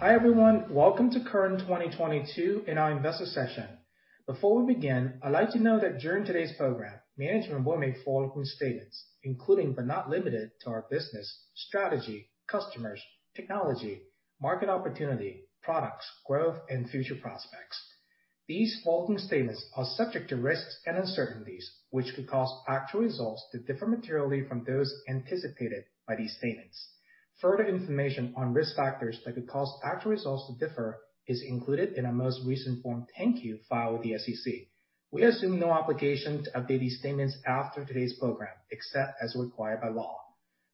Hi, everyone. Welcome to Current 2022 in our Investor Session. Before we begin, I'd like to note that during today's program, management will make forward-looking statements, including but not limited to our business, strategy, customers, technology, market opportunity, products, growth, and future prospects. These forward-looking statements are subject to risks and uncertainties, which could cause actual results to differ materially from those anticipated by these statements. Further information on risk factors that could cause actual results to differ is included in our most recent Form 10-Q filed with the SEC. We assume no obligation to update these statements after today's program, except as required by law.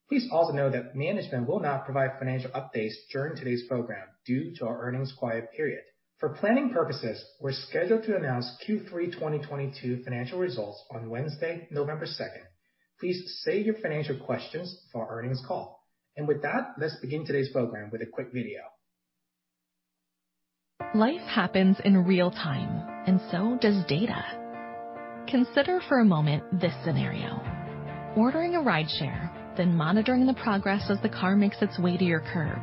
Please also know that management will not provide financial updates during today's program due to our earnings quiet period. For planning purposes, we're scheduled to announce Q3 2022 financial results on Wednesday, 2 November. Please save your financial questions for our earnings call. With that, let's begin today's program with a quick video. Life happens in real time, and so does data. Consider for a moment this scenario. Ordering a rideshare, then monitoring the progress as the car makes its way to your curb.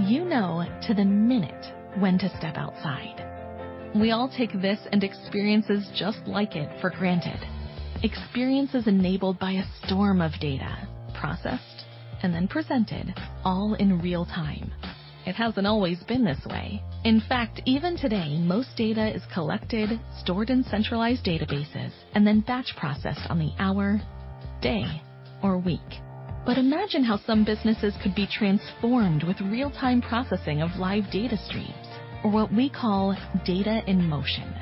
You know to the minute when to step outside. We all take these experiences just like it for granted. Experiences enabled by a storm of data, processed and then presented all in real time. It hasn't always been this way. In fact, even today, most data is collected, stored in centralized databases, and then batch processed on the hour, day, or week. Imagine how some businesses could be transformed with real-time processing of live data streams or what we call data in motion.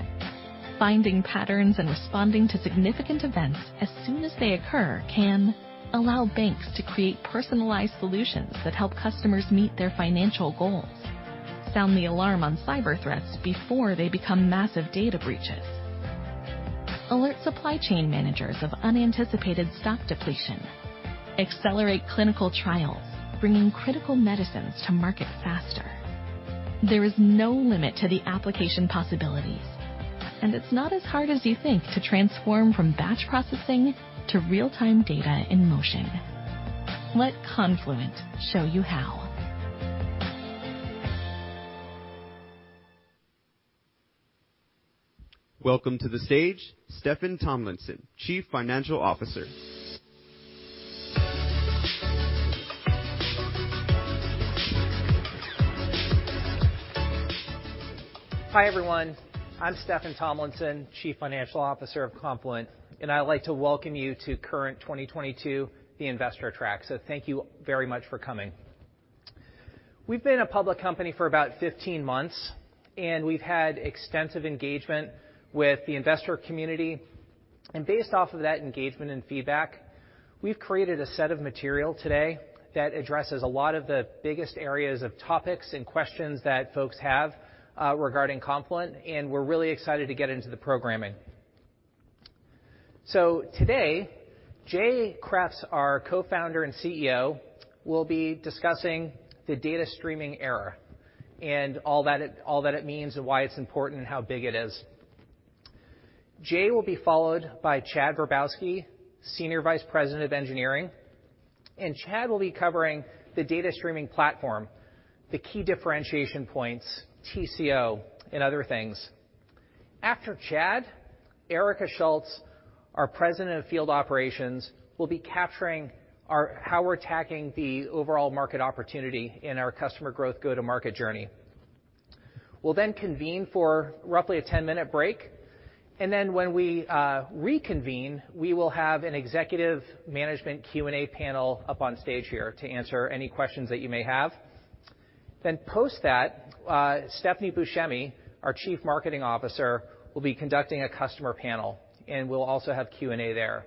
Finding patterns and responding to significant events as soon as they occur can allow banks to create personalized solutions that help customers meet their financial goals. Sound the alarm on cyber threats before they become massive data breaches. Alert supply chain managers of unanticipated stock depletion. Accelerate clinical trials, bringing critical medicines to market faster. There is no limit to the application possibilities, and it's not as hard as you think to transform from batch processing to real-time data in motion. Let Confluent show you how. Welcome to the stage Steffan Tomlinson, Chief Financial Officer. Hi, everyone. I'm Steffan Tomlinson, Chief Financial Officer of Confluent, and I'd like to welcome you to Current 2022, the Investor Track. Thank you very much for coming. We've been a public company for about 15 months, and we've had extensive engagement with the investor community. Based off of that engagement and feedback, we've created a set of material today that addresses a lot of the biggest areas of topics and questions that folks have regarding Confluent, and we're really excited to get into the programming. Today, Jay Kreps, our co-founder and CEO, will be discussing the data streaming era and all that it means and why it's important and how big it is. Jay will be followed by Chad Verbowski, Senior Vice President of Engineering, and Chad will be covering the data streaming platform, the key differentiation points, TCO, and other things. After Chad, Erica Schultz, our President of Field Operations, will be capturing how we're attacking the overall market opportunity in our customer growth go-to-market journey. We'll convene for roughly a 10-minute break, and when we reconvene, we will have an executive management Q&A panel up on stage here to answer any questions that you may have. Post that, Stephanie Buscemi, our Chief Marketing Officer, will be conducting a customer panel, and we'll also have Q&A there.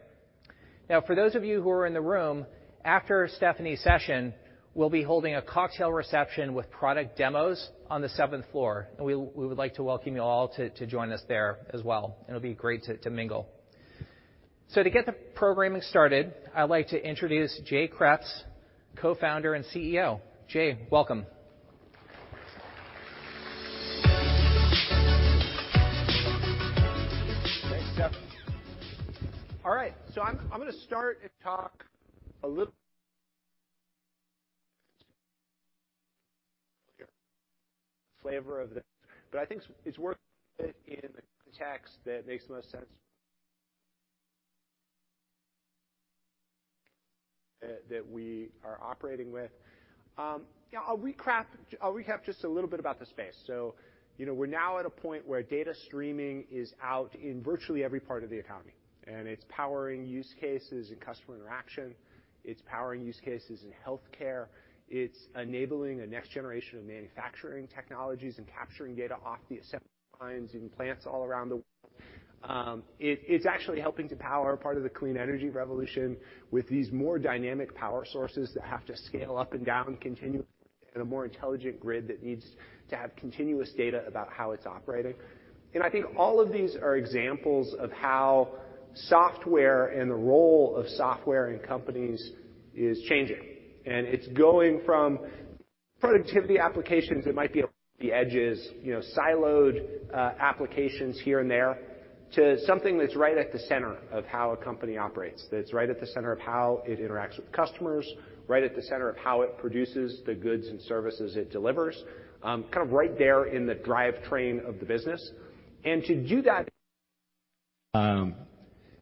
For those of you who are in the room, after Stephanie's session, we'll be holding a cocktail reception with product demos on the seventh floor. We would like to welcome you all to join us there as well. It'll be great to mingle. To get the programming started, I'd like to introduce Jay Kreps, Co-founder and CEO. Jay, welcome. Thanks, Steffan. All right, I think it's worth it in the context that makes the most sense that we are operating with. Yeah, I'll recap just a little bit about the space. You know, we're now at a point where data streaming is out in virtually every part of the economy, and it's powering use cases in customer interaction. It's powering use cases in healthcare. It's enabling a next generation of manufacturing technologies and capturing data off the assembly lines in plants all around the world. It's actually helping to power part of the clean energy revolution with these more dynamic power sources that have to scale up and down continuously in a more intelligent grid that needs to have continuous data about how it's operating. I think all of these are examples of how software and the role of software in companies is changing. It's going from productivity applications that might be on the edges, you know, siloed applications here and there to something that's right at the center of how a company operates, that's right at the center of how it interacts with customers, right at the center of how it produces the goods and services it delivers, kind of right there in the drivetrain of the business.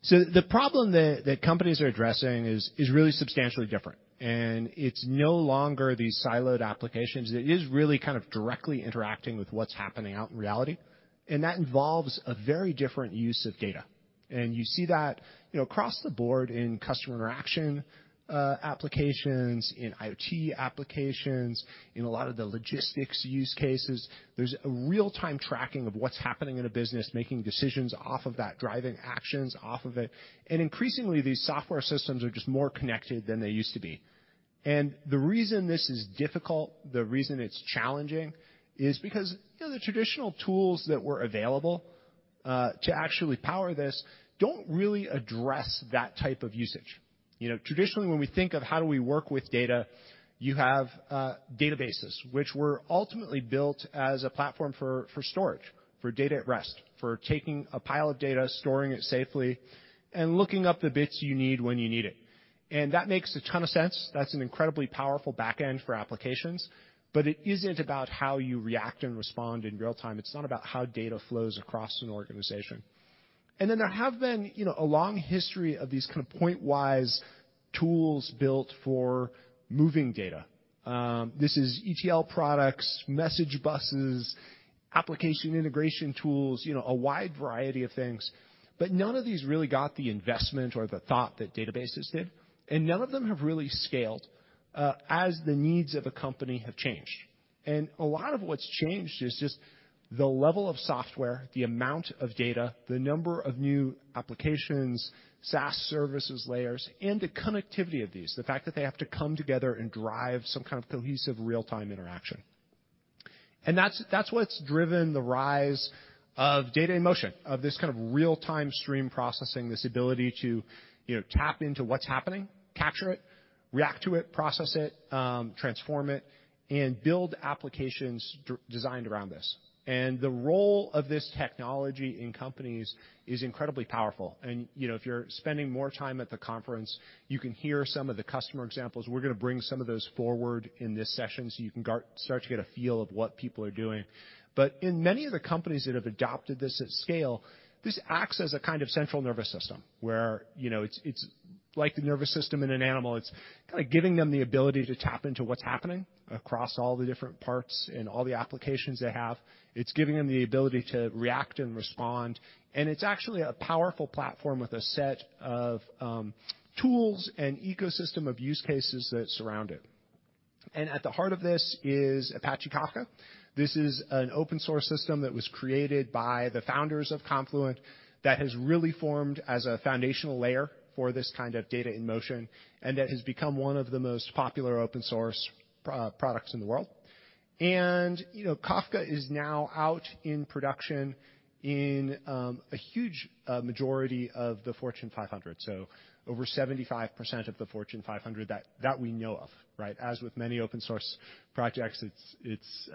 The problem that companies are addressing is really substantially different. It's no longer these siloed applications. It is really kind of directly interacting with what's happening out in reality, and that involves a very different use of data. You see that, you know, across the board in customer interaction applications, in IoT applications, in a lot of the logistics use cases. There's a real-time tracking of what's happening in a business, making decisions off of that, driving actions off of it. Increasingly, these software systems are just more connected than they used to be. The reason this is difficult, the reason it's challenging, is because, you know, the traditional tools that were available to actually power this don't really address that type of usage. You know, traditionally, when we think of how do we work with data, you have databases which were ultimately built as a platform for storage, for data at rest, for taking a pile of data, storing it safely, and looking up the bits you need when you need it. That makes a ton of sense. That's an incredibly powerful backend for applications. It isn't about how you react and respond in real-time. It's not about how data flows across an organization. There have been, you know, a long history of these kind of point-wise tools built for moving data. This is ETL products, message buses, application integration tools, you know, a wide variety of things. None of these really got the investment or the thought that databases did, and none of them have really scaled as the needs of a company have changed. A lot of what's changed is just the level of software, the amount of data, the number of new applications, SaaS services layers, and the connectivity of these, the fact that they have to come together and drive some kind of cohesive real-time interaction. That's what's driven the rise of data in motion, of this kind of real-time stream processing, this ability to, you know, tap into what's happening, capture it, react to it, process it, transform it, and build applications designed around this. The role of this technology in companies is incredibly powerful. You know, if you're spending more time at the conference, you can hear some of the customer examples. We're gonna bring some of those forward in this session so you can start to get a feel of what people are doing. In many of the companies that have adopted this at scale, this acts as a kind of central nervous system, where, you know, it's like the nervous system in an animal. It's kinda giving them the ability to tap into what's happening across all the different parts and all the applications they have. It's giving them the ability to react and respond. It's actually a powerful platform with a set of tools and ecosystem of use cases that surround it. At the heart of this is Apache Kafka. This is an open source system that was created by the founders of Confluent that has really formed as a foundational layer for this kind of data in motion, and that has become one of the most popular open source products in the world. You know, Kafka is now out in production in a huge majority of the Fortune 500, so over 75% of the Fortune 500 that we know of, right? As with many open source projects, it's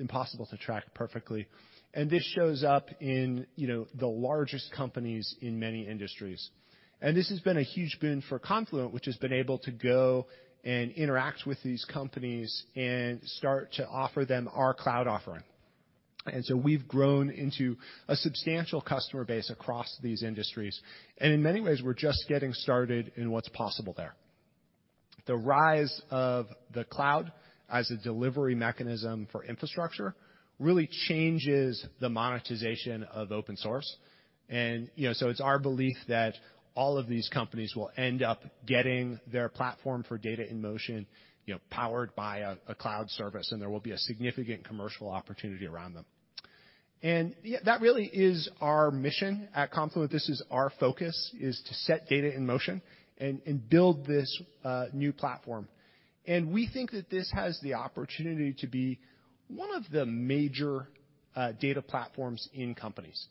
impossible to track perfectly. This shows up in, you know, the largest companies in many industries. This has been a huge boon for Confluent, which has been able to go and interact with these companies and start to offer them our cloud offering. We've grown into a substantial customer base across these industries, and in many ways, we're just getting started in what's possible there. The rise of the cloud as a delivery mechanism for infrastructure really changes the monetization of open source. It's our belief that all of these companies will end up getting their platform for data in motion, you know, powered by a cloud service, and there will be a significant commercial opportunity around them. That really is our mission at Confluent. This is our focus, is to set data in motion and build this new platform. We think that this has the opportunity to be one of the major data platforms in companies.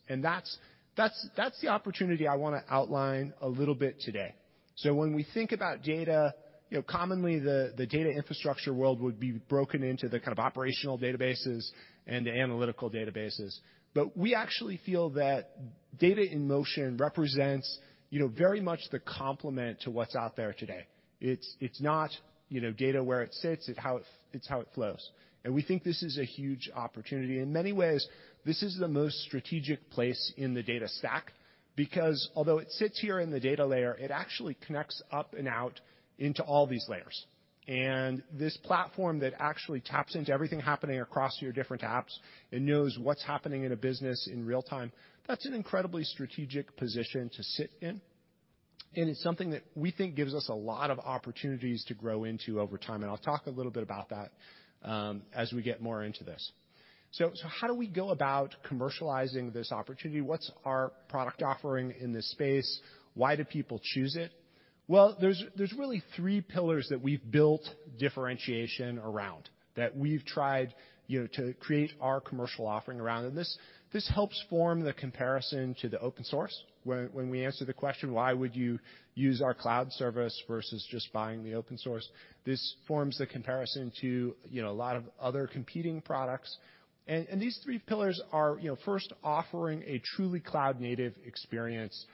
That's the opportunity I wanna outline a little bit today. When we think about data, you know, commonly, the data infrastructure world would be broken into the kind of operational databases and the analytical databases. We actually feel that data in motion represents, you know, very much the complement to what's out there today. It's not, you know, data where it sits. It's how it flows. We think this is a huge opportunity. In many ways, this is the most strategic place in the data stack because although it sits here in the data layer, it actually connects up and out into all these layers. This platform that actually taps into everything happening across your different apps and knows what's happening in a business in real time, that's an incredibly strategic position to sit in, and it's something that we think gives us a lot of opportunities to grow into over time, and I'll talk a little bit about that, as we get more into this. How do we go about commercializing this opportunity? What's our product offering in this space? Why do people choose it? Well, there's really three pillars that we've built differentiation around, that we've tried, you know, to create our commercial offering around. This helps form the comparison to the open source. When we answer the question, why would you use our cloud service versus just buying the open source? This forms the comparison to, you know, a lot of other competing products. These three pillars are, you know, first offering a truly cloud-native experience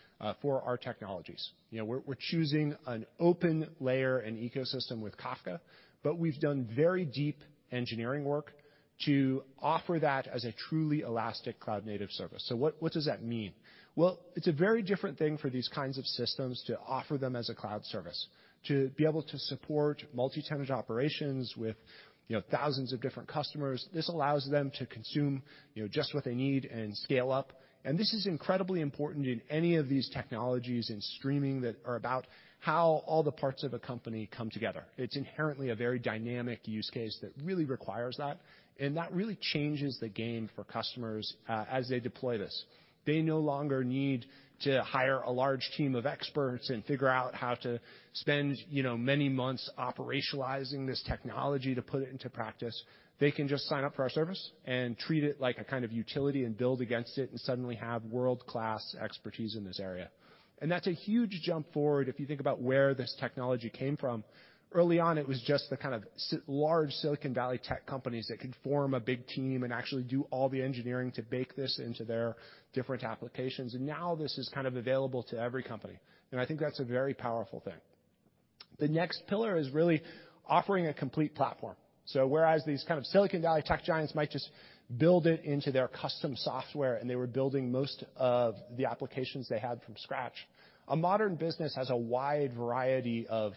for our technologies. You know, we're choosing an open layer and ecosystem with Kafka, but we've done very deep engineering work to offer that as a truly elastic cloud-native service. What does that mean? Well, it's a very different thing for these kinds of systems to offer them as a cloud service, to be able to support multi-tenant operations with, you know, thousands of different customers. This allows them to consume, you know, just what they need and scale up. This is incredibly important in any of these technologies in streaming that are about how all the parts of a company come together. It's inherently a very dynamic use case that really requires that, and that really changes the game for customers as they deploy this. They no longer need to hire a large team of experts and figure out how to spend, you know, many months operationalizing this technology to put it into practice. They can just sign up for our service and treat it like a kind of utility and build against it, and suddenly have world-class expertise in this area. That's a huge jump forward if you think about where this technology came from. Early on, it was just the kind of large Silicon Valley tech companies that could form a big team and actually do all the engineering to bake this into their different applications. Now this is kind of available to every company. I think that's a very powerful thing. The next pillar is really offering a complete platform. Whereas these kind of Silicon Valley tech giants might just build it into their custom software, and they were building most of the applications they had from scratch, a modern business has a wide variety of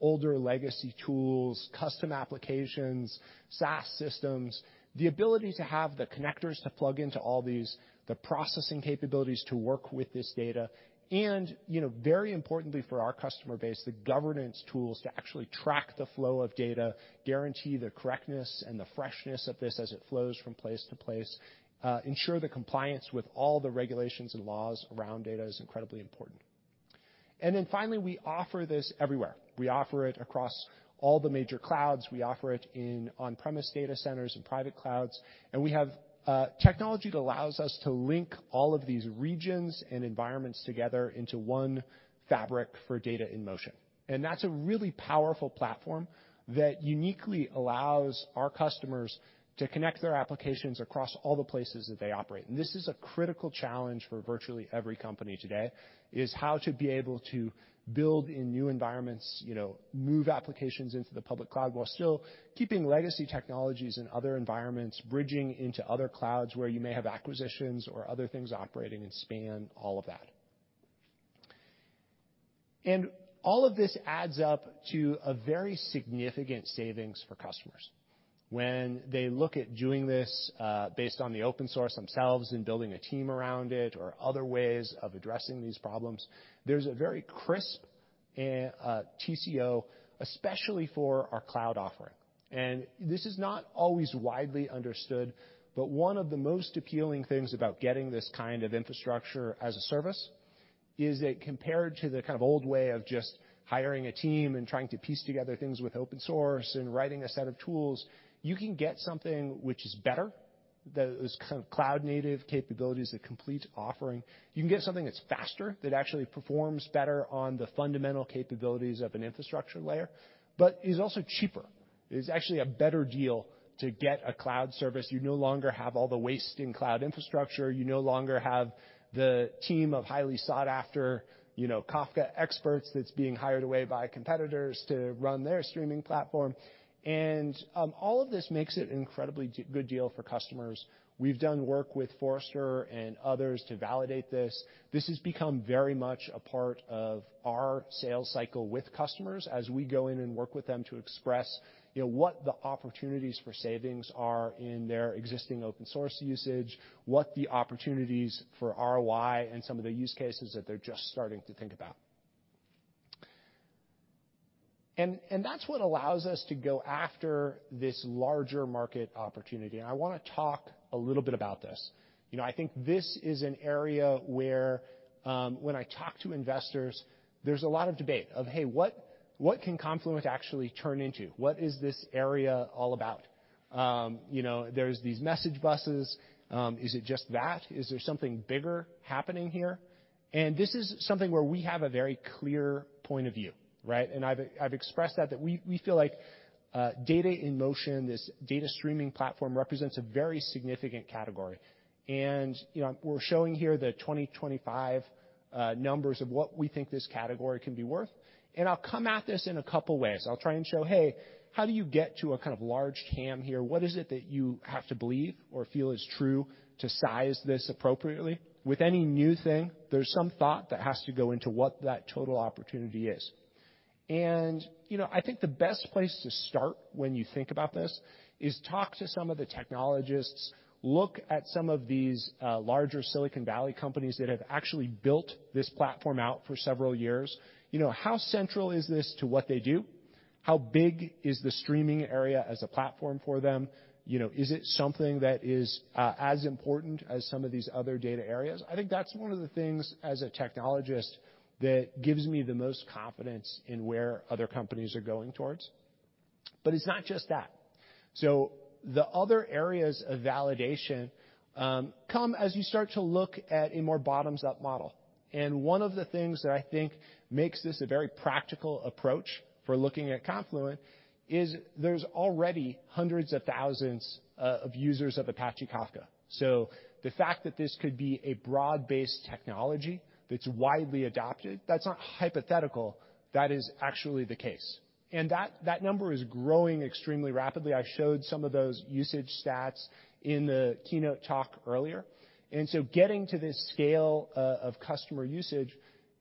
older legacy tools, custom applications, SaaS systems. The ability to have the connectors to plug into all these, the processing capabilities to work with this data, and, you know, very importantly for our customer base, the governance tools to actually track the flow of data, guarantee the correctness and the freshness of this as it flows from place to place, ensure the compliance with all the regulations and laws around data is incredibly important. Finally, we offer this everywhere. We offer it across all the major clouds. We offer it in on-premises data centers and private clouds. We have technology that allows us to link all of these regions and environments together into one fabric for data in motion. That's a really powerful platform that uniquely allows our customers to connect their applications across all the places that they operate. This is a critical challenge for virtually every company today, is how to be able to build in new environments, you know, move applications into the public cloud while still keeping legacy technologies in other environments, bridging into other clouds where you may have acquisitions or other things operating in span, all of that. All of this adds up to a very significant savings for customers. When they look at doing this, based on the open source themselves and building a team around it or other ways of addressing these problems, there's a very crisp TCO, especially for our cloud offering. This is not always widely understood, but one of the most appealing things about getting this kind of infrastructure as a service is that compared to the kind of old way of just hiring a team and trying to piece together things with open source and writing a set of tools, you can get something which is better, those kind of cloud-native capabilities, the complete offering. You can get something that's faster, that actually performs better on the fundamental capabilities of an infrastructure layer, but is also cheaper. It is actually a better deal to get a cloud service. You no longer have all the waste in cloud infrastructure. You no longer have the team of highly sought after, you know, Kafka experts that's being hired away by competitors to run their streaming platform. All of this makes it an incredibly good deal for customers. We've done work with Forrester and others to validate this. This has become very much a part of our sales cycle with customers as we go in and work with them to express, you know, what the opportunities for savings are in their existing open source usage, what the opportunities for ROI and some of the use cases that they're just starting to think about. That's what allows us to go after this larger market opportunity. I wanna talk a little bit about this. You know, I think this is an area where, when I talk to investors, there's a lot of debate of, "Hey, what can Confluent actually turn into? What is this area all about?" You know, there's these message buses. Is it just that? Is there something bigger happening here? This is something where we have a very clear point of view, right? I've expressed that we feel like data in motion, this data streaming platform represents a very significant category. You know, we're showing here the 2025 numbers of what we think this category can be worth. I'll come at this in a couple ways. I'll try and show, hey, how do you get to a kind of large TAM here? What is it that you have to believe or feel is true to size this appropriately? With any new thing, there's some thought that has to go into what that total opportunity is. You know, I think the best place to start when you think about this is talk to some of the technologists, look at some of these, larger Silicon Valley companies that have actually built this platform out for several years. You know, how central is this to what they do? How big is the streaming area as a platform for them? You know, is it something that is, as important as some of these other data areas? I think that's one of the things as a technologist that gives me the most confidence in where other companies are going towards. It's not just that. The other areas of validation come as you start to look at a more bottoms-up model. One of the things that I think makes this a very practical approach for looking at Confluent is there's already hundreds of thousands of users of Apache Kafka. The fact that this could be a broad-based technology that's widely adopted, that's not hypothetical, that is actually the case. That number is growing extremely rapidly. I showed some of those usage stats in the keynote talk earlier. Getting to this scale of customer usage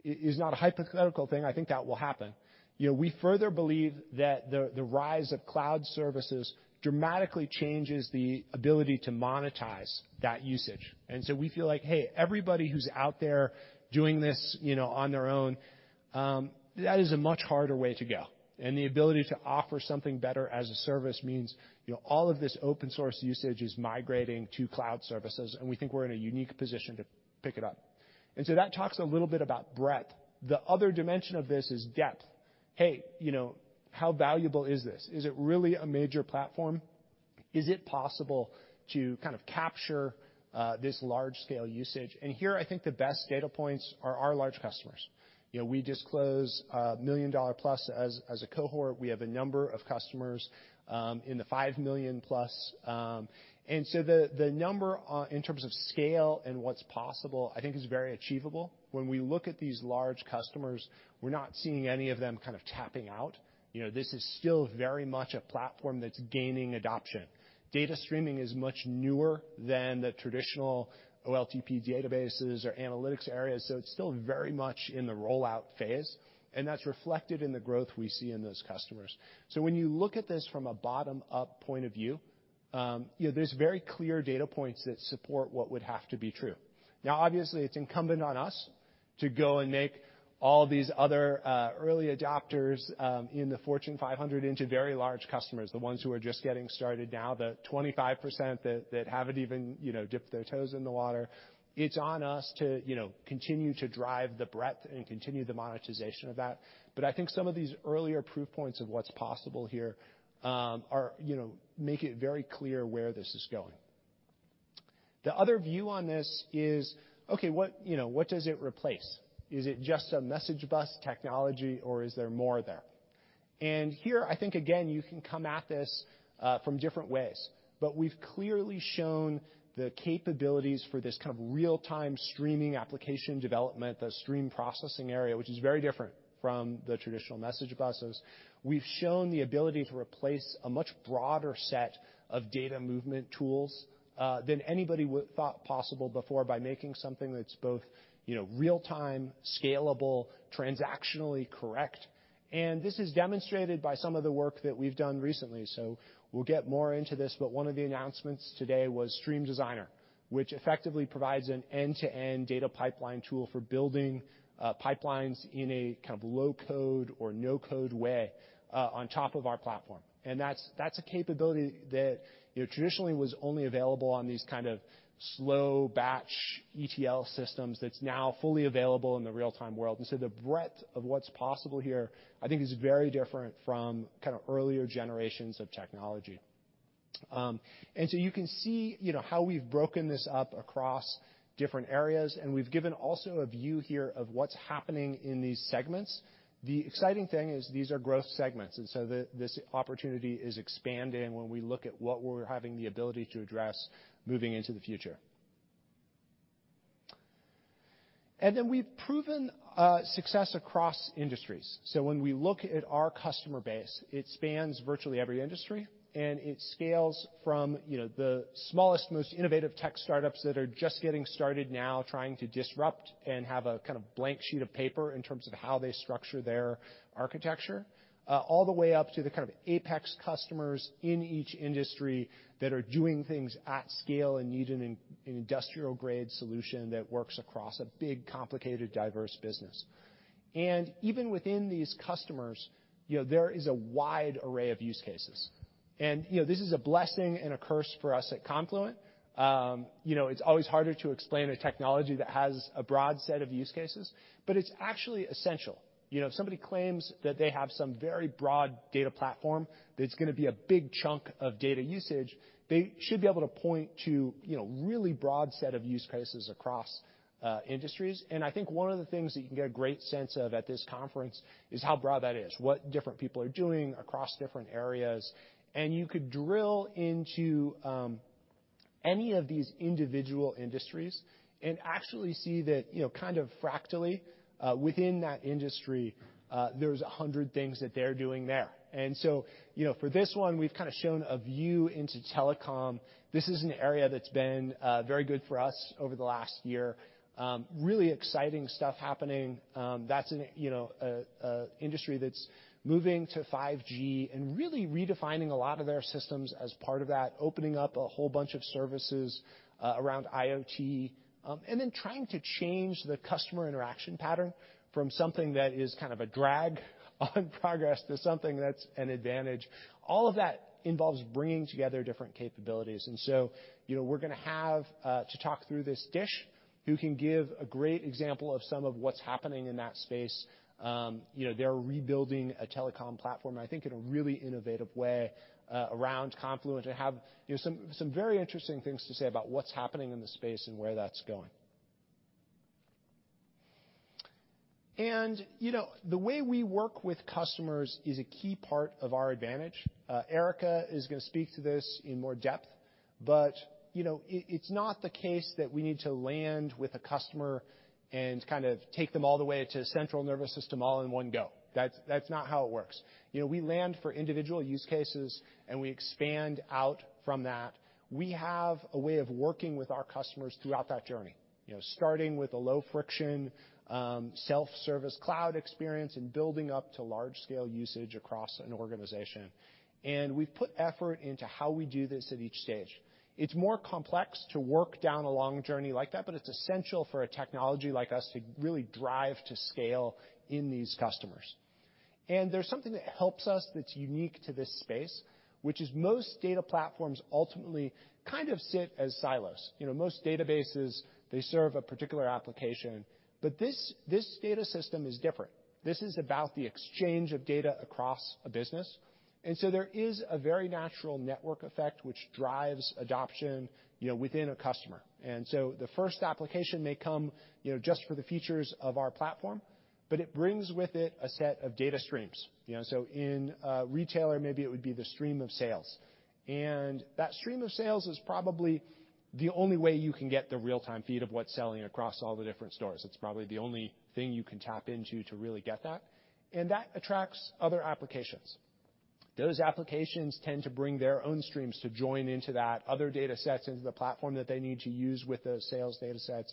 is not a hypothetical thing. I think that will happen. We further believe that the rise of cloud services dramatically changes the ability to monetize that usage. We feel like, hey, everybody who's out there doing this on their own, that is a much harder way to go. The ability to offer something better as a service means, you know, all of this open source usage is migrating to cloud services, and we think we're in a unique position to pick it up. That talks a little bit about breadth. The other dimension of this is depth. Hey, you know, how valuable is this? Is it really a major platform? Is it possible to kind of capture this large scale usage? Here I think the best data points are our large customers. You know, we disclose $1 million plus as a cohort. We have a number of customers in the $5 million plus. The number in terms of scale and what's possible, I think is very achievable. When we look at these large customers, we're not seeing any of them kind of tapping out. You know, this is still very much a platform that's gaining adoption. Data streaming is much newer than the traditional OLTP databases or analytics areas, so it's still very much in the rollout phase, and that's reflected in the growth we see in those customers. When you look at this from a bottom up point of view, you know, there's very clear data points that support what would have to be true. Now obviously, it's incumbent on us to go and make all these other, early adopters, in the Fortune 500 into very large customers, the ones who are just getting started now, the 25% that haven't even, you know, dipped their toes in the water. It's on us to, you know, continue to drive the breadth and continue the monetization of that. I think some of these earlier proof points of what's possible here, are, you know, make it very clear where this is going. The other view on this is, okay, what, you know, what does it replace? Is it just a message bus technology, or is there more there? Here I think again you can come at this, from different ways. We've clearly shown the capabilities for this kind of real-time streaming application development, the stream processing area, which is very different from the traditional message buses. We've shown the ability to replace a much broader set of data movement tools, than anybody would thought possible before by making something that's both, you know, real time, scalable, transactionally correct, and this is demonstrated by some of the work that we've done recently. We'll get more into this, but one of the announcements today was Stream Designer, which effectively provides an end-to-end data pipeline tool for building pipelines in a kind of low code or no code way on top of our platform. That's a capability that, you know, traditionally was only available on these kind of slow batch ETL systems that's now fully available in the real-time world. The breadth of what's possible here, I think is very different from kind of earlier generations of technology. You can see, you know, how we've broken this up across different areas, and we've given also a view here of what's happening in these segments. The exciting thing is these are growth segments. This opportunity is expanding when we look at what we're having the ability to address moving into the future. We've proven success across industries. When we look at our customer base, it spans virtually every industry, and it scales from, you know, the smallest, most innovative tech startups that are just getting started now trying to disrupt and have a kind of blank sheet of paper in terms of how they structure their architecture, all the way up to the kind of apex customers in each industry that are doing things at scale and need an industrial grade solution that works across a big, complicated, diverse business. Even within these customers, you know, there is a wide array of use cases. You know, this is a blessing and a curse for us at Confluent. It's always harder to explain a technology that has a broad set of use cases, but it's actually essential. You know, if somebody claims that they have some very broad data platform that's gonna be a big chunk of data usage, they should be able to point to, you know, really broad set of use cases across industries. I think one of the things that you can get a great sense of at this conference is how broad that is, what different people are doing across different areas. You could drill into any of these individual industries and actually see that, you know, kind of fractally, within that industry, there's 100 things that they're doing there. You know, for this one, we've kinda shown a view into telecom. This is an area that's been very good for us over the last year. Really exciting stuff happening. That's an industry that's moving to 5G and really redefining a lot of their systems as part of that, opening up a whole bunch of services around IoT, and then trying to change the customer interaction pattern from something that is kind of a drag on progress to something that's an advantage. All of that involves bringing together different capabilities. You know, we're gonna have to talk through this DISH who can give a great example of some of what's happening in that space. You know, they're rebuilding a telecom platform, I think in a really innovative way, around Confluent, and have some very interesting things to say about what's happening in the space and where that's going. You know, the way we work with customers is a key part of our advantage. Erica is gonna speak to this in more depth, but, you know, it's not the case that we need to land with a customer and kind of take them all the way to central nervous system all in one go. That's not how it works. You know, we land for individual use cases, and we expand out from that. We have a way of working with our customers throughout that journey. You know, starting with a low friction, self-service cloud experience and building up to large scale usage across an organization. We've put effort into how we do this at each stage. It's more complex to work down a long journey like that, but it's essential for a technology like us to really drive to scale in these customers. There's something that helps us that's unique to this space, which is most data platforms ultimately kind of sit as silos. You know, most databases, they serve a particular application. This data system is different. This is about the exchange of data across a business. There is a very natural network effect which drives adoption, you know, within a customer. The first application may come, you know, just for the features of our platform, but it brings with it a set of data streams. You know, in a retailer, maybe it would be the stream of sales. That stream of sales is probably the only way you can get the real-time feed of what's selling across all the different stores. It's probably the only thing you can tap into to really get that, and that attracts other applications. Those applications tend to bring their own streams to join into that, other data sets into the platform that they need to use with those sales data sets.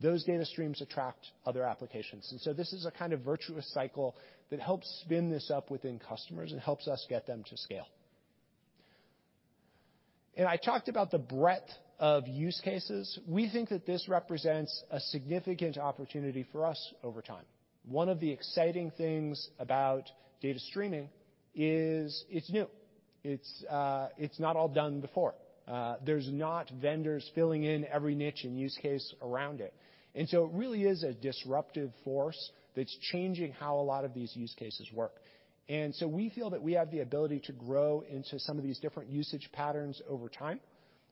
Those data streams attract other applications. This is a kind of virtuous cycle that helps spin this up within customers and helps us get them to scale. I talked about the breadth of use cases. We think that this represents a significant opportunity for us over time. One of the exciting things about data streaming is it's new. It's not all done before. There's not vendors filling in every niche and use case around it. It really is a disruptive force that's changing how a lot of these use cases work. We feel that we have the ability to grow into some of these different usage patterns over time.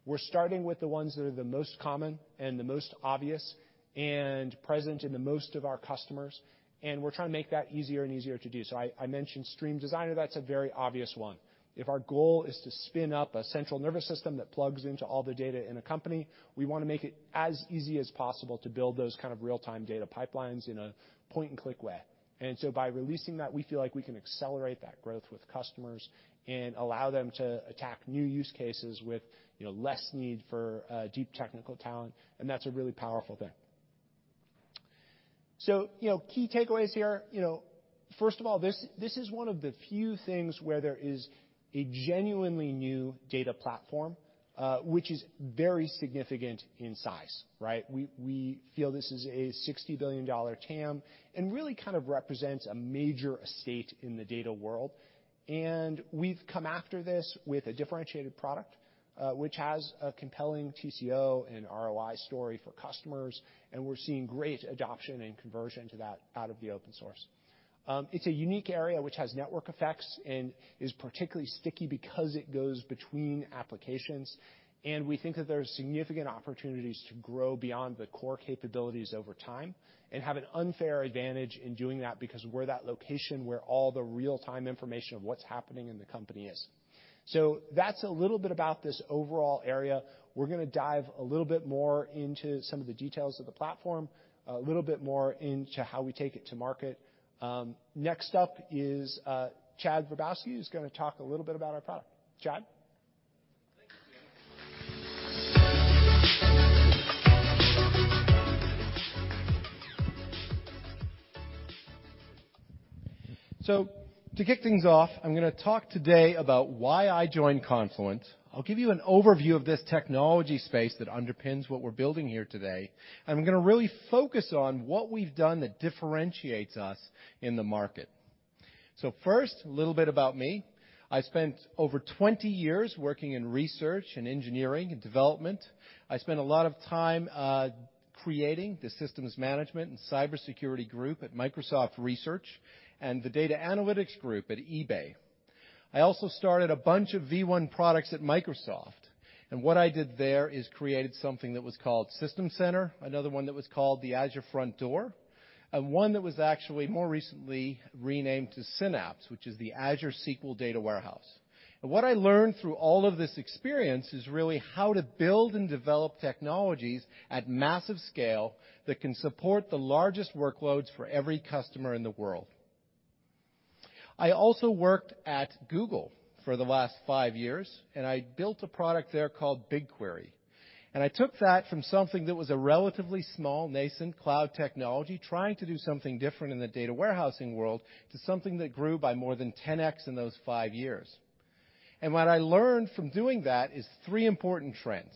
We're starting with the ones that are the most common and the most obvious and present in the most of our customers, and we're trying to make that easier and easier to do. I mentioned Stream Designer, that's a very obvious one. If our goal is to spin up a central nervous system that plugs into all the data in a company, we wanna make it as easy as possible to build those kind of real-time data pipelines in a point-and-click way. By releasing that, we feel like we can accelerate that growth with customers and allow them to attack new use cases with, you know, less need for deep technical talent, and that's a really powerful thing. You know, key takeaways here. You know, first of all, this is one of the few things where there is a genuinely new data platform, which is very significant in size, right? We feel this is a $60 billion TAM, and really kind of represents a major estate in the data world. We've come after this with a differentiated product, which has a compelling TCO and ROI story for customers, and we're seeing great adoption and conversion to that out of the open source. It's a unique area which has network effects and is particularly sticky because it goes between applications, and we think that there are significant opportunities to grow beyond the core capabilities over time and have an unfair advantage in doing that because we're that location where all the real-time information of what's happening in the company is. That's a little bit about this overall area. We're gonna dive a little bit more into some of the details of the platform, a little bit more into how we take it to market. Next up is Chad Verbowski, who's gonna talk a little bit about our product. Chad? Thank you. [inaudible] To kick things off, I'm gonna talk today about why I joined Confluent. I'll give you an overview of this technology space that underpins what we're building here today. I'm gonna really focus on what we've done that differentiates us in the market. First, a little bit about me. I spent over 20 years working in research and engineering and development. I spent a lot of time, creating the systems management and cybersecurity group at Microsoft Research and the data analytics group at eBay. I also started a bunch of V1 products at Microsoft, and what I did there is created something that was called System Center, another one that was called the Azure Front Door, and one that was actually more recently renamed to Synapse, which is the Azure SQL Data Warehouse. What I learned through all of this experience is really how to build and develop technologies at massive scale that can support the largest workloads for every customer in the world. I also worked at Google for the last five years, and I built a product there called BigQuery, and I took that from something that was a relatively small, nascent cloud technology trying to do something different in the data warehousing world, to something that grew by more than 10x in those five years. What I learned from doing that is three important trends.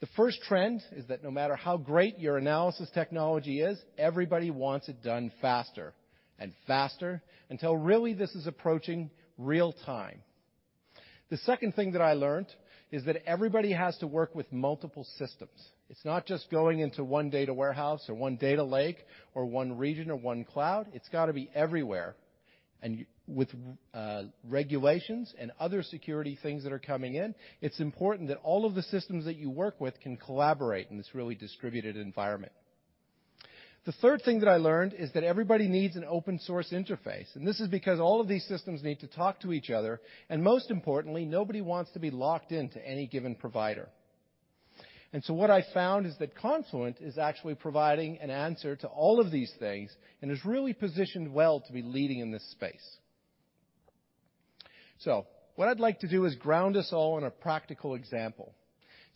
The first trend is that no matter how great your analysis technology is, everybody wants it done faster and faster until really this is approaching real time. The second thing that I learned is that everybody has to work with multiple systems. It's not just going into one data warehouse or one data lake or one region or one cloud. It's gotta be everywhere. With regulations and other security things that are coming in, it's important that all of the systems that you work with can collaborate in this really distributed environment. The third thing that I learned is that everybody needs an open source interface, and this is because all of these systems need to talk to each other, and most importantly, nobody wants to be locked in to any given provider. What I found is that Confluent is actually providing an answer to all of these things and is really positioned well to be leading in this space. What I'd like to do is ground us all in a practical example.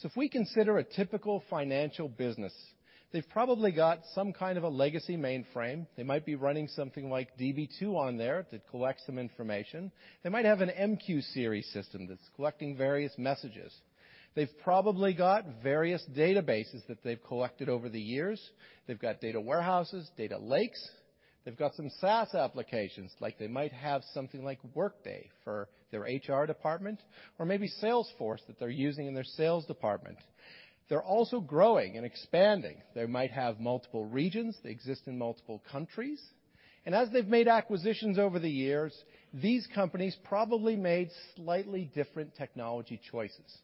If we consider a typical financial business, they've probably got some kind of a legacy mainframe. They might be running something like Db2 on there that collects some information. They might have an MQSeries system that's collecting various messages. They've probably got various databases that they've collected over the years. They've got data warehouses, data lakes. They've got some SaaS applications, like they might have something like Workday for their HR department or maybe Salesforce that they're using in their sales department. They're also growing and expanding. They might have multiple regions. They exist in multiple countries. As they've made acquisitions over the years, these companies probably made slightly different technology choices.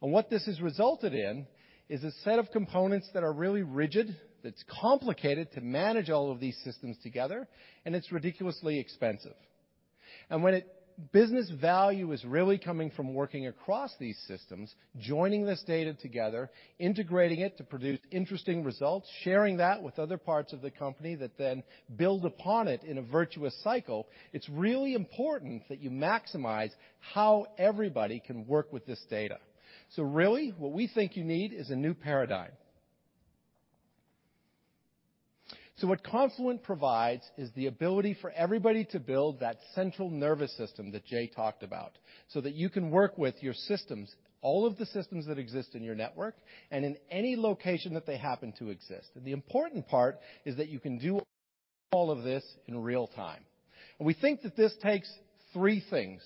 What this has resulted in is a set of components that are really rigid, that's complicated to manage all of these systems together, and it's ridiculously expensive. Business value is really coming from working across these systems, joining this data together, integrating it to produce interesting results, sharing that with other parts of the company that then build upon it in a virtuous cycle. It's really important that you maximize how everybody can work with this data. Really what we think you need is a new paradigm. What Confluent provides is the ability for everybody to build that central nervous system that Jay talked about, so that you can work with your systems, all of the systems that exist in your network, and in any location that they happen to exist. The important part is that you can do all of this in real time. We think that this takes three things.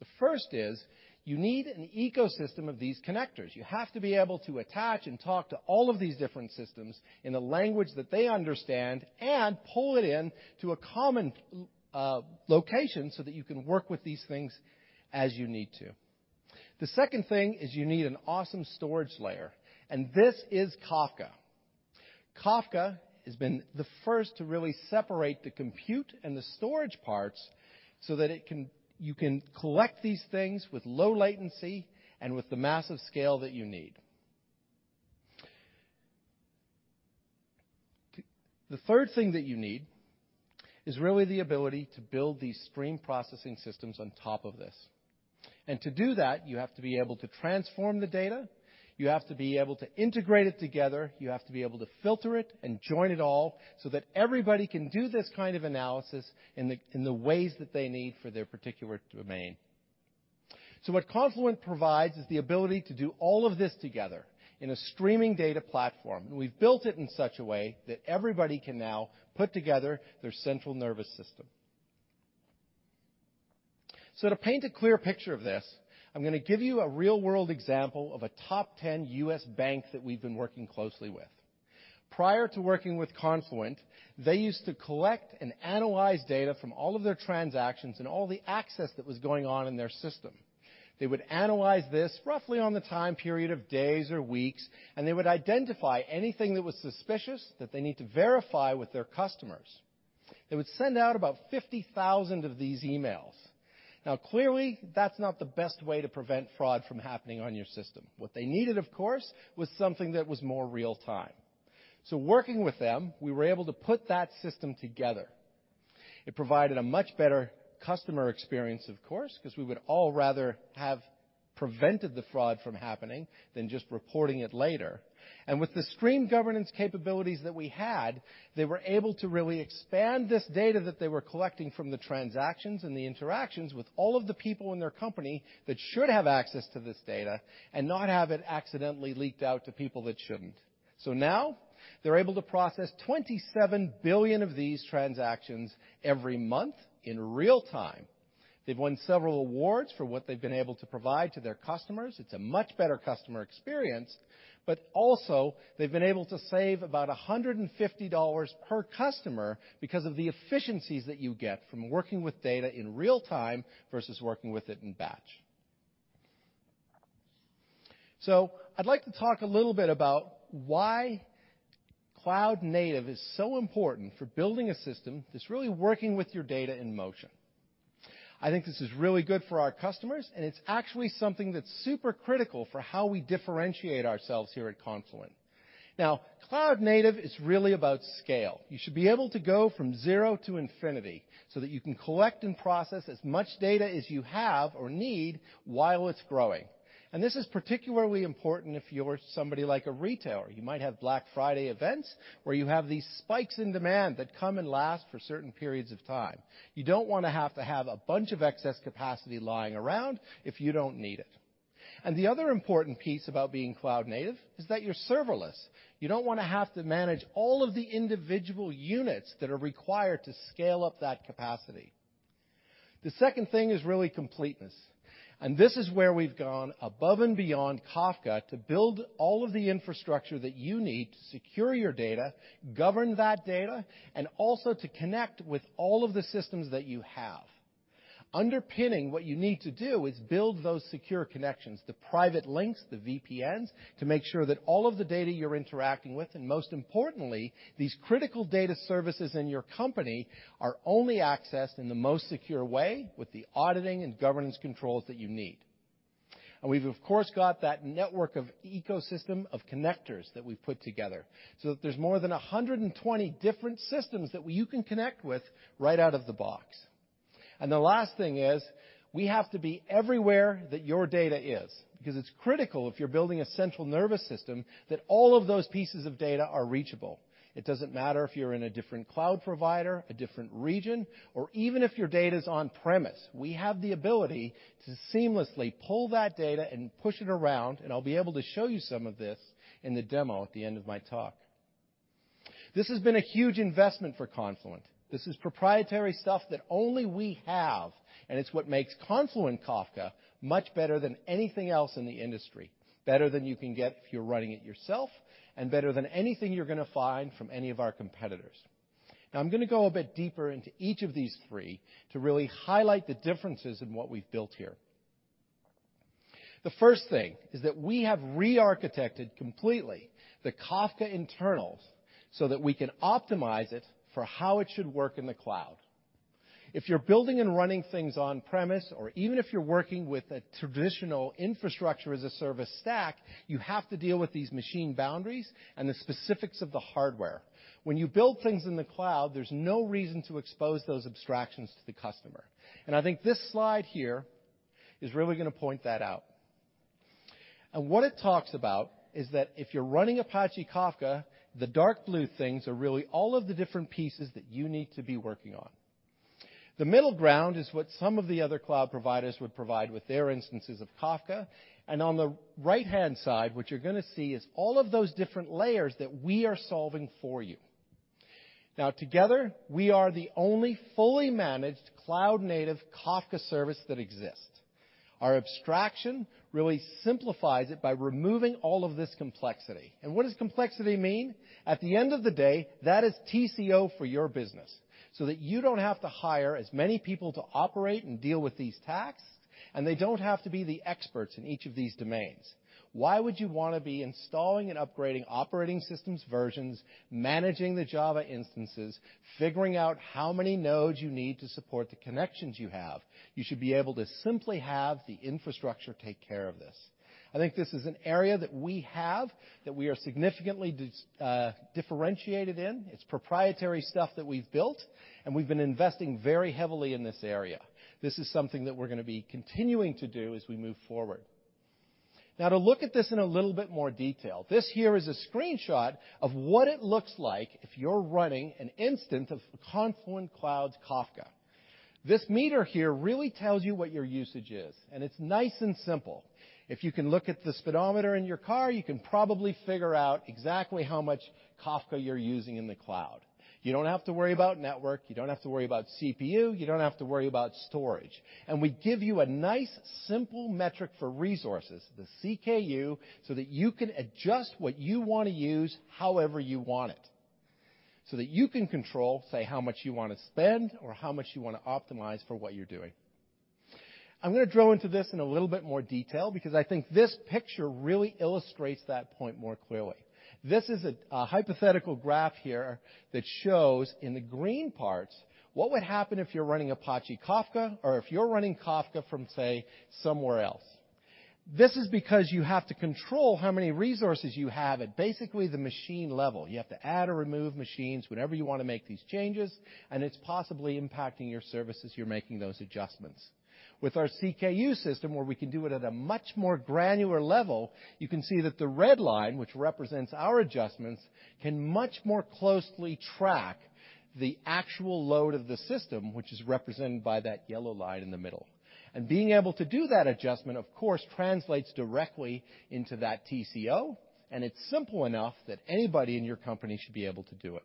The first is you need an ecosystem of these connectors. You have to be able to attach and talk to all of these different systems in a language that they understand and pull it in to a common location so that you can work with these things as you need to. The second thing is you need an awesome storage layer, and this is Kafka. Kafka has been the first to really separate the compute and the storage parts so that you can collect these things with low latency and with the massive scale that you need. The third thing that you need is really the ability to build these stream processing systems on top of this. To do that, you have to be able to transform the data. You have to be able to integrate it together. You have to be able to filter it and join it all so that everybody can do this kind of analysis in the ways that they need for their particular domain. What Confluent provides is the ability to do all of this together in a streaming data platform. We've built it in such a way that everybody can now put together their central nervous system. To paint a clear picture of this, I'm gonna give you a real-world example of a top ten U.S. bank that we've been working closely with. Prior to working with Confluent, they used to collect and analyze data from all of their transactions and all the access that was going on in their system. They would analyze this roughly on the time period of days or weeks, and they would identify anything that was suspicious that they need to verify with their customers. They would send out about 50,000 of these emails. Now, clearly, that's not the best way to prevent fraud from happening on your system. What they needed, of course, was something that was more real time. Working with them, we were able to put that system together. It provided a much better customer experience, of course, 'cause we would all rather have prevented the fraud from happening than just reporting it later. With the Stream Governance capabilities that we had, they were able to really expand this data that they were collecting from the transactions and the interactions with all of the people in their company that should have access to this data and not have it accidentally leaked out to people that shouldn't. Now they're able to process 27 billion of these transactions every month in real time. They've won several awards for what they've been able to provide to their customers. It's a much better customer experience, but also they've been able to save about $150 per customer because of the efficiencies that you get from working with data in real time versus working with it in batch. I'd like to talk a little bit about why cloud native is so important for building a system that's really working with your data in motion. I think this is really good for our customers, and it's actually something that's super critical for how we differentiate ourselves here at Confluent. Now, cloud native is really about scale. You should be able to go from zero to infinity so that you can collect and process as much data as you have or need while it's growing. This is particularly important if you're somebody like a retailer. You might have Black Friday events where you have these spikes in demand that come and last for certain periods of time. You don't wanna have to have a bunch of excess capacity lying around if you don't need it. The other important piece about being cloud native is that you're serverless. You don't wanna have to manage all of the individual units that are required to scale up that capacity. The second thing is really completeness, and this is where we've gone above and beyond Kafka to build all of the infrastructure that you need to secure your data, govern that data, and also to connect with all of the systems that you have. Underpinning what you need to do is build those secure connections, the private links, the VPNs, to make sure that all of the data you're interacting with, and most importantly, these critical data services in your company, are only accessed in the most secure way with the auditing and governance controls that you need. We've of course got that network of ecosystem of connectors that we've put together so that there's more than 120 different systems that you can connect with right out of the box. The last thing is we have to be everywhere that your data is because it's critical if you're building a central nervous system that all of those pieces of data are reachable. It doesn't matter if you're in a different cloud provider, a different region, or even if your data is on-premises. We have the ability to seamlessly pull that data and push it around, and I'll be able to show you some of this in the demo at the end of my talk. This has been a huge investment for Confluent. This is proprietary stuff that only we have, and it's what makes Confluent Kafka much better than anything else in the industry, better than you can get if you're running it yourself, and better than anything you're gonna find from any of our competitors. Now, I'm gonna go a bit deeper into each of these three to really highlight the differences in what we've built here. The first thing is that we have re-architected completely the Kafka internals so that we can optimize it for how it should work in the cloud. If you're building and running things on-premise, or even if you're working with a traditional infrastructure as a service stack, you have to deal with these machine boundaries and the specifics of the hardware. When you build things in the cloud, there's no reason to expose those abstractions to the customer. I think this slide here is really gonna point that out. What it talks about is that if you're running Apache Kafka, the dark blue things are really all of the different pieces that you need to be working on. The middle ground is what some of the other cloud providers would provide with their instances of Kafka. On the right-hand side, what you're gonna see is all of those different layers that we are solving for you. Now together, we are the only fully managed cloud-native Kafka service that exists. Our abstraction really simplifies it by removing all of this complexity. What does complexity mean? At the end of the day, that is TCO for your business, so that you don't have to hire as many people to operate and deal with these tasks, and they don't have to be the experts in each of these domains. Why would you wanna be installing and upgrading operating systems versions, managing the Java instances, figuring out how many nodes you need to support the connections you have? You should be able to simply have the infrastructure take care of this. I think this is an area that we are significantly differentiated in. It's proprietary stuff that we've built, and we've been investing very heavily in this area. This is something that we're gonna be continuing to do as we move forward. Now to look at this in a little bit more detail. This here is a screenshot of what it looks like if you're running an instance of Confluent Cloud's Kafka. This meter here really tells you what your usage is, and it's nice and simple. If you can look at the speedometer in your car, you can probably figure out exactly how much Kafka you're using in the cloud. You don't have to worry about network, you don't have to worry about CPU, you don't have to worry about storage. We give you a nice simple metric for resources, the CKU, so that you can adjust what you wanna use however you want it, so that you can control, say, how much you wanna spend or how much you wanna optimize for what you're doing. I'm gonna drill into this in a little bit more detail because I think this picture really illustrates that point more clearly. This is a hypothetical graph here that shows in the green parts what would happen if you're running Apache Kafka or if you're running Kafka from, say, somewhere else. This is because you have to control how many resources you have at basically the machine level. You have to add or remove machines whenever you wanna make these changes, and it's possibly impacting your services you're making those adjustments. With our CKU system, where we can do it at a much more granular level, you can see that the red line, which represents our adjustments, can much more closely track the actual load of the system, which is represented by that yellow line in the middle. Being able to do that adjustment, of course, translates directly into that TCO, and it's simple enough that anybody in your company should be able to do it.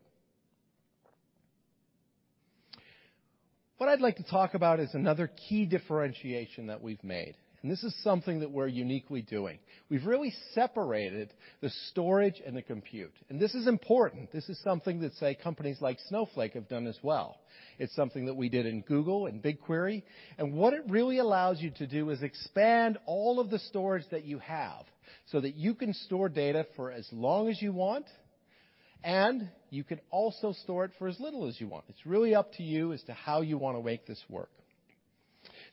What I'd like to talk about is another key differentiation that we've made, and this is something that we're uniquely doing. We've really separated the storage and the compute, and this is important. This is something that, say, companies like Snowflake have done as well. It's something that we did in Google, in BigQuery. What it really allows you to do is expand all of the storage that you have so that you can store data for as long as you want, and you can also store it for as little as you want. It's really up to you as to how you wanna make this work.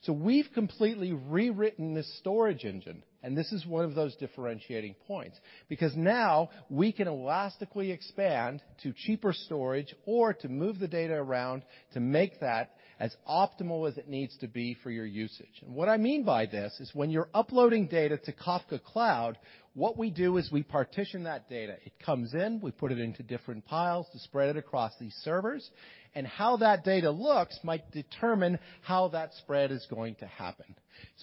We've completely rewritten the storage engine, and this is one of those differentiating points because now we can elastically expand to cheaper storage or to move the data around to make that as optimal as it needs to be for your usage. What I mean by this is when you're uploading data to Confluent Cloud. What we do is we partition that data. It comes in, we put it into different piles to spread it across these servers, and how that data looks might determine how that spread is going to happen.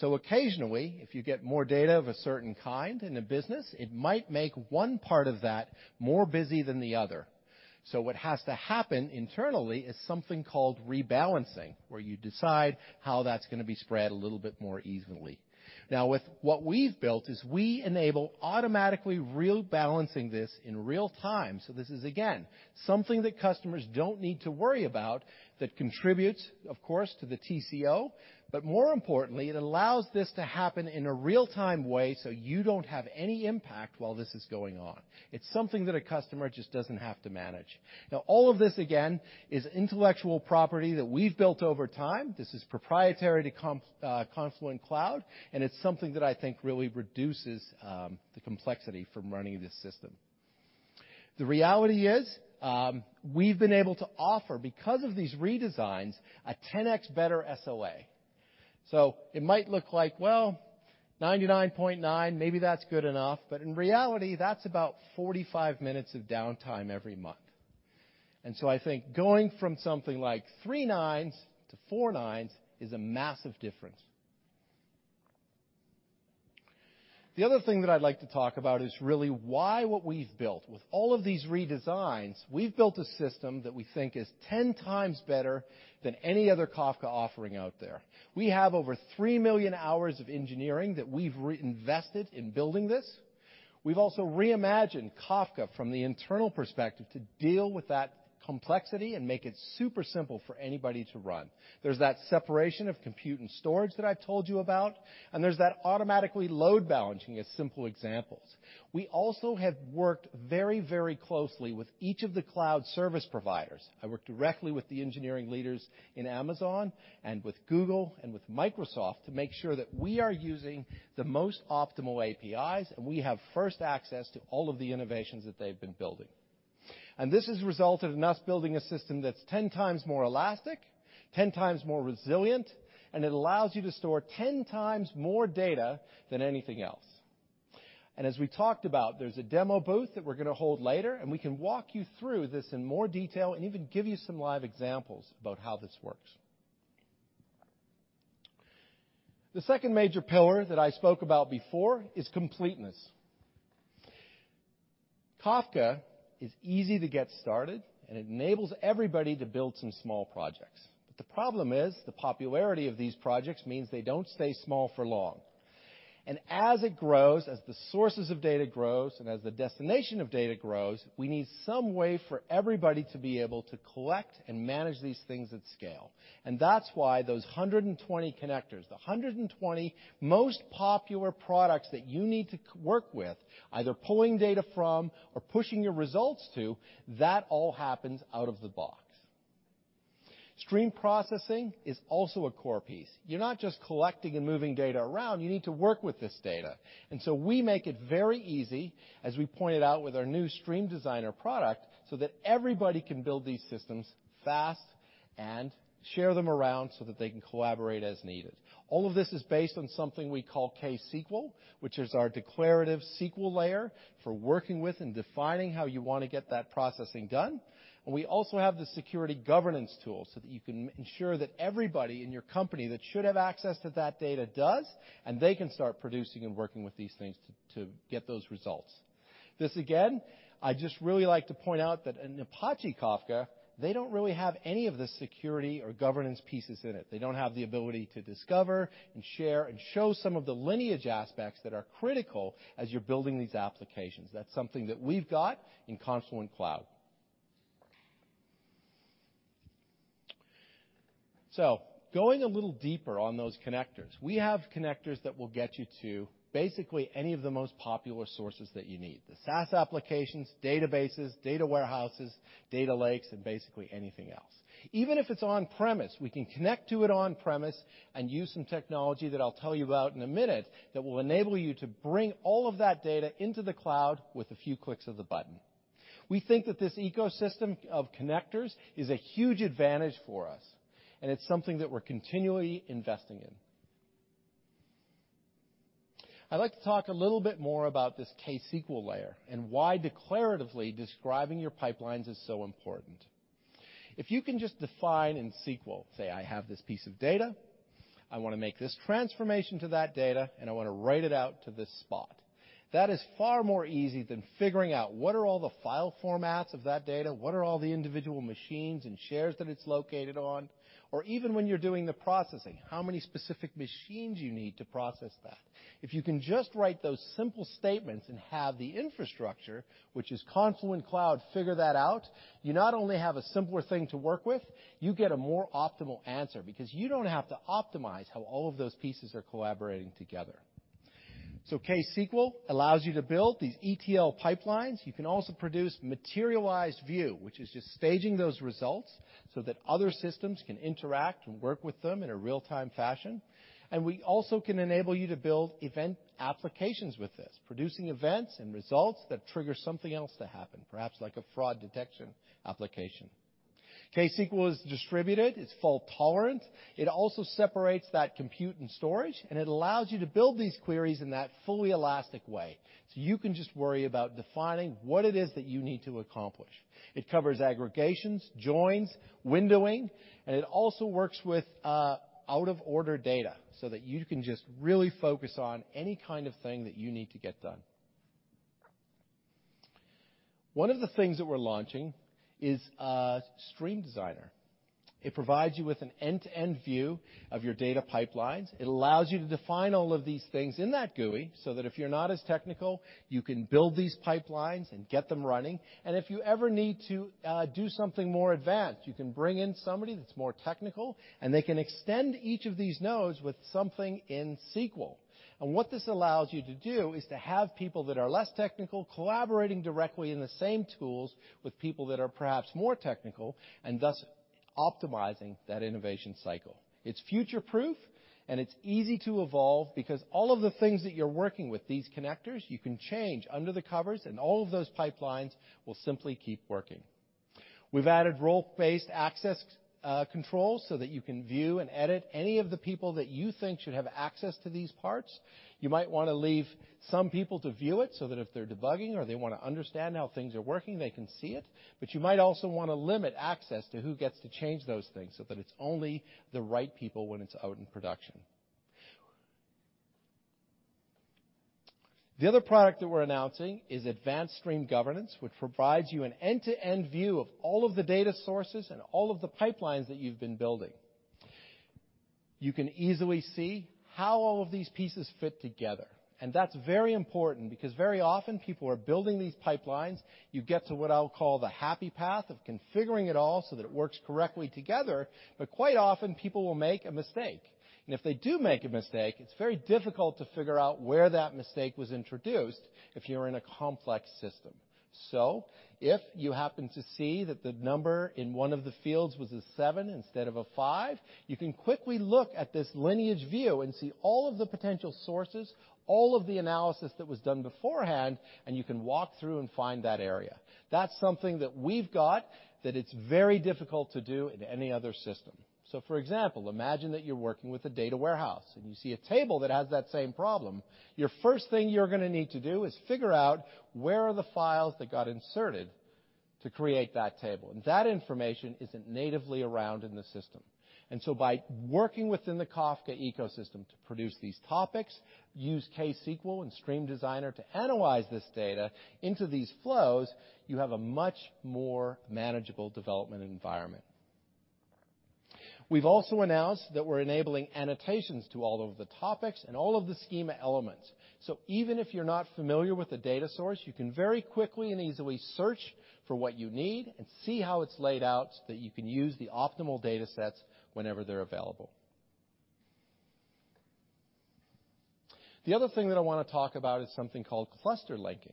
Occasionally, if you get more data of a certain kind in a business, it might make one part of that more busy than the other. What has to happen internally is something called rebalancing, where you decide how that's gonna be spread a little bit more evenly. With what we've built is we enable automatically rebalancing this in real time. This is again, something that customers don't need to worry about, that contributes, of course, to the TCO, but more importantly, it allows this to happen in a real-time way, so you don't have any impact while this is going on. It's something that a customer just doesn't have to manage. All of this, again, is intellectual property that we've built over time. This is proprietary to Confluent Cloud, and it's something that I think really reduces the complexity from running this system. The reality is, we've been able to offer, because of these redesigns, a 10x better SLA. It might look like, well, 99.9, maybe that's good enough, but in reality, that's about 45 minutes of downtime every month. I think going from something like three nines to four nines is a massive difference. The other thing that I'd like to talk about is really why what we've built. With all of these redesigns, we've built a system that we think is 10 times better than any other Kafka offering out there. We have over three million hours of engineering that we've re-invested in building this. We've also reimagined Kafka from the internal perspective to deal with that complexity and make it super simple for anybody to run. There's that separation of compute and storage that I've told you about, and there's that automatically load balancing as simple examples. We also have worked very, very closely with each of the cloud service providers. I work directly with the engineering leaders in Amazon and with Google and with Microsoft to make sure that we are using the most optimal APIs, and we have first access to all of the innovations that they've been building. This has resulted in us building a system that's 10x more elastic, 10x more resilient, and it allows you to store 10 times more data than anything else. As we talked about, there's a demo booth that we're gonna hold later, and we can walk you through this in more detail and even give you some live examples about how this works. The second major pillar that I spoke about before is completeness. Kafka is easy to get started, and it enables everybody to build some small projects. The problem is, the popularity of these projects means they don't stay small for long. As it grows, as the sources of data grows, and as the destination of data grows, we need some way for everybody to be able to collect and manage these things at scale. That's why those 120 connectors, the 120 most popular products that you need to work with, either pulling data from or pushing your results to, that all happens out of the box. Stream processing is also a core piece. You're not just collecting and moving data around, you need to work with this data. We make it very easy, as we pointed out with our new Stream Designer product, so that everybody can build these systems fast and share them around so that they can collaborate as needed. All of this is based on something we call ksqlDB, which is our declarative SQL layer for working with and defining how you wanna get that processing done. We also have the security governance tool so that you can ensure that everybody in your company that should have access to that data does, and they can start producing and working with these things to get those results. This again, I just really like to point out that in Apache Kafka, they don't really have any of the security or governance pieces in it. They don't have the ability to discover and share and show some of the lineage aspects that are critical as you're building these applications. That's something that we've got in Confluent Cloud. Going a little deeper on those connectors. We have connectors that will get you to basically any of the most popular sources that you need, the SaaS applications, databases, data warehouses, data lakes, and basically anything else. Even if it's on-premise, we can connect to it on-premise and use some technology that I'll tell you about in a minute that will enable you to bring all of that data into the cloud with a few clicks of the button. We think that this ecosystem of connectors is a huge advantage for us, and it's something that we're continually investing in. I'd like to talk a little bit more about this KSQL layer and why declaratively describing your pipelines is so important. If you can just define in SQL, say I have this piece of data, I wanna make this transformation to that data, and I wanna write it out to this spot. That is far more easy than figuring out what are all the file formats of that data, what are all the individual machines and shares that it's located on, or even when you're doing the processing, how many specific machines you need to process that. If you can just write those simple statements and have the infrastructure, which is Confluent Cloud, figure that out, you not only have a simpler thing to work with, you get a more optimal answer because you don't have to optimize how all of those pieces are collaborating together. KSQL allows you to build these ETL pipelines. You can also produce materialized view, which is just staging those results so that other systems can interact and work with them in a real-time fashion. We also can enable you to build event applications with this, producing events and results that trigger something else to happen, perhaps like a fraud detection application. ksqlDB is distributed, it's fault-tolerant. It also separates that compute and storage, and it allows you to build these queries in that fully elastic way. You can just worry about defining what it is that you need to accomplish. It covers aggregations, joins, windowing, and it also works with out-of-order data so that you can just really focus on any kind of thing that you need to get done. One of the things that we're launching is Stream Designer. It provides you with an end-to-end view of your data pipelines. It allows you to define all of these things in that GUI, so that if you're not as technical, you can build these pipelines and get them running. If you ever need to do something more advanced, you can bring in somebody that's more technical, and they can extend each of these nodes with something in SQL. What this allows you to do is to have people that are less technical, collaborating directly in the same tools with people that are perhaps more technical and thus optimizing that innovation cycle. It's future-proof, and it's easy to evolve because all of the things that you're working with, these connectors, you can change under the covers, and all of those pipelines will simply keep working. We've added role-based access controls so that you can view and edit any of the people that you think should have access to these parts. You might wanna leave some people to view it so that if they're debugging or they wanna understand how things are working, they can see it. You might also wanna limit access to who gets to change those things so that it's only the right people when it's out in production. The other product that we're announcing is Advanced Stream Governance, which provides you an end-to-end view of all of the data sources and all of the pipelines that you've been building. You can easily see how all of these pieces fit together, and that's very important because very often people are building these pipelines, you get to what I'll call the happy path of configuring it all so that it works correctly together. Quite often people will make a mistake. If they do make a mistake, it's very difficult to figure out where that mistake was introduced if you're in a complex system. If you happen to see that the number in one of the fields was a seven instead of a five, you can quickly look at this lineage view and see all of the potential sources, all of the analysis that was done beforehand, and you can walk through and find that area. That's something that we've got that it's very difficult to do in any other system. For example, imagine that you're working with a data warehouse, and you see a table that has that same problem. Your first thing you're gonna need to do is figure out where are the files that got inserted to create that table. That information isn't natively around in the system. By working within the Kafka ecosystem to produce these topics, use KSQL and Stream Designer to analyze this data into these flows, you have a much more manageable development environment. We've also announced that we're enabling annotations to all of the topics and all of the schema elements. Even if you're not familiar with the data source, you can very quickly and easily search for what you need and see how it's laid out so that you can use the optimal datasets whenever they're available. The other thing that I wanna talk about is something called Cluster Linking,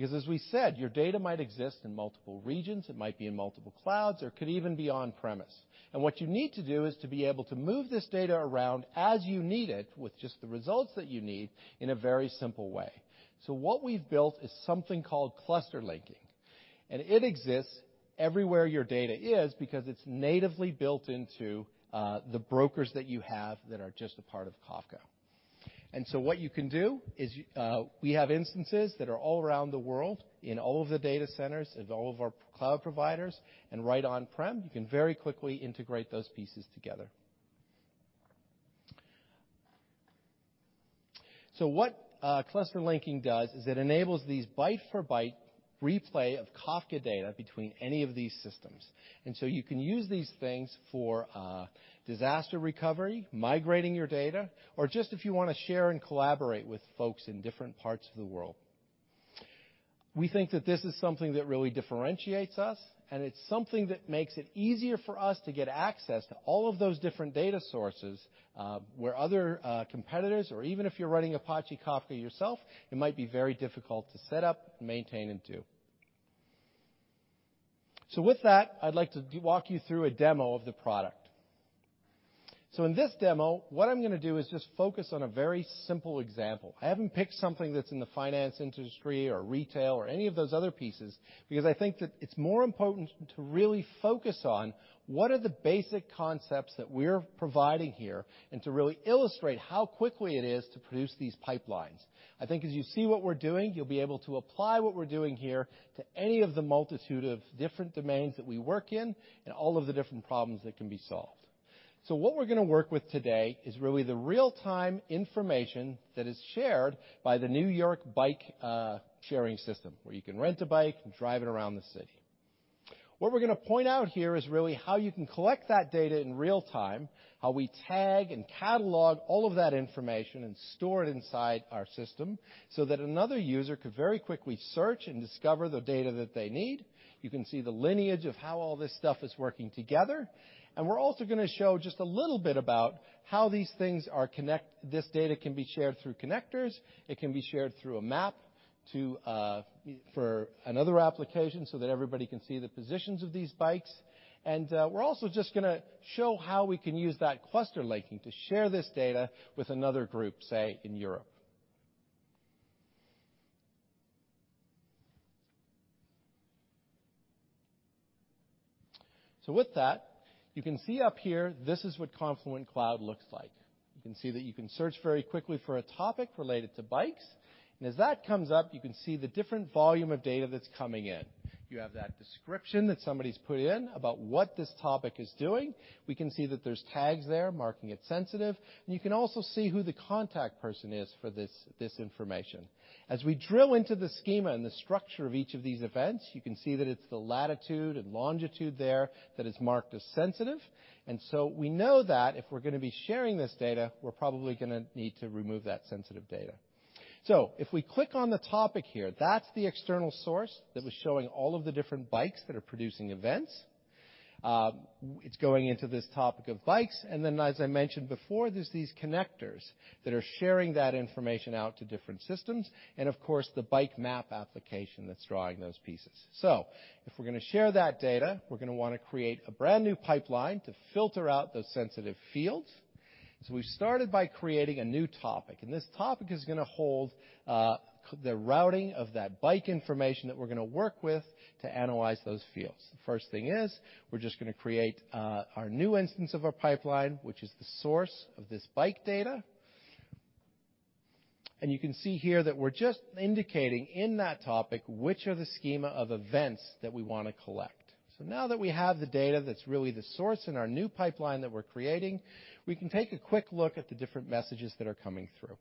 because as we said, your data might exist in multiple regions, it might be in multiple clouds, or it could even be on-premise. What you need to do is to be able to move this data around as you need it with just the results that you need in a very simple way. What we've built is something called Cluster Linking. It exists everywhere your data is because it's natively built into the brokers that you have that are just a part of Kafka. What you can do is we have instances that are all around the world in all of the data centers, in all of our cloud providers, and right on-prem, you can very quickly integrate those pieces together. What Cluster Linking does is it enables these byte for byte replay of Kafka data between any of these systems. You can use these things for disaster recovery, migrating your data, or just if you wanna share and collaborate with folks in different parts of the world. We think that this is something that really differentiates us, and it's something that makes it easier for us to get access to all of those different data sources, where other competitors or even if you're running Apache Kafka yourself, it might be very difficult to set up, maintain, and do. With that, I'd like to walk you through a demo of the product. In this demo, what I'm gonna do is just focus on a very simple example. I haven't picked something that's in the finance industry or retail or any of those other pieces because I think that it's more important to really focus on what are the basic concepts that we're providing here, and to really illustrate how quickly it is to produce these pipelines. I think as you see what we're doing, you'll be able to apply what we're doing here to any of the multitude of different domains that we work in and all of the different problems that can be solved. What we're gonna work with today is really the real-time information that is shared by the New York bike sharing system, where you can rent a bike and drive it around the city. What we're gonna point out here is really how you can collect that data in real time, how we tag and catalog all of that information and store it inside our system so that another user could very quickly search and discover the data that they need. You can see the lineage of how all this stuff is working together. We're also gonna show just a little bit about how this data can be shared through connectors, it can be shared through a map, too, for another application so that everybody can see the positions of these bikes. We're also just gonna show how we can use that Cluster Linking to share this data with another group, say, in Europe. With that, you can see up here, this is what Confluent Cloud looks like. You can see that you can search very quickly for a topic related to bikes. As that comes up, you can see the different volume of data that's coming in. You have that description that somebody's put in about what this topic is doing. We can see that there's tags there marking it sensitive, and you can also see who the contact person is for this information. As we drill into the schema and the structure of each of these events, you can see that it's the latitude and longitude there that is marked as sensitive. We know that if we're gonna be sharing this data, we're probably gonna need to remove that sensitive data. If we click on the topic here, that's the external source that was showing all of the different bikes that are producing events. It's going into this topic of bikes. Then, as I mentioned before, there's these connectors that are sharing that information out to different systems and of course the bike map application that's drawing those pieces. If we're gonna share that data, we're gonna wanna create a brand new pipeline to filter out those sensitive fields. We've started by creating a new topic, and this topic is gonna hold the routing of that bike information that we're gonna work with to analyze those fields. The first thing is, we're just gonna create our new instance of our pipeline, which is the source of this bike data. You can see here that we're just indicating in that topic, which are the schema of events that we wanna collect. Now that we have the data that's really the source in our new pipeline that we're creating, we can take a quick look at the different messages that are coming through.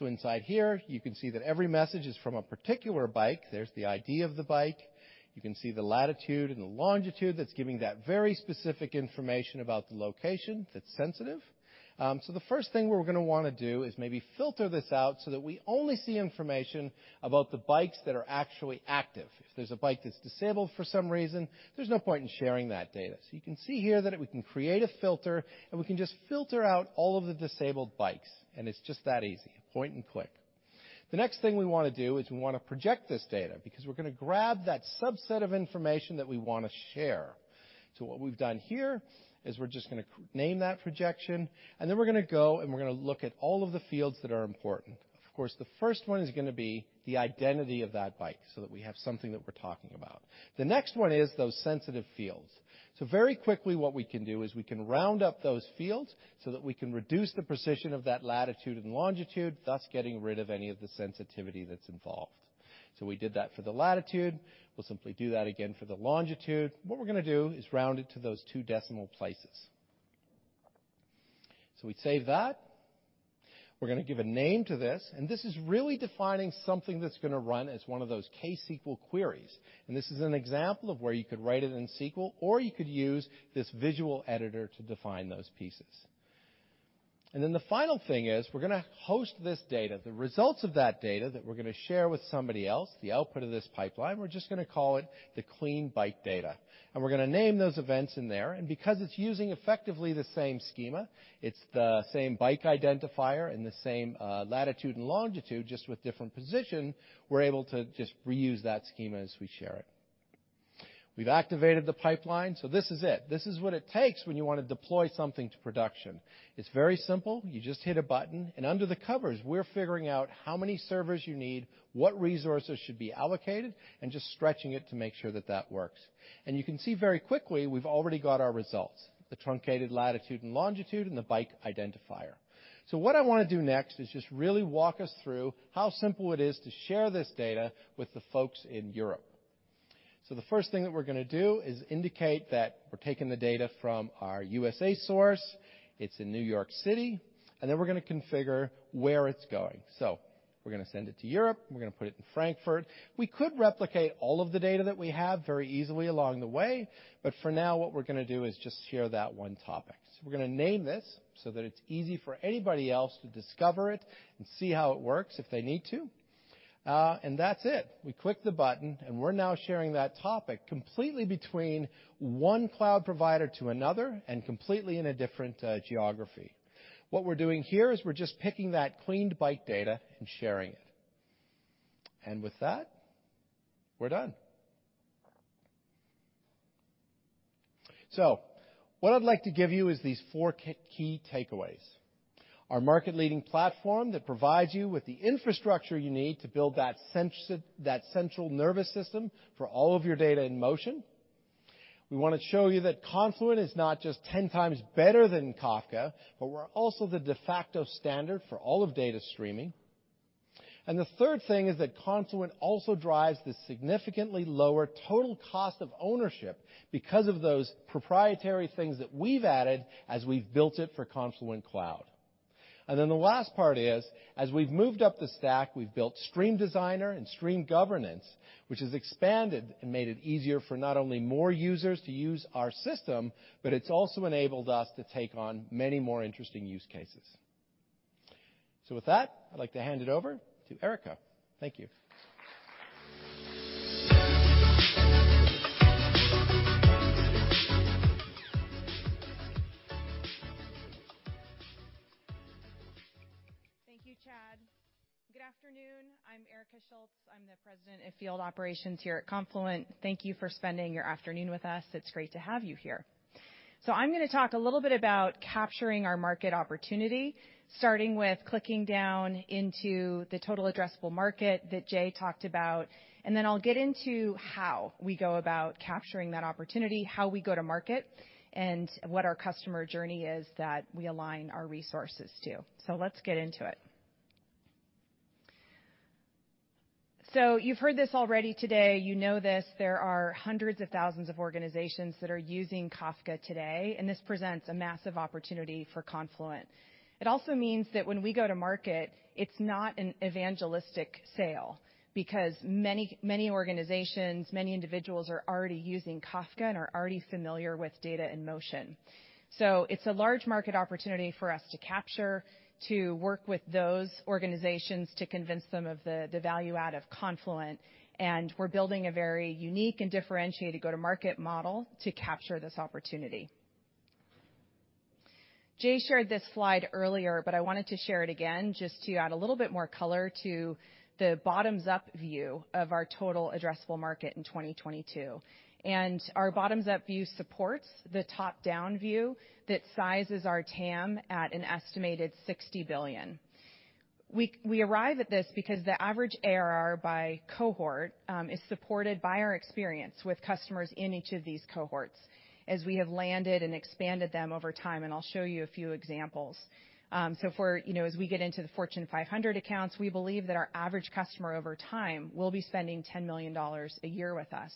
Inside here you can see that every message is from a particular bike. There's the ID of the bike. You can see the latitude and the longitude that's giving that very specific information about the location that's sensitive. The first thing we're gonna wanna do is maybe filter this out so that we only see information about the bikes that are actually active. If there's a bike that's disabled for some reason, there's no point in sharing that data. You can see here that we can create a filter, and we can just filter out all of the disabled bikes, and it's just that easy. Point and click. The next thing we wanna do is we wanna project this data, because we're gonna grab that subset of information that we wanna share. What we've done here is we're just gonna name that projection, and then we're gonna go, and we're gonna look at all of the fields that are important. Of course, the first one is gonna be the identity of that bike, so that we have something that we're talking about. The next one is those sensitive fields. Very quickly, what we can do is we can round up those fields so that we can reduce the precision of that latitude and longitude, thus getting rid of any of the sensitivity that's involved. We did that for the latitude. We'll simply do that again for the longitude. What we're gonna do is round it to those two decimal places. We'd save that. We're gonna give a name to this, and this is really defining something that's gonna run as one of those KSQL queries. This is an example of where you could write it in SQL, or you could use this visual editor to define those pieces. The final thing is we're gonna host this data, the results of that data that we're gonna share with somebody else, the output of this pipeline. We're just gonna call it the clean bike data, and we're gonna name those events in there. Because it's using effectively the same schema, it's the same bike identifier and the same latitude and longitude, just with different position, we're able to just reuse that schema as we share it. We've activated the pipeline, so this is it. This is what it takes when you wanna deploy something to production. It's very simple. You just hit a button, and under the covers, we're figuring out how many servers you need, what resources should be allocated, and just stretching it to make sure that that works. You can see very quickly we've already got our results, the truncated latitude and longitude and the bike identifier. What I wanna do next is just really walk us through how simple it is to share this data with the folks in Europe. The first thing that we're gonna do is indicate that we're taking the data from our USA source. It's in New York City, and then we're gonna configure where it's going. We're gonna send it to Europe. We're gonna put it in Frankfurt. We could replicate all of the data that we have very easily along the way, but for now, what we're gonna do is just share that one topic. We're gonna name this so that it's easy for anybody else to discover it and see how it works if they need to. That's it. We click the button, and we're now sharing that topic completely between one cloud provider to another and completely in a different geography. What we're doing here is we're just picking that cleaned bike data and sharing it. With that, we're done. What I'd like to give you is these four key takeaways. Our market leading platform that provides you with the infrastructure you need to build that central nervous system for all of your data in motion. We wanna show you that Confluent is not just 10 times better than Kafka, but we're also the de facto standard for all of data streaming. The third thing is that Confluent also drives the significantly lower total cost of ownership because of those proprietary things that we've added as we've built it for Confluent Cloud. The last part is, as we've moved up the stack, we've built Stream Designer and Stream Governance, which has expanded and made it easier for not only more users to use our system, but it's also enabled us to take on many more interesting use cases. With that, I'd like to hand it over to Erica. Thank you. Thank you, Chad. Good afternoon. I'm Erica Schultz, President of Field Operations here at Confluent. Thank you for spending your afternoon with us. It's great to have you here. I'm gonna talk a little bit about capturing our market opportunity, starting with clicking down into the total addressable market that Jay talked about, and then I'll get into how we go about capturing that opportunity, how we go to market, and what our customer journey is that we align our resources to. Let's get into it. You've heard this already today. You know this. There are hundreds of thousands of organizations that are using Kafka today, and this presents a massive opportunity for Confluent. It also means that when we go to market, it's not an evangelistic sale because many, many organizations, many individuals are already using Kafka and are already familiar with data in motion. It's a large market opportunity for us to capture, to work with those organizations to convince them of the value add of Confluent, and we're building a very unique and differentiated go-to-market model to capture this opportunity. Jay shared this slide earlier, but I wanted to share it again just to add a little bit more color to the bottoms-up view of our total addressable market in 2022. Our bottoms-up view supports the top-down view that sizes our TAM at an estimated $60 billion. We arrive at this because the average ARR by cohort is supported by our experience with customers in each of these cohorts as we have landed and expanded them over time, and I'll show you a few examples. For, you know, as we get into the Fortune 500 accounts, we believe that our average customer over time will be spending $10 million a year with us.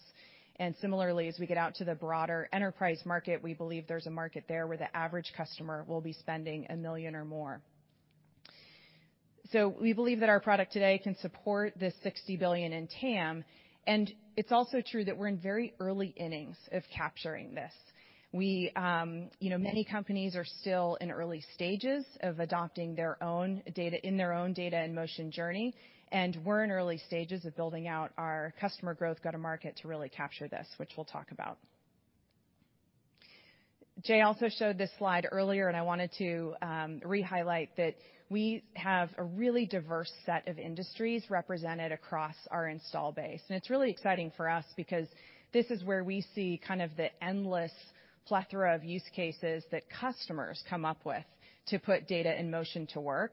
Similarly, as we get out to the broader enterprise market, we believe there's a market there where the average customer will be spending $1 million or more. We believe that our product today can support the $60 billion in TAM, and it's also true that we're in very early innings of capturing this. We, you know, many companies are still in early stages of adopting their own data in motion journey, and we're in early stages of building out our customer growth go-to-market to really capture this, which we'll talk about. Jay also showed this slide earlier, and I wanted to rehighlight that we have a really diverse set of industries represented across our installed base. It's really exciting for us because this is where we see kind of the endless plethora of use cases that customers come up with to put data in motion to work.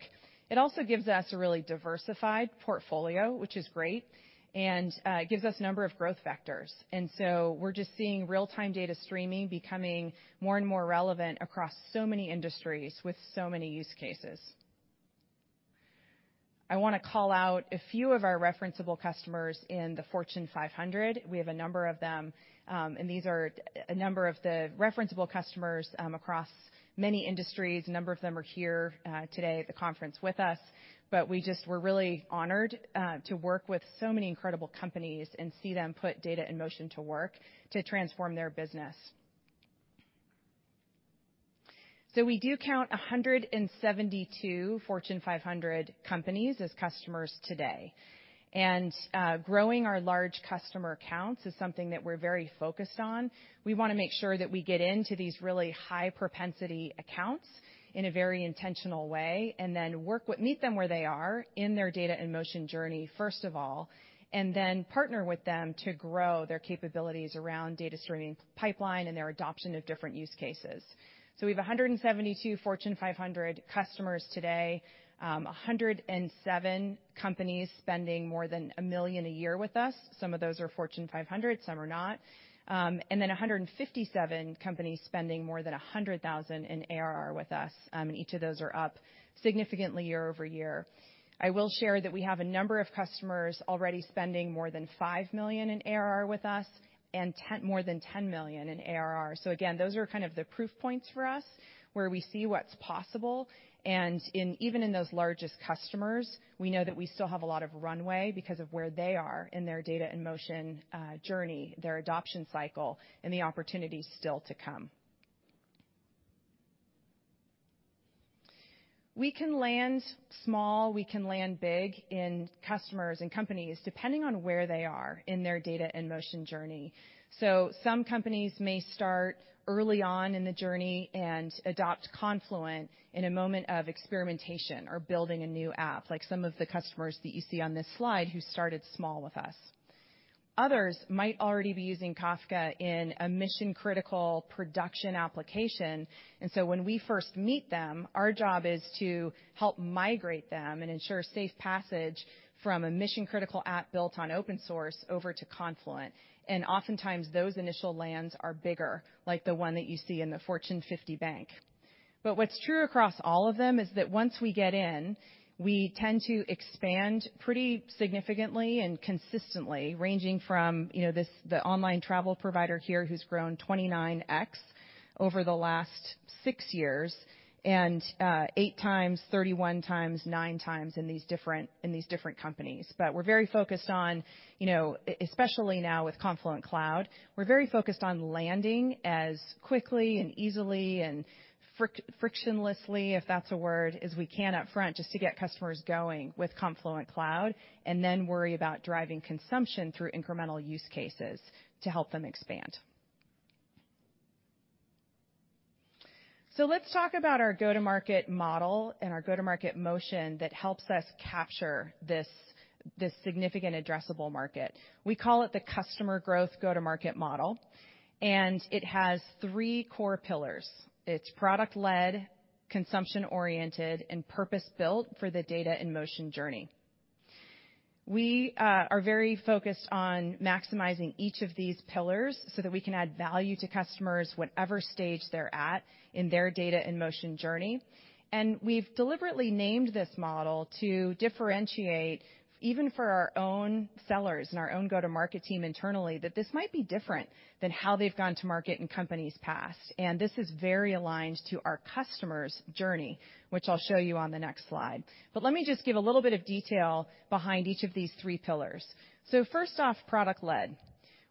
It also gives us a really diversified portfolio, which is great, and gives us a number of growth vectors. We're just seeing real-time data streaming becoming more and more relevant across so many industries with so many use cases. I wanna call out a few of our referenceable customers in the Fortune 500. We have a number of them, and these are a number of the referenceable customers across many industries. A number of them are here today at the conference with us, but we're really honored to work with so many incredible companies and see them put data in motion to work to transform their business. We do count 172 Fortune 500 companies as customers today. Growing our large customer counts is something that we're very focused on. We wanna make sure that we get into these really high propensity accounts in a very intentional way, and then meet them where they are in their data in motion journey, first of all, and then partner with them to grow their capabilities around data streaming pipeline and their adoption of different use cases. We have 172 Fortune 500 customers today. 107 companies spending more than $1 million a year with us. Some of those are Fortune 500, some are not. Then 157 companies spending more than $100,000 in ARR with us. Each of those are up significantly year-over-year. I will share that we have a number of customers already spending more than $5 million in ARR with us and ten more than $10 million in ARR. Again, those are kind of the proof points for us where we see what's possible, and even in those largest customers, we know that we still have a lot of runway because of where they are in their data in motion journey, their adoption cycle, and the opportunity still to come. We can land small, we can land big in customers and companies, depending on where they are in their data in motion journey. Some companies may start early on in the journey and adopt Confluent in a moment of experimentation or building a new app, like some of the customers that you see on this slide who started small with us. Others might already be using Kafka in a mission-critical production application, and so when we first meet them, our job is to help migrate them and ensure safe passage from a mission-critical app built on open source over to Confluent. Oftentimes those initial lands are bigger, like the one that you see in the Fortune 50 bank. What's true across all of them is that once we get in, we tend to expand pretty significantly and consistently ranging from, you know, this, the online travel provider here who's grown 29x over the last six years and eight times, 31x, 9x in these different companies. We're very focused on, you know, especially now with Confluent Cloud, we're very focused on landing as quickly and easily and frictionlessly, if that's a word, as we can up front just to get customers going with Confluent Cloud and then worry about driving consumption through incremental use cases to help them expand. Let's talk about our go-to-market model and our go-to-market motion that helps us capture this significant addressable market. We call it the customer growth go-to-market model, and it has three core pillars. It's product led, consumption oriented, and purpose-built for the data in motion journey. We are very focused on maximizing each of these pillars so that we can add value to customers whatever stage they're at in their data in motion journey. We've deliberately named this model to differentiate, even for our own sellers and our own go-to-market team internally, that this might be different than how they've gone to market in companies past. This is very aligned to our customers' journey, which I'll show you on the next slide. Let me just give a little bit of detail behind each of these three pillars. First off, product led.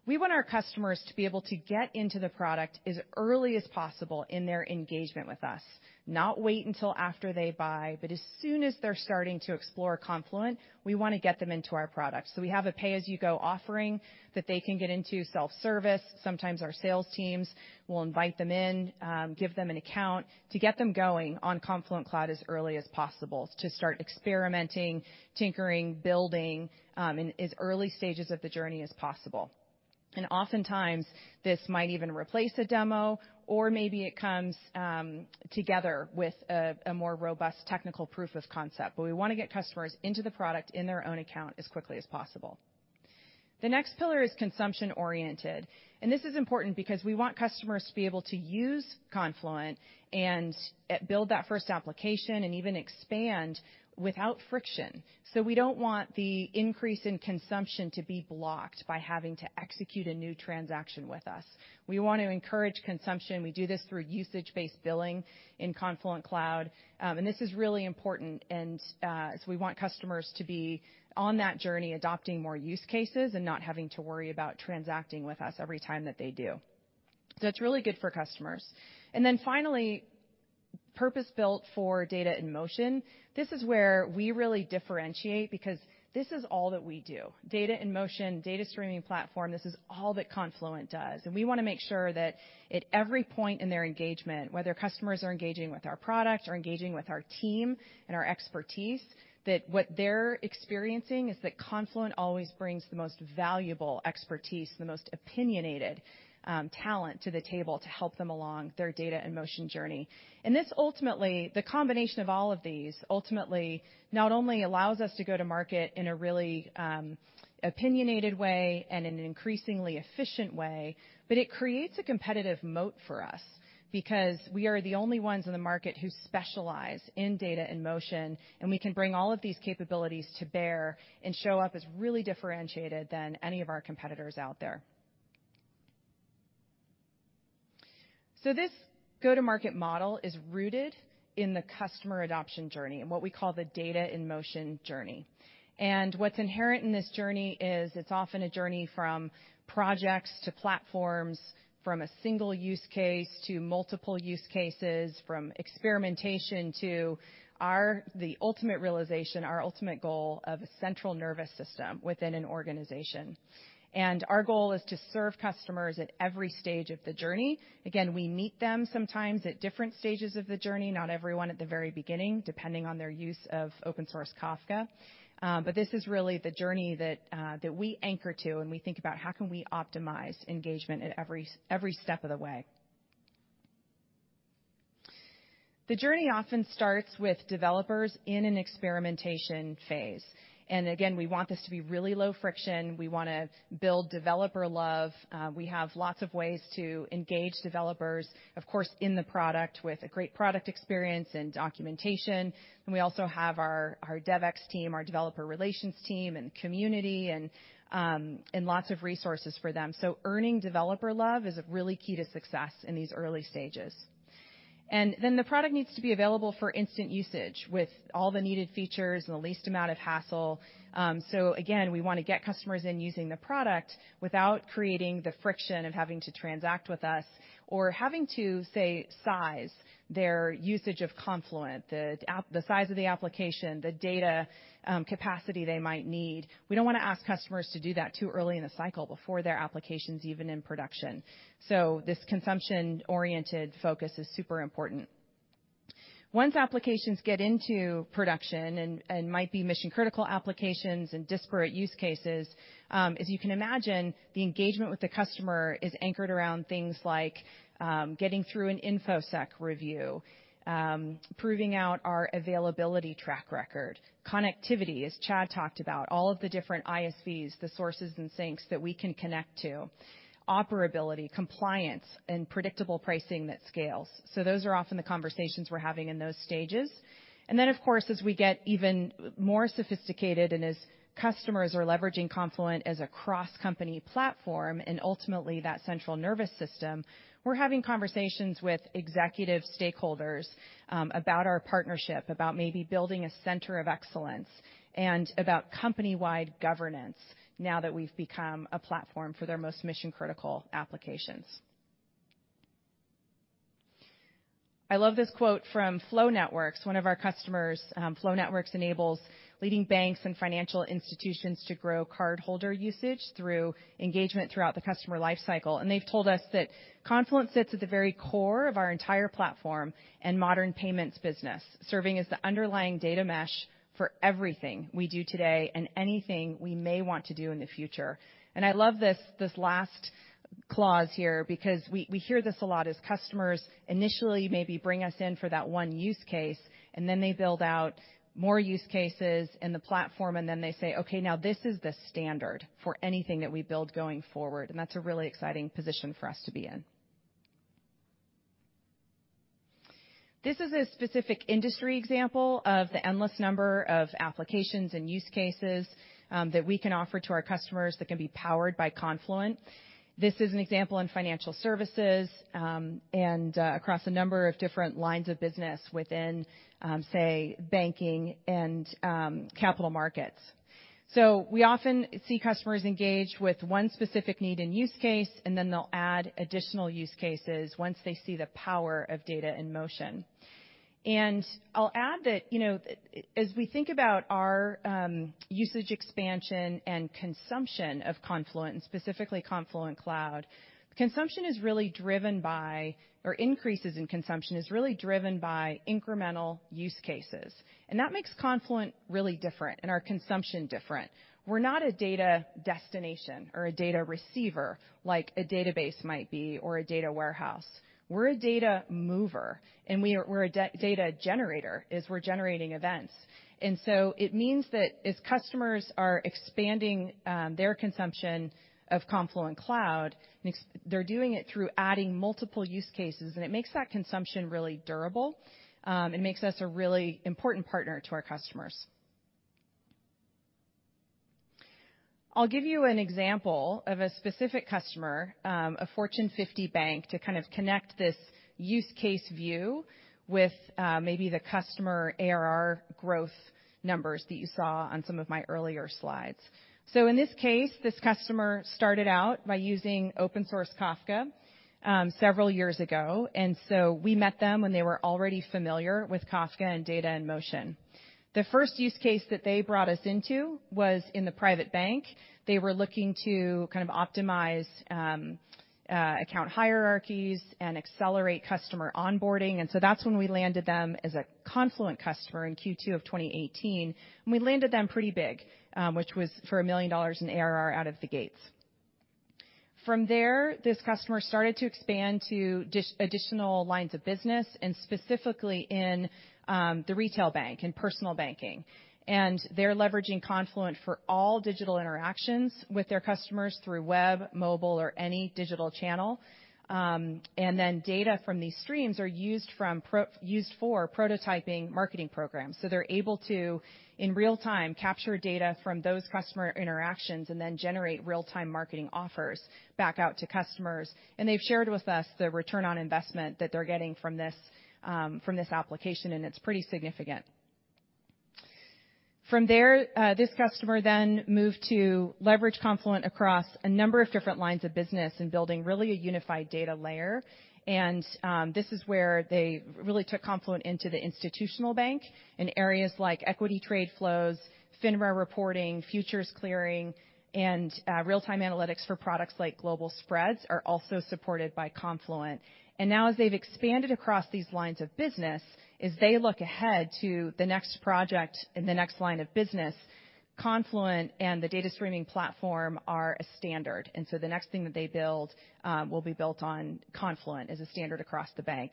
We want our customers to be able to get into the product as early as possible in their engagement with us, not wait until after they buy, but as soon as they're starting to explore Confluent, we wanna get them into our product. We have a pay-as-you-go offering that they can get into self-service. Sometimes our sales teams will invite them in, give them an account to get them going on Confluent Cloud as early as possible to start experimenting, tinkering, building, in as early stages of the journey as possible. Oftentimes, this might even replace a demo, or maybe it comes together with a more robust technical proof of concept, but we wanna get customers into the product in their own account as quickly as possible. The next pillar is consumption oriented, and this is important because we want customers to be able to use Confluent and build that first application and even expand without friction. We don't want the increase in consumption to be blocked by having to execute a new transaction with us. We want to encourage consumption. We do this through usage-based billing in Confluent Cloud. This is really important. We want customers to be on that journey adopting more use cases and not having to worry about transacting with us every time that they do. It's really good for customers. Finally, purpose-built for data in motion. This is where we really differentiate because this is all that we do. Data in motion, data streaming platform, this is all that Confluent does. We wanna make sure that at every point in their engagement, whether customers are engaging with our product or engaging with our team and our expertise, that what they're experiencing is that Confluent always brings the most valuable expertise, the most opinionated talent to the table to help them along their data in motion journey. This ultimately, the combination of all of these, ultimately not only allows us to go to market in a really opinionated way and in an increasingly efficient way, but it creates a competitive moat for us because we are the only ones in the market who specialize in data in motion, and we can bring all of these capabilities to bear and show up as really differentiated than any of our competitors out there. This go-to-market model is rooted in the customer adoption journey and what we call the data in motion journey. What's inherent in this journey is it's often a journey from projects to platforms, from a single use case to multiple use cases, from experimentation to our the ultimate realization, our ultimate goal of a central nervous system within an organization. Our goal is to serve customers at every stage of the journey. Again, we meet them sometimes at different stages of the journey, not everyone at the very beginning, depending on their use of open source Kafka. But this is really the journey that that we anchor to when we think about how can we optimize engagement at every step of the way. The journey often starts with developers in an experimentation phase. Again, we want this to be really low friction. We wanna build developer love. We have lots of ways to engage developers, of course, in the product with a great product experience and documentation. We also have our DevX team, our developer relations team, and community, and lots of resources for them. Earning developer love is really key to success in these early stages. Then the product needs to be available for instant usage with all the needed features and the least amount of hassle. Again, we wanna get customers in using the product without creating the friction of having to transact with us or having to, say, size their usage of Confluent, the size of the application, the data, capacity they might need. We don't wanna ask customers to do that too early in the cycle before their application's even in production. This consumption-oriented focus is super important. Once applications get into production and might be mission-critical applications and disparate use cases, as you can imagine, the engagement with the customer is anchored around things like, getting through an infosec review, proving out our availability track record, connectivity, as Chad talked about, all of the different ISVs, the sources and sinks that we can connect to, operability, compliance, and predictable pricing that scales. Those are often the conversations we're having in those stages. Of course, as we get even more sophisticated and as customers are leveraging Confluent as a cross-company platform and ultimately that central nervous system, we're having conversations with executive stakeholders, about our partnership, about maybe building a center of excellence and about company-wide governance now that we've become a platform for their most mission-critical applications. I love this quote from Flō Networks, one of our customers. Flō Networks enables leading banks and financial institutions to grow cardholder usage through engagement throughout the customer life cycle. They've told us that Confluent sits at the very core of our entire platform and modern payments business, serving as the underlying data mesh for everything we do today and anything we may want to do in the future. I love this last clause here, because we hear this a lot is customers initially maybe bring us in for that one use case, and then they build out more use cases in the platform, and then they say, "Okay, now this is the standard for anything that we build going forward." That's a really exciting position for us to be in. This is a specific industry example of the endless number of applications and use cases that we can offer to our customers that can be powered by Confluent. This is an example in financial services, and across a number of different lines of business within, say, banking and capital markets. We often see customers engaged with one specific need and use case, and then they'll add additional use cases once they see the power of data in motion. I'll add that, you know, as we think about our usage expansion and consumption of Confluent, specifically Confluent Cloud, increases in consumption is really driven by incremental use cases. That makes Confluent really different and our consumption different. We're not a data destination or a data receiver like a database might be or a data warehouse. We're a data mover, and we're a data generator as we're generating events. It means that as customers are expanding their consumption of Confluent Cloud, they're doing it through adding multiple use cases, and it makes that consumption really durable. It makes us a really important partner to our customers. I'll give you an example of a specific customer, a Fortune 50 bank, to kind of connect this use case view with, maybe the customer ARR growth numbers that you saw on some of my earlier slides. In this case, this customer started out by using open source Kafka, several years ago, and so we met them when they were already familiar with Kafka and data in motion. The first use case that they brought us into was in the private bank. They were looking to kind of optimize, account hierarchies and accelerate customer onboarding, and so that's when we landed them as a Confluent customer in Q2 of 2018. We landed them pretty big, which was for $1 million in ARR out of the gates. From there, this customer started to expand to additional lines of business and specifically in the retail bank and personal banking. They're leveraging Confluent for all digital interactions with their customers through web, mobile, or any digital channel. Data from these streams are used for prototyping marketing programs. They're able to, in real-time, capture data from those customer interactions and then generate real-time marketing offers back out to customers. They've shared with us the return on investment that they're getting from this application, and it's pretty significant. From there, this customer then moved to leverage Confluent across a number of different lines of business in building really a unified data layer. This is where they really took Confluent into the institutional bank in areas like equity trade flows, FINRA reporting, futures clearing, and real-time analytics for products like global spreads are also supported by Confluent. Now as they've expanded across these lines of business, as they look ahead to the next project and the next line of business, Confluent and the data streaming platform are a standard. The next thing that they build will be built on Confluent as a standard across the bank.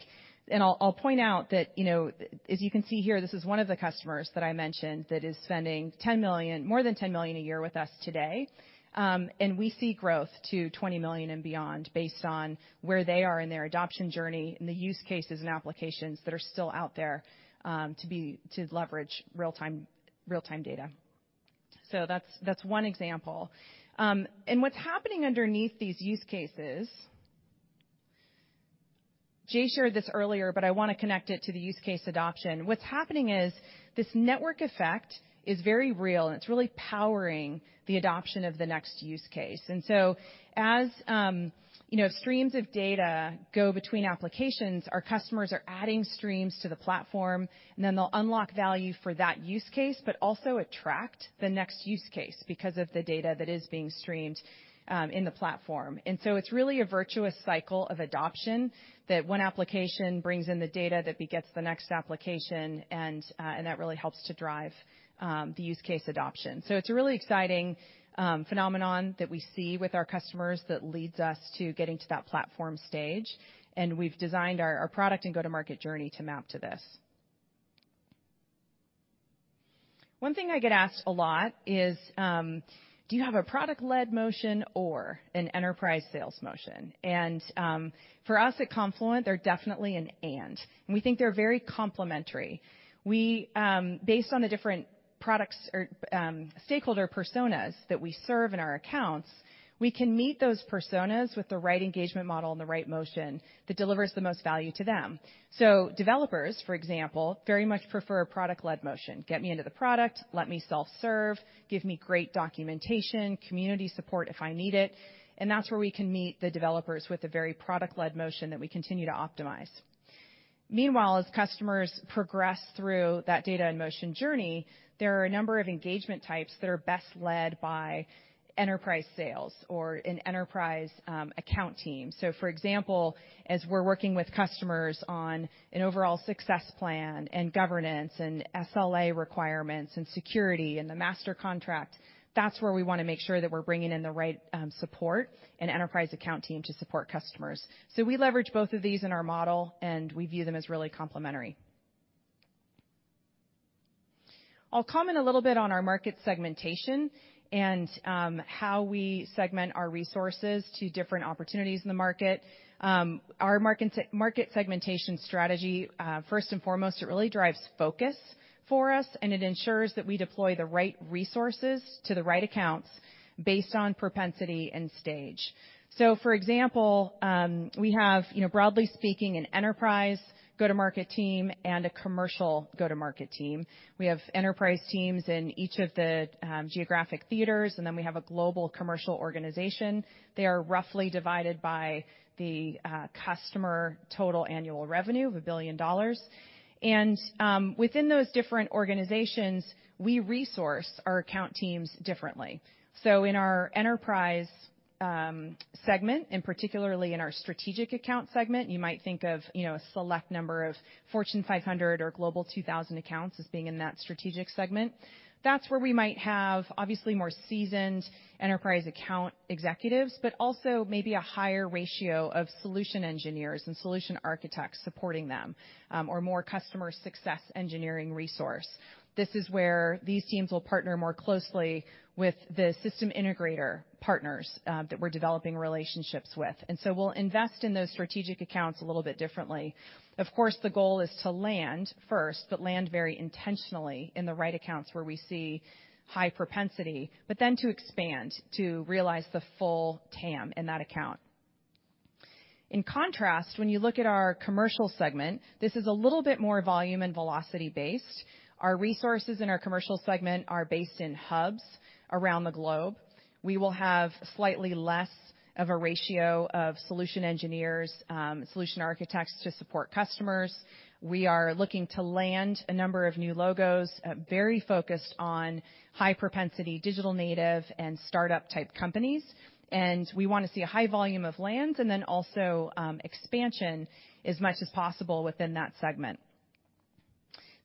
I'll point out that, you know, as you can see here, this is one of the customers that I mentioned that is spending more than $10 million a year with us today. We see growth to $20 million and beyond based on where they are in their adoption journey and the use cases and applications that are still out there to leverage real-time data. That's one example. What's happening underneath these use cases, Jay shared this earlier, but I wanna connect it to the use case adoption. What's happening is this network effect is very real, and it's really powering the adoption of the next use case. As you know, streams of data go between applications, our customers are adding streams to the platform, and then they'll unlock value for that use case but also attract the next use case because of the data that is being streamed in the platform. It's really a virtuous cycle of adoption that one application brings in the data that begets the next application, and that really helps to drive the use case adoption. It's a really exciting phenomenon that we see with our customers that leads us to getting to that platform stage, and we've designed our product and go-to-market journey to map to this. One thing I get asked a lot is, do you have a product-led motion or an enterprise sales motion? For us at Confluent, they're definitely an and. We think they're very complementary. We based on the different products or stakeholder personas that we serve in our accounts, we can meet those personas with the right engagement model and the right motion that delivers the most value to them. Developers, for example, very much prefer a product-led motion. Get me into the product, let me self-serve, give me great documentation, community support if I need it, and that's where we can meet the developers with a very product-led motion that we continue to optimize. Meanwhile, as customers progress through that data in motion journey, there are a number of engagement types that are best led by enterprise sales or an enterprise, account team. For example, as we're working with customers on an overall success plan and governance and SLA requirements and security and the master contract, that's where we wanna make sure that we're bringing in the right, support and enterprise account team to support customers. We leverage both of these in our model, and we view them as really complementary. I'll comment a little bit on our market segmentation and how we segment our resources to different opportunities in the market. Our market segmentation strategy, first and foremost, really drives focus for us, and it ensures that we deploy the right resources to the right accounts based on propensity and stage. For example, we have, you know, broadly speaking, an enterprise go-to-market team and a commercial go-to-market team. We have enterprise teams in each of the geographic theaters, and then we have a global commercial organization. They are roughly divided by the customer total annual revenue of $1 billion. Within those different organizations, we resource our account teams differently. In our enterprise segment, and particularly in our strategic account segment, you might think of, you know, a select number of Fortune 500 or Global 2000 accounts as being in that strategic segment. That's where we might have obviously more seasoned enterprise account executives, but also maybe a higher ratio of solution engineers and solution architects supporting them, or more customer success engineering resource. This is where these teams will partner more closely with the system integrator partners, that we're developing relationships with. We'll invest in those strategic accounts a little bit differently. Of course, the goal is to land first, but land very intentionally in the right accounts where we see high propensity, but then to expand to realize the full TAM in that account. In contrast, when you look at our commercial segment, this is a little bit more volume and velocity-based. Our resources in our commercial segment are based in hubs around the globe. We will have slightly less of a ratio of solution engineers, solution architects to support customers. We are looking to land a number of new logos, very focused on high propensity digital native and startup type companies. We wanna see a high volume of lands and then also, expansion as much as possible within that segment.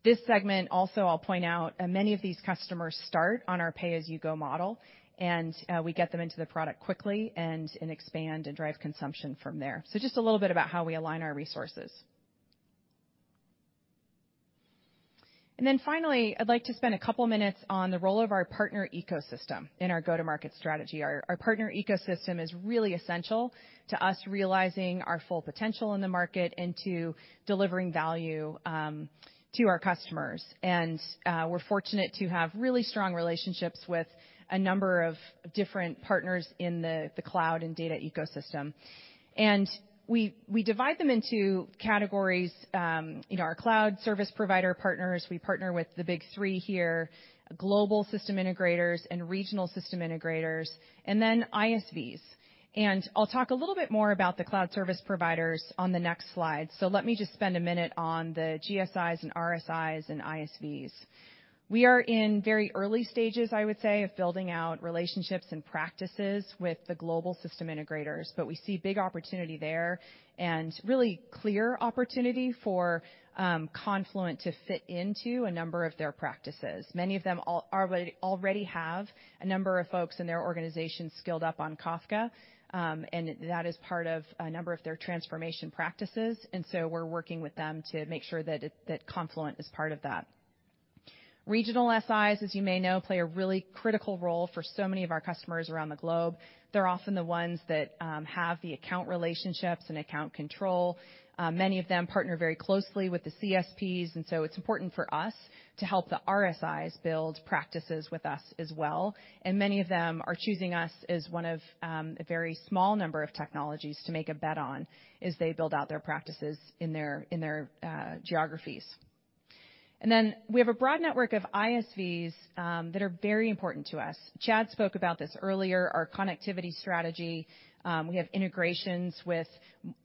This segment also, I'll point out, many of these customers start on our pay-as-you-go model, and we get them into the product quickly and expand and drive consumption from there. Just a little bit about how we align our resources. Finally, I'd like to spend a couple minutes on the role of our partner ecosystem in our go-to-market strategy. Our partner ecosystem is really essential to us realizing our full potential in the market and to delivering value to our customers. We're fortunate to have really strong relationships with a number of different partners in the cloud and data ecosystem. We divide them into categories, our cloud service provider partners. We partner with the big three here, global system integrators and regional system integrators, and then ISVs. I'll talk a little bit more about the cloud service providers on the next slide. Let me just spend a minute on the GSIs and RSIs and ISVs. We are in very early stages, I would say, of building out relationships and practices with the global system integrators, but we see big opportunity there and really clear opportunity for Confluent to fit into a number of their practices. Many of them already have a number of folks in their organization skilled up on Kafka, and that is part of a number of their transformation practices. We're working with them to make sure that Confluent is part of that. Regional SIs, as you may know, play a really critical role for so many of our customers around the globe. They're often the ones that have the account relationships and account control. Many of them partner very closely with the CSPs, and so it's important for us to help the RSIs build practices with us as well. Many of them are choosing us as one of a very small number of technologies to make a bet on as they build out their practices in their geographies. We have a broad network of ISVs that are very important to us. Chad spoke about this earlier, our connectivity strategy. We have integrations with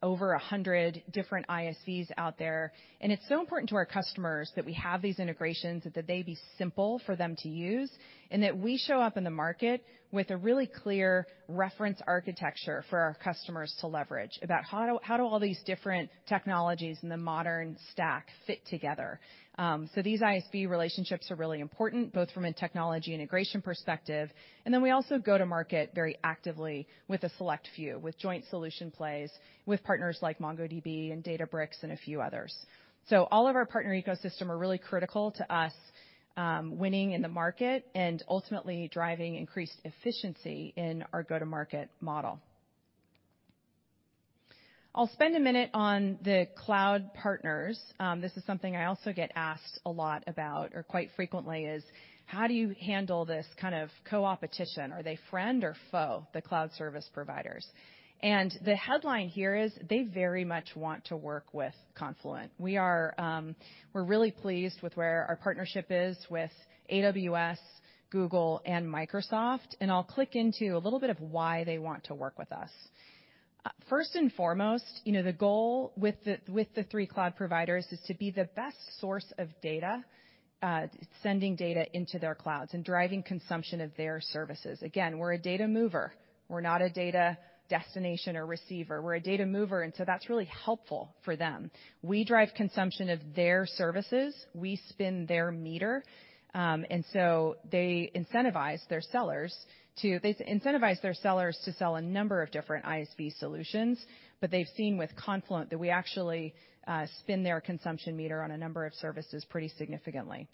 over 100 different ISVs out there, and it's so important to our customers that we have these integrations and that they be simple for them to use, and that we show up in the market with a really clear reference architecture for our customers to leverage about how all these different technologies in the modern stack fit together. These ISV relationships are really important, both from a technology integration perspective, and then we also go to market very actively with a select few, with joint solution plays with partners like MongoDB and Databricks and a few others. All of our partner ecosystem are really critical to us, winning in the market and ultimately driving increased efficiency in our go-to-market model. I'll spend a minute on the cloud partners. This is something I also get asked a lot about or quite frequently, is how do you handle this kind of coopetition? Are they friend or foe, the cloud service providers? The headline here is they very much want to work with Confluent. We're really pleased with where our partnership is with AWS, Google, and Microsoft, and I'll click into a little bit of why they want to work with us. First and foremost, the goal with the three cloud providers is to be the best source of data sending data into their clouds and driving consumption of their services. Again, we're a data mover. We're not a data destination or receiver. We're a data mover, and so that's really helpful for them. We drive consumption of their services. We spin their meter, and so they incentivize their sellers to sell a number of different ISV solutions, but they've seen with Confluent that we actually spin their consumption meter on a number of services pretty significantly.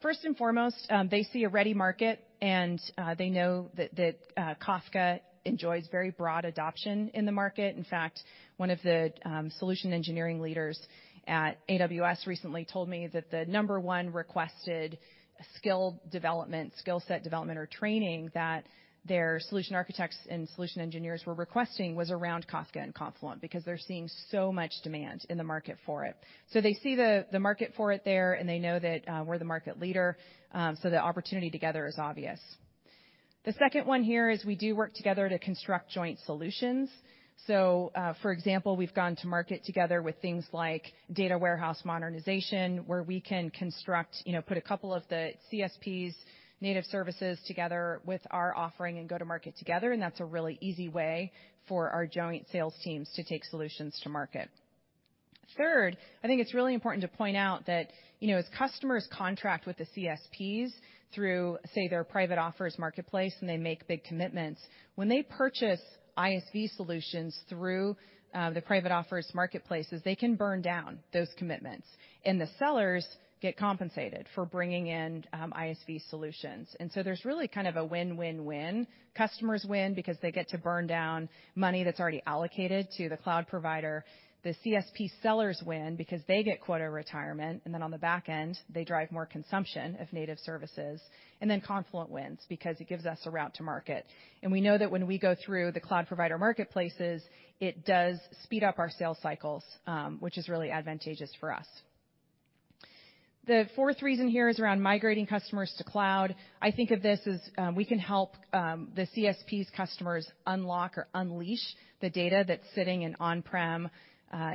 First and foremost, they see a ready market, and they know that that Kafka enjoys very broad adoption in the market. In fact, one of the solution engineering leaders at AWS recently told me that the number one requested skill development, skill set development or training that their solution architects and solution engineers were requesting was around Kafka and Confluent, because they're seeing so much demand in the market for it. They see the market for it there, and they know that we're the market leader, so the opportunity together is obvious. The second one here is we do work together to construct joint solutions. For example, we've gone to market together with things like data warehouse modernization, where we can construct, you know, put a couple of the CSPs native services together with our offering and go to market together, and that's a really easy way for our joint sales teams to take solutions to market. Third, I think it's really important to point out that, you know, as customers contract with the CSPs through, say, their private offers marketplace, and they make big commitments, when they purchase ISV solutions through the private offers marketplaces, they can burn down those commitments, and the sellers get compensated for bringing in ISV solutions. There's really kind of a win-win-win. Customers win because they get to burn down money that's already allocated to the cloud provider. The CSP sellers win because they get quota retirement, and then on the back end, they drive more consumption of native services. Confluent wins because it gives us a route to market. We know that when we go through the cloud provider marketplaces, it does speed up our sales cycles, which is really advantageous for us. The fourth reason here is around migrating customers to cloud. I think of this as we can help the CSP's customers unlock or unleash the data that's sitting in on-prem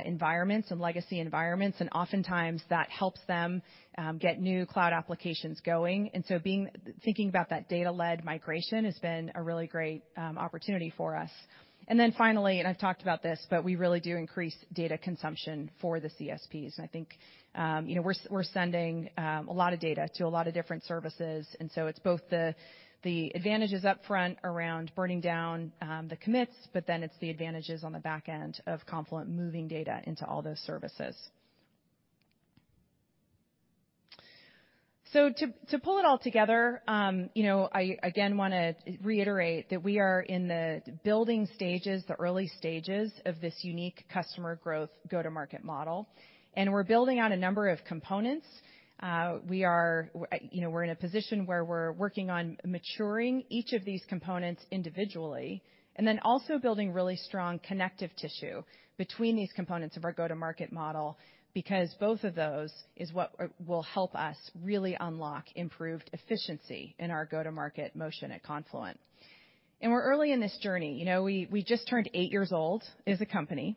environments and legacy environments, and oftentimes that helps them get new cloud applications going. Thinking about that data-led migration has been a really great opportunity for us. I've talked about this, but we really do increase data consumption for the CSPs. I think, you know, we're sending a lot of data to a lot of different services, and so it's both the advantages up front around burning down the commits, but then it's the advantages on the back end of Confluent moving data into all those services. To pull it all together, you know, I again wanna reiterate that we are in the building stages, the early stages of this unique customer growth go-to-market model, and we're building on a number of components. We are, you know, we're in a position where we're working on maturing each of these components individually, and then also building really strong connective tissue between these components of our go-to-market model, because both of those is what will help us really unlock improved efficiency in our go-to-market motion at Confluent. We're early in this journey. You know, we just turned eight years old as a company,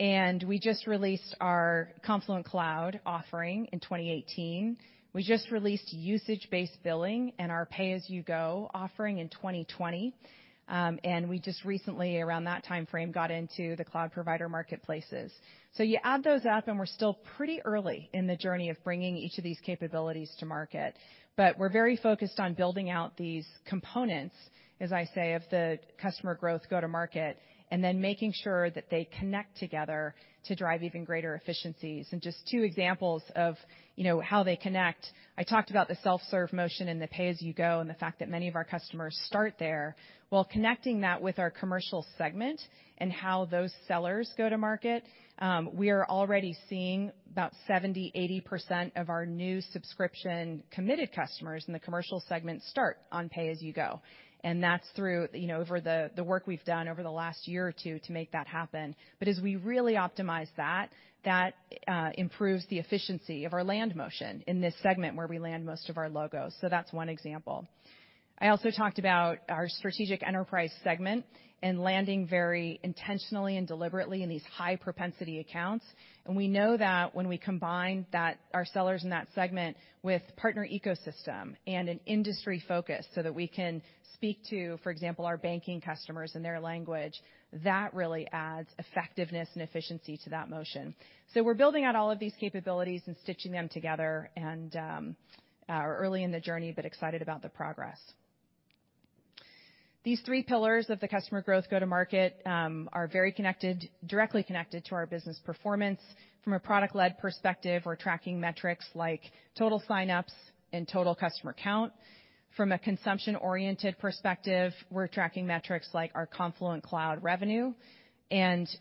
and we just released our Confluent Cloud offering in 2018. We just released usage-based billing and our pay-as-you-go offering in 2020. We just recently, around that timeframe, got into the cloud provider marketplaces. You add those up, and we're still pretty early in the journey of bringing each of these capabilities to market. We're very focused on building out these components, as I say, of the customer growth go-to-market, and then making sure that they connect together to drive even greater efficiencies. Just two examples of, you know, how they connect, I talked about the self-serve motion and the pay-as-you-go, and the fact that many of our customers start there. While connecting that with our commercial segment and how those sellers go to market, we are already seeing about 70-80% of our new subscription-committed customers in the commercial segment start on pay-as-you-go. That's through over the work we've done over the last year or two to make that happen. As we really optimize that improves the efficiency of our land motion in this segment where we land most of our logos. That's one example. I also talked about our strategic enterprise segment and landing very intentionally and deliberately in these high propensity accounts. We know that when we combine that, our sellers in that segment with partner ecosystem and an industry focus so that we can speak to, for example, our banking customers in their language, that really adds effectiveness and efficiency to that motion. We're building out all of these capabilities and stitching them together and early in the journey, but excited about the progress. These three pillars of the customer growth go-to-market are very connected, directly connected to our business performance. From a product-led perspective, we're tracking metrics like total signups and total customer count. From a consumption-oriented perspective, we're tracking metrics like our Confluent Cloud revenue.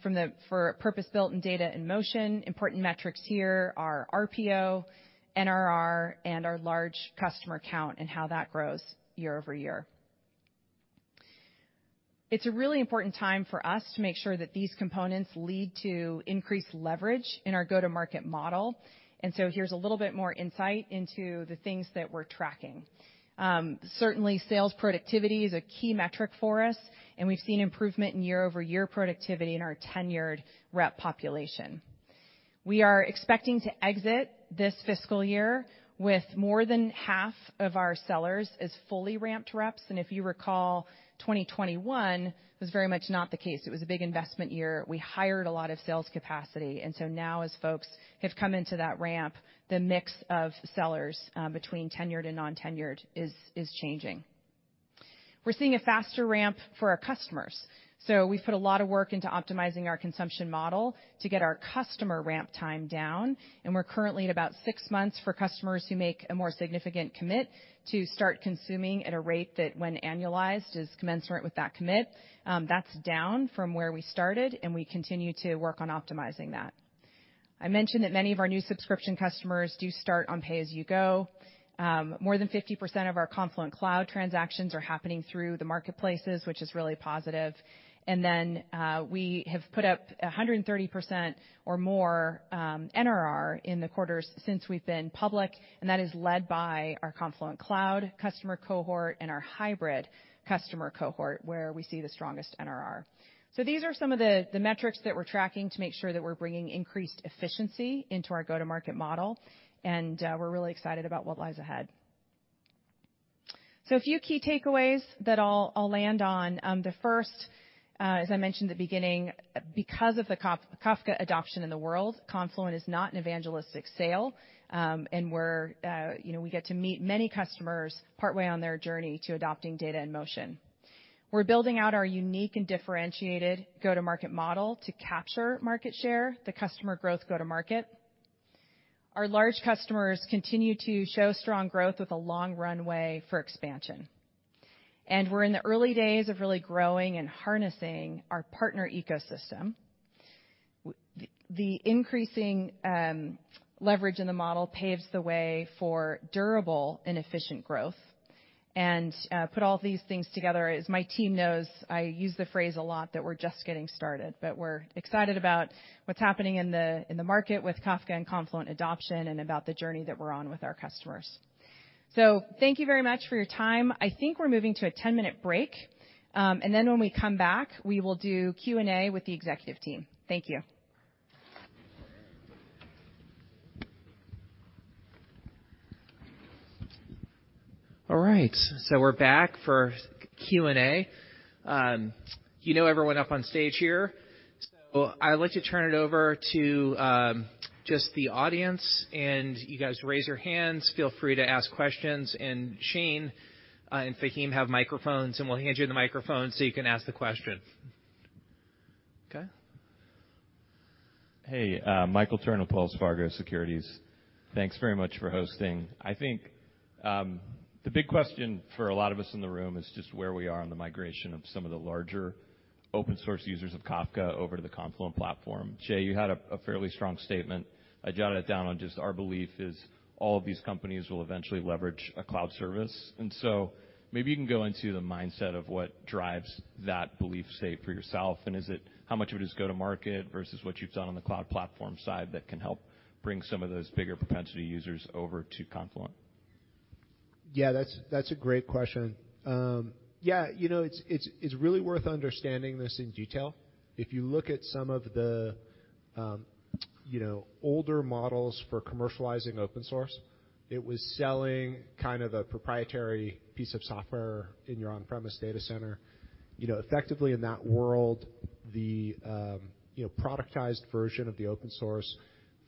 From for purpose-built and data in motion, important metrics here are RPO, NRR, and our large customer count and how that grows year-over-year. It's a really important time for us to make sure that these components lead to increased leverage in our go-to-market model. Here's a little bit more insight into the things that we're tracking. Certainly sales productivity is a key metric for us, and we've seen improvement in year-over-year productivity in our tenured rep population. We are expecting to exit this fiscal year with more than half of our sellers as fully ramped reps. If you recall, 2021 was very much not the case. It was a big investment year. We hired a lot of sales capacity. Now, as folks have come into that ramp, the mix of sellers between tenured and non-tenured is changing. We're seeing a faster ramp for our customers. We've put a lot of work into optimizing our consumption model to get our customer ramp time down, and we're currently at about six months for customers who make a more significant commit to start consuming at a rate that when annualized, is commensurate with that commit. That's down from where we started, and we continue to work on optimizing that. I mentioned that many of our new subscription customers do start on pay-as-you-go. More than 50% of our Confluent Cloud transactions are happening through the marketplaces, which is really positive. We have put up 130% or more NRR in the quarters since we've been public, and that is led by our Confluent Cloud customer cohort and our hybrid customer cohort, where we see the strongest NRR. These are some of the metrics that we're tracking to make sure that we're bringing increased efficiency into our go-to-market model, and we're really excited about what lies ahead. A few key takeaways that I'll land on. The first, as I mentioned at the beginning, because of the Kafka adoption in the world, Confluent is not an evangelistic sale. You know, we get to meet many customers partway on their journey to adopting data in motion. We're building out our unique and differentiated go-to-market model to capture market share, the customer growth go-to-market. Our large customers continue to show strong growth with a long runway for expansion. We're in the early days of really growing and harnessing our partner ecosystem. The increasing leverage in the model paves the way for durable and efficient growth. Put all these things together, as my team knows, I use the phrase a lot that we're just getting started. We're excited about what's happening in the market with Kafka and Confluent adoption and about the journey that we're on with our customers. Thank you very much for your time. I think we're moving to a 10-minute break. When we come back, we will do Q&A with the executive team. Thank you. All right, we're back for Q&A. You know everyone up on stage here. I'd like to turn it over to just the audience, and you guys raise your hands. Feel free to ask questions. Shane and Faheem have microphones, and we'll hand you the microphone so you can ask the question. Okay. Hey, Michael Turrin, Wells Fargo Securities. Thanks very much for hosting. I think the big question for a lot of us in the room is just where we are on the migration of some of the larger open source users of Kafka over to the Confluent platform. Jay, you had a fairly strong statement. I jotted it down on just our belief is all of these companies will eventually leverage a cloud service, and so maybe you can go into the mindset of what drives that belief state for yourself, and is it how much of it is go-to-market versus what you've done on the cloud platform side that can help bring some of those bigger propensity users over to Confluent? Yeah, that's a great question. Yeah, you know, it's really worth understanding this in detail. If you look at some of the, you know, older models for commercializing open source, it was selling kind of a proprietary piece of software in your on-premise data center. You know, effectively in that world, the, you know, productized version of the open source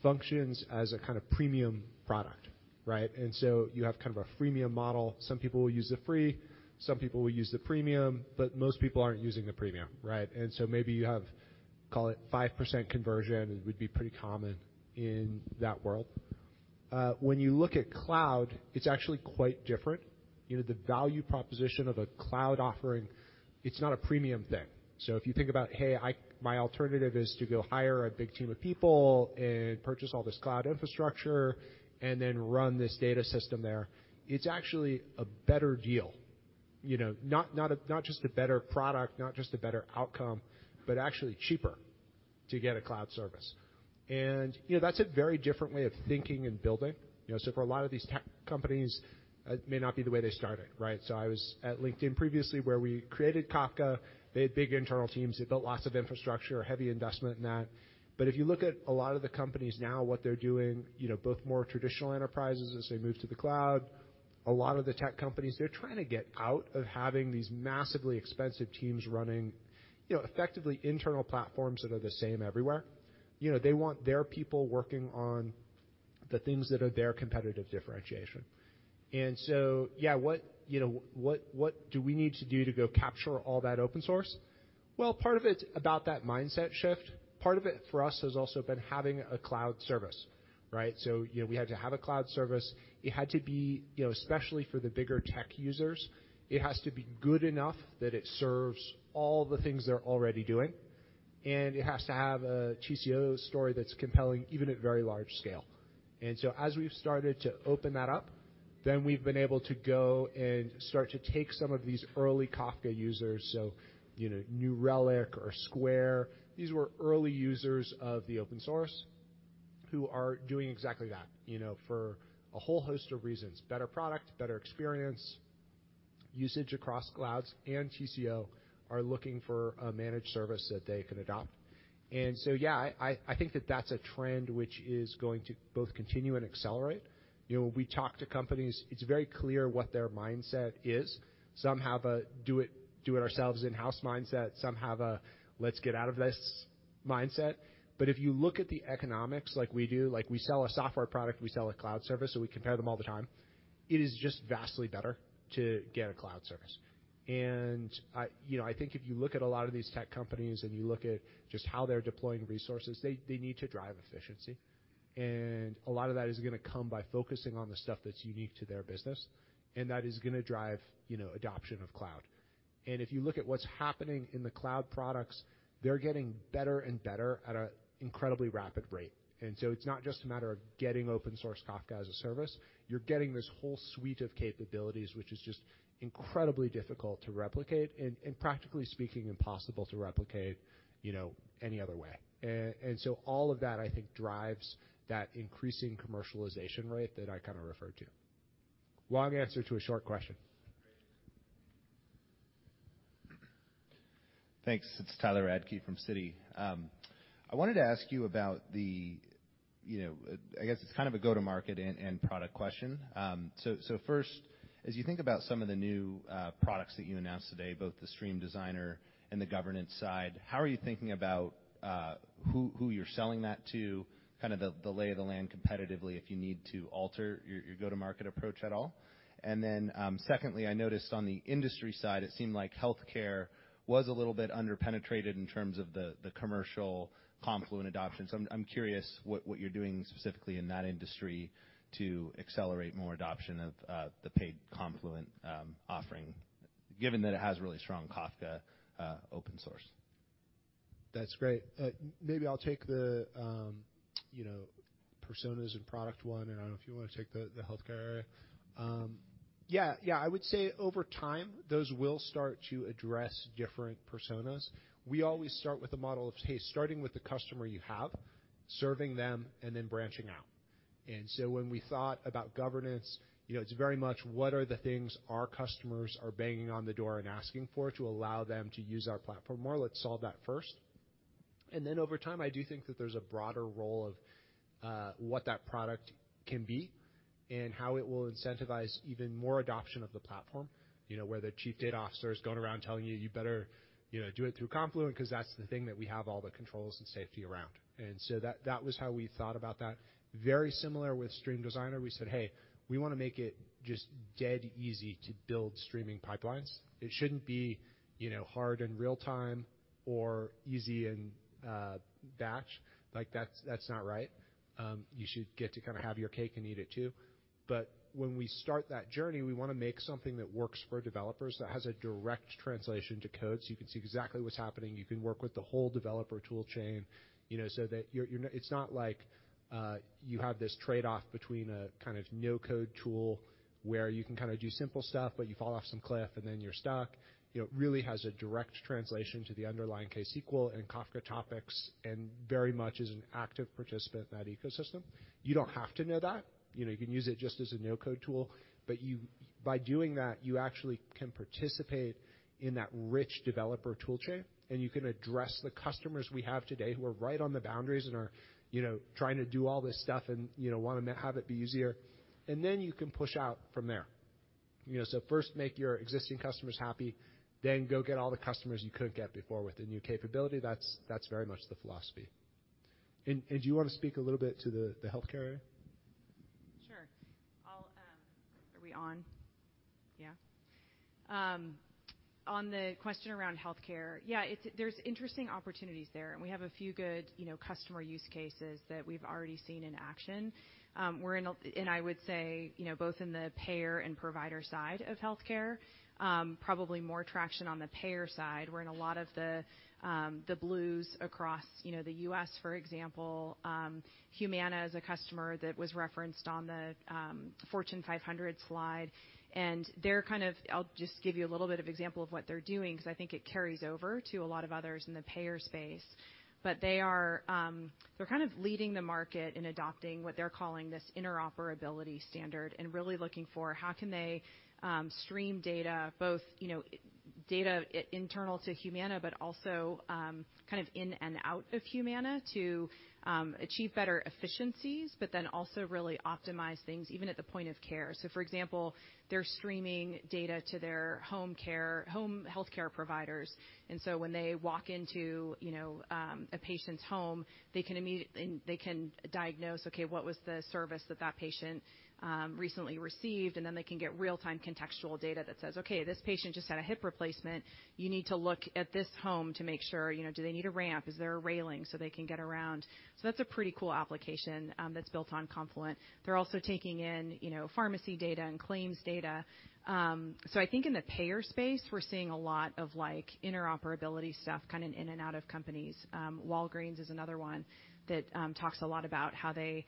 functions as a kinda premium product, right? You have kind of a freemium model. Some people will use the free, some people will use the premium, but most people aren't using the premium, right? Maybe you have, call it 5% conversion, it would be pretty common in that world. When you look at cloud, it's actually quite different. You know, the value proposition of a cloud offering, it's not a premium thing. If you think about, "Hey, my alternative is to go hire a big team of people and purchase all this cloud infrastructure and then run this data system there," it's actually a better deal. You know, not just a better product, not just a better outcome, but actually cheaper to get a cloud service. You know, that's a very different way of thinking and building. You know, for a lot of these tech companies, it may not be the way they started, right? I was at LinkedIn previously, where we created Kafka. They had big internal teams. They built lots of infrastructure, heavy investment in that. If you look at a lot of the companies now, what they're doing, you know, both more traditional enterprises as they move to the cloud. A lot of the tech companies, they're trying to get out of having these massively expensive teams running, you know, effectively internal platforms that are the same everywhere. You know, they want their people working on the things that are their competitive differentiation. Yeah, what do we need to do to go capture all that open source? Well, part of it's about that mindset shift. Part of it for us has also been having a cloud service, right? You know, we had to have a cloud service. It had to be, you know, especially for the bigger tech users, it has to be good enough that it serves all the things they're already doing, and it has to have a TCO story that's compelling, even at very large scale. As we've started to open that up, then we've been able to go and start to take some of these early Kafka users. You know, New Relic or Square, these were early users of the open source who are doing exactly that, you know, for a whole host of reasons. Better product, better experience. Usage across clouds and TCO are looking for a managed service that they can adopt. Yeah, I think that that's a trend which is going to both continue and accelerate. You know, when we talk to companies, it's very clear what their mindset is. Some have a do it ourselves in-house mindset, some have a let's get out of this mindset. If you look at the economics like we do, like we sell a software product, we sell a cloud service, so we compare them all the time. It is just vastly better to get a cloud service. I you know, I think if you look at a lot of these tech companies and you look at just how they're deploying resources, they need to drive efficiency. A lot of that is gonna come by focusing on the stuff that's unique to their business, and that is gonna drive, you know, adoption of cloud. If you look at what's happening in the cloud products, they're getting better and better at an incredibly rapid rate. It's not just a matter of getting open source Kafka as a service. You're getting this whole suite of capabilities, which is just incredibly difficult to replicate and practically speaking, impossible to replicate, you know, any other way. All of that, I think, drives that increasing commercialization rate that I kinda referred to. Long answer to a short question. Thanks. It's Tyler Radke from Citi. I wanted to ask you about the, you know, I guess it's kind of a go-to-market and product question. First, as you think about some of the new products that you announced today, both the Stream Designer and the governance side, how are you thinking about who you're selling that to, kind of the lay of the land competitively if you need to alter your go-to-market approach at all? Secondly, I noticed on the industry side, it seemed like healthcare was a little bit underpenetrated in terms of the commercial Confluent adoption. I'm curious what you're doing specifically in that industry to accelerate more adoption of the paid Confluent offering, given that it has really strong Kafka open source. That's great. Maybe I'll take the personas and product one, and I don't know if you wanna take the healthcare area. I would say over time, those will start to address different personas. We always start with a model of, hey, starting with the customer you have, serving them, and then branching out. When we thought about governance, you know, it's very much what are the things our customers are banging on the door and asking for to allow them to use our platform more. Let's solve that first. Over time, I do think that there's a broader role of what that product can be and how it will incentivize even more adoption of the platform, you know, where the chief data officer is going around telling you better, you know, do it through Confluent 'cause that's the thing that we have all the controls and safety around. That was how we thought about that. Very similar with Stream Designer. We said, "Hey, we wanna make it just dead easy to build streaming pipelines." It shouldn't be, you know, hard in real time or easy in batch. Like that's not right. You should get to kinda have your cake and eat it too. When we start that journey, we want to make something that works for developers, that has a direct translation to code, so you can see exactly what's happening. You can work with the whole developer tool chain, you know, so that you're, it's not like you have this trade-off between a kind of no code tool where you can kinda do simple stuff, but you fall off some cliff, and then you're stuck. You know, really has a direct translation to the underlying ksqlDB and Kafka topics, and very much is an active participant in that ecosystem. You don't have to know that. You know, you can use it just as a no code tool. You, by doing that, you actually can participate in that rich developer tool chain, and you can address the customers we have today who are right on the boundaries and are, you know, trying to do all this stuff and, you know, wanna have it be easier. Then you can push out from there. You know, first make your existing customers happy, then go get all the customers you couldn't get before with the new capability. That's very much the philosophy. Do you wanna speak a little bit to the healthcare area? On the question around healthcare, there are interesting opportunities there, and we have a few good, you know, customer use cases that we've already seen in action. I would say, you know, both in the payer and provider side of healthcare, probably more traction on the payer side. We're in a lot of the Blues across, you know, the U.S., for example, Humana is a customer that was referenced on the Fortune 500 slide, and they're kind of. I'll just give you a little bit of example of what they're doing 'cause I think it carries over to a lot of others in the payer space. They are, they're kind of leading the market in adopting what they're calling this interoperability standard and really looking for how can they stream data both, you know, data internal to Humana, but also, kind of in and out of Humana to achieve better efficiencies, but then also really optimize things even at the point of care. For example, they're streaming data to their home care, home healthcare providers. When they walk into, you know, a patient's home, they can diagnose, okay, what was the service that that patient recently received, and then they can get real-time contextual data that says, "Okay, this patient just had a hip replacement. You need to look at this home to make sure, you know, do they need a ramp? Is there a railing so they can get around?" That's a pretty cool application that's built on Confluent. They're also taking in, you know, pharmacy data and claims data. I think in the payer space, we're seeing a lot of, like, interoperability stuff kind of in and out of companies. Walgreens is another one that talks a lot about how they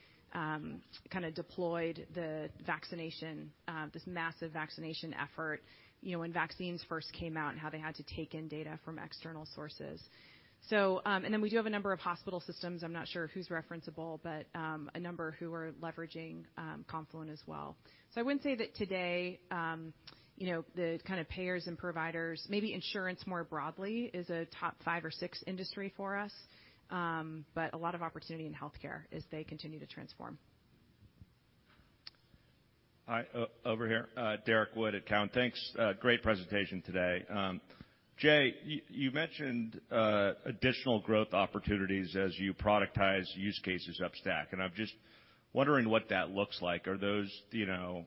kinda deployed the vaccination this massive vaccination effort, you know, when vaccines first came out and how they had to take in data from external sources. We do have a number of hospital systems. I'm not sure who's referenceable, but a number who are leveraging Confluent as well. I wouldn't say that today, you know, the kind of payers and providers, maybe insurance more broadly is a top five or six industry for us. A lot of opportunity in healthcare as they continue to transform. Hi. Derrick Wood at Cowen. Thanks, great presentation today. Jay, you mentioned additional growth opportunities as you productize use cases upstack, and I'm just wondering what that looks like. Are those, you know,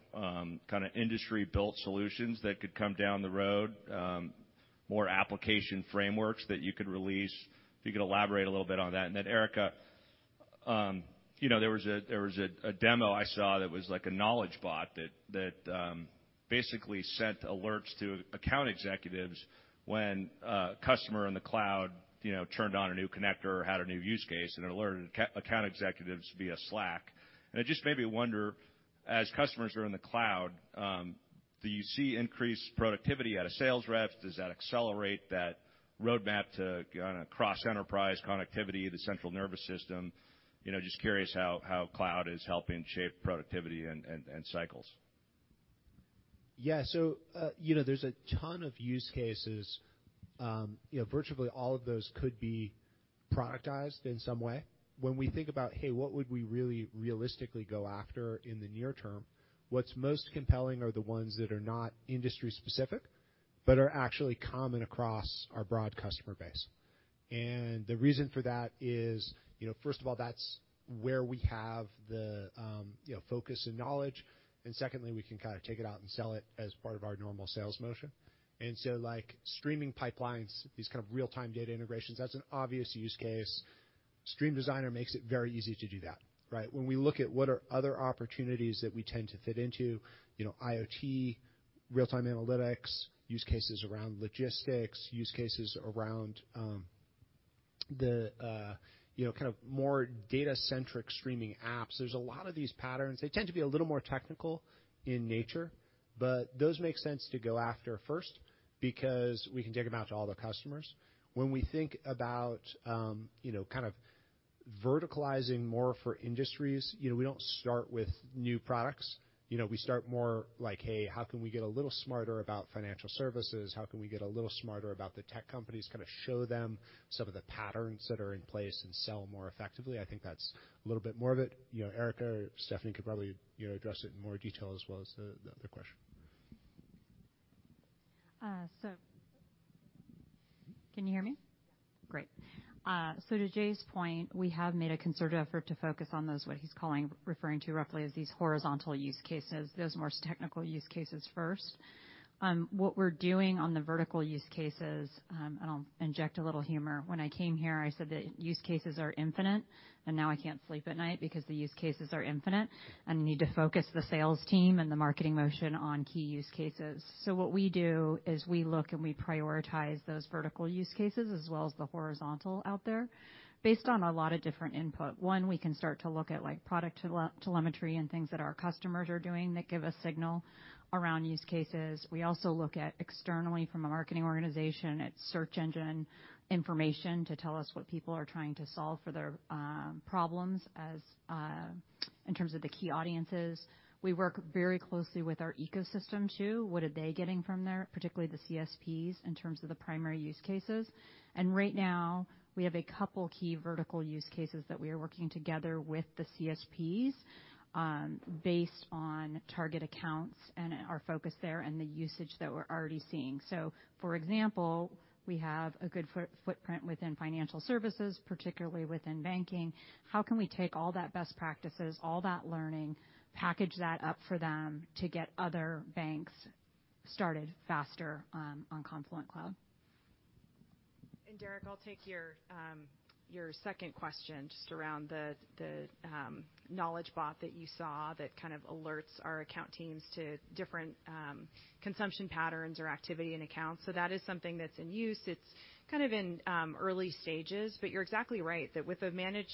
kinda industry-built solutions that could come down the road, more application frameworks that you could release? If you could elaborate a little bit on that. And then, Erica, you know, there was a demo I saw that was like a knowledge bot that basically sent alerts to account executives when a customer in the cloud, you know, turned on a new connector or had a new use case, and it alerted account executives via Slack. And it just made me wonder, as customers are in the cloud, do you see increased productivity out of sales reps? Does that accelerate that roadmap to, on a cross-enterprise connectivity, the central nervous system? You know, just curious how cloud is helping shape productivity and cycles. Yeah. You know, there's a ton of use cases, you know, virtually all of those could be productized in some way. When we think about, "Hey, what would we really realistically go after in the near term?" What's most compelling are the ones that are not industry specific, but are actually common across our broad customer base. The reason for that is, you know, first of all, that's where we have the, you know, focus and knowledge, and secondly, we can kind of take it out and sell it as part of our normal sales motion. Like, streaming pipelines, these kind of real-time data integrations, that's an obvious use case. Stream Designer makes it very easy to do that, right? When we look at what are other opportunities that we tend to fit into, you know, IoT, real-time analytics, use cases around logistics, use cases around, you know, kind of more data-centric streaming apps, there's a lot of these patterns. They tend to be a little more technical in nature, but those make sense to go after first because we can take them out to all the customers. When we think about, you know, kind of verticalizing more for industries, you know, we don't start with new products. You know, we start more like, "Hey, how can we get a little smarter about financial services? How can we get a little smarter about the tech companies?" Kinda show them some of the patterns that are in place and sell more effectively. I think that's a little bit more of it. You know, Erica or Stephanie could probably, you know, address it in more detail as well as the other question. Can you hear me? Great. To Jay's point, we have made a concerted effort to focus on those, what he's calling, referring to roughly as these horizontal use cases, those more technical use cases first. What we're doing on the vertical use cases, and I'll inject a little humor. When I came here, I said that use cases are infinite, and now I can't sleep at night because the use cases are infinite, and we need to focus the sales team and the marketing motion on key use cases. What we do is we look and we prioritize those vertical use cases as well as the horizontal out there based on a lot of different input. One, we can start to look at, like, product telemetry and things that our customers are doing that give a signal around use cases. We also look externally from a marketing organization at search engine information to tell us what people are trying to solve for their problems as in terms of the key audiences. We work very closely with our ecosystem too. What are they getting from there, particularly the CSPs, in terms of the primary use cases. Right now, we have a couple key vertical use cases that we are working together with the CSPs, based on target accounts and our focus there and the usage that we're already seeing. For example, we have a good footprint within financial services, particularly within banking. How can we take all that best practices, all that learning, package that up for them to get other banks started faster on Confluent Cloud? Derrick, I'll take your second question just around the knowledge bot that you saw that kind of alerts our account teams to different consumption patterns or activity in accounts. That is something that's in use. It's kind of in early stages, but you're exactly right that with a managed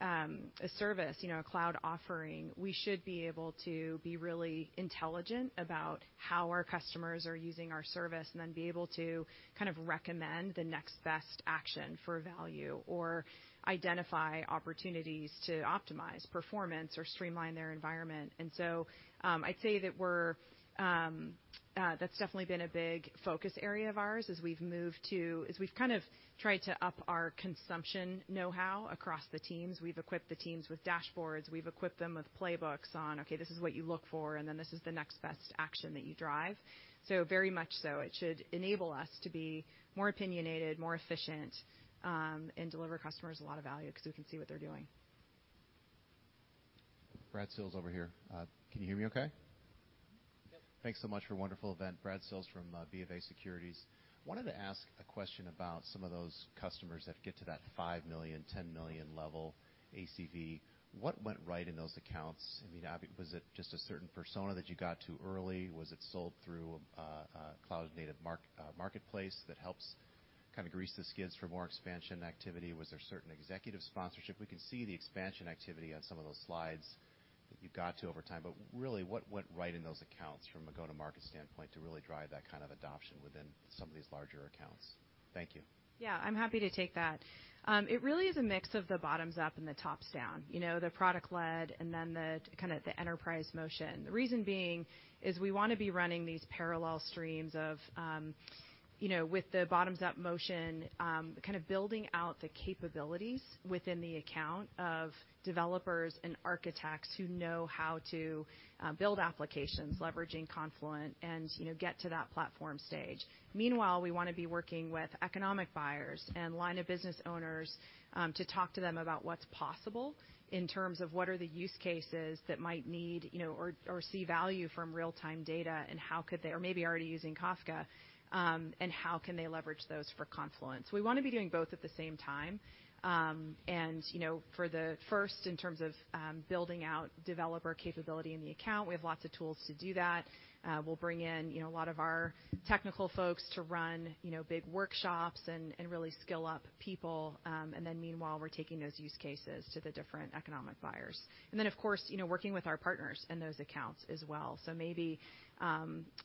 a service, you know, a cloud offering, we should be able to be really intelligent about how our customers are using our service, and then be able to kind of recommend the next best action for value or identify opportunities to optimize performance or streamline their environment. I'd say that's definitely been a big focus area of ours. As we've kind of tried to up our consumption know-how across the teams. We've equipped the teams with dashboards. We've equipped them with playbooks on, okay, this is what you look for, and then this is the next best action that you drive. Very much so. It should enable us to be more opinionated, more efficient, and deliver customers a lot of value 'cause we can see what they're doing. Brad Sills over here. Can you hear me okay? Yep. Thanks so much for a wonderful event. Brad Sills from BofA Securities. Wanted to ask a question about some of those customers that get to that $5 million, $10 million level ACV. What went right in those accounts? I mean, was it just a certain persona that you got to early? Was it sold through a cloud-native marketplace that helps kind of grease the skids for more expansion activity? Was there certain executive sponsorship? We can see the expansion activity on some of those slides. You got to over time. Really, what went right in those accounts from a go-to-market standpoint to really drive that kind of adoption within some of these larger accounts? Thank you. Yeah. I'm happy to take that. It really is a mix of the bottoms-up and the top-down, you know, the product-led and then the kind of the enterprise motion. The reason being is we want to be running these parallel streams of, you know, with the bottoms-up motion, kind of building out the capabilities within the account of developers and architects who know how to build applications leveraging Confluent and, you know, get to that platform stage. Meanwhile, we want to be working with economic buyers and line of business owners, to talk to them about what's possible in terms of what are the use cases that might need, you know, or see value from real-time data and how could they or maybe already using Kafka, and how can they leverage those for Confluent. We wanna be doing both at the same time. You know, for the first, in terms of building out developer capability in the account, we have lots of tools to do that. We'll bring in, you know, a lot of our technical folks to run, you know, big workshops and really skill up people. Meanwhile, we're taking those use cases to the different economic buyers. Of course, you know, working with our partners in those accounts as well. Maybe,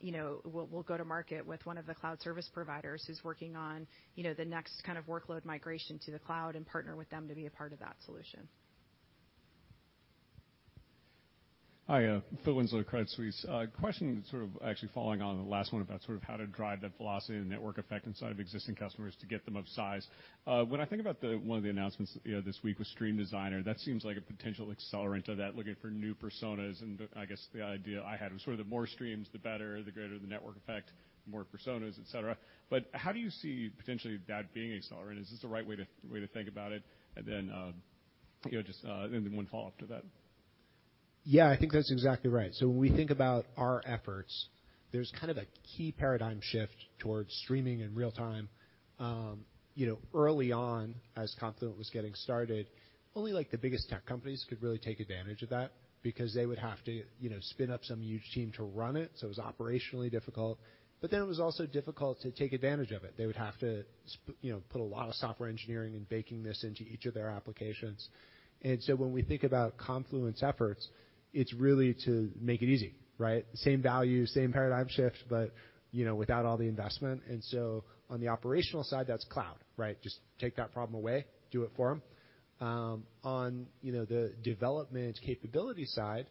you know, we'll go to market with one of the cloud service providers who's working on, you know, the next kind of workload migration to the cloud and partner with them to be a part of that solution. Hi. Phil Winslow, Credit Suisse. Question sort of actually following on the last one about sort of how to drive that velocity and network effect inside of existing customers to get them up to size. When I think about the one of the announcements, you know, this week was Stream Designer, that seems like a potential accelerant of that, looking for new personas. I guess the idea I had was sort of the more streams, the better, the greater the network effect, the more personas, etcetera. But how do you see potentially that being accelerant? Is this the right way to think about it? And then one follow-up to that. Yeah, I think that's exactly right. When we think about our efforts, there's kind of a key paradigm shift towards streaming in real-time. You know, early on, as Confluent was getting started, only like the biggest tech companies could really take advantage of that because they would have to, you know, spin up some huge team to run it, so it was operationally difficult, but then it was also difficult to take advantage of it. They would have to, you know, put a lot of software engineering in baking this into each of their applications. When we think about Confluent's efforts, it's really to make it easy, right? The same value, same paradigm shift, but, you know, without all the investment. On the operational side, that's cloud, right? Just take that problem away, do it for them. On, you know, the development capability side,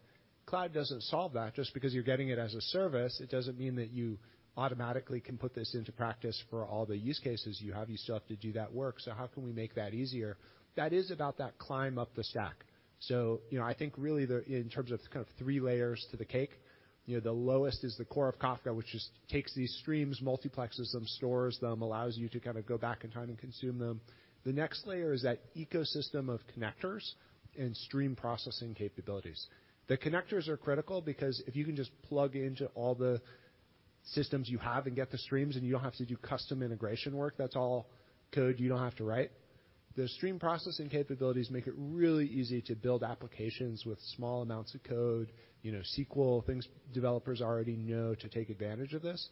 cloud doesn't solve that. Just because you're getting it as a service, it doesn't mean that you automatically can put this into practice for all the use cases you have. You still have to do that work, so how can we make that easier? That is about that climb up the stack. You know, I think really in terms of kind of three layers to the cake, you know, the lowest is the core of Kafka, which just takes these streams, multiplexes them, stores them, allows you to kind of go back in time and consume them. The next layer is that ecosystem of connectors and stream processing capabilities. The connectors are critical because if you can just plug into all the systems you have and get the streams, and you don't have to do custom integration work, that's all code you don't have to write. The stream processing capabilities make it really easy to build applications with small amounts of code, you know, SQL, things developers already know to take advantage of this.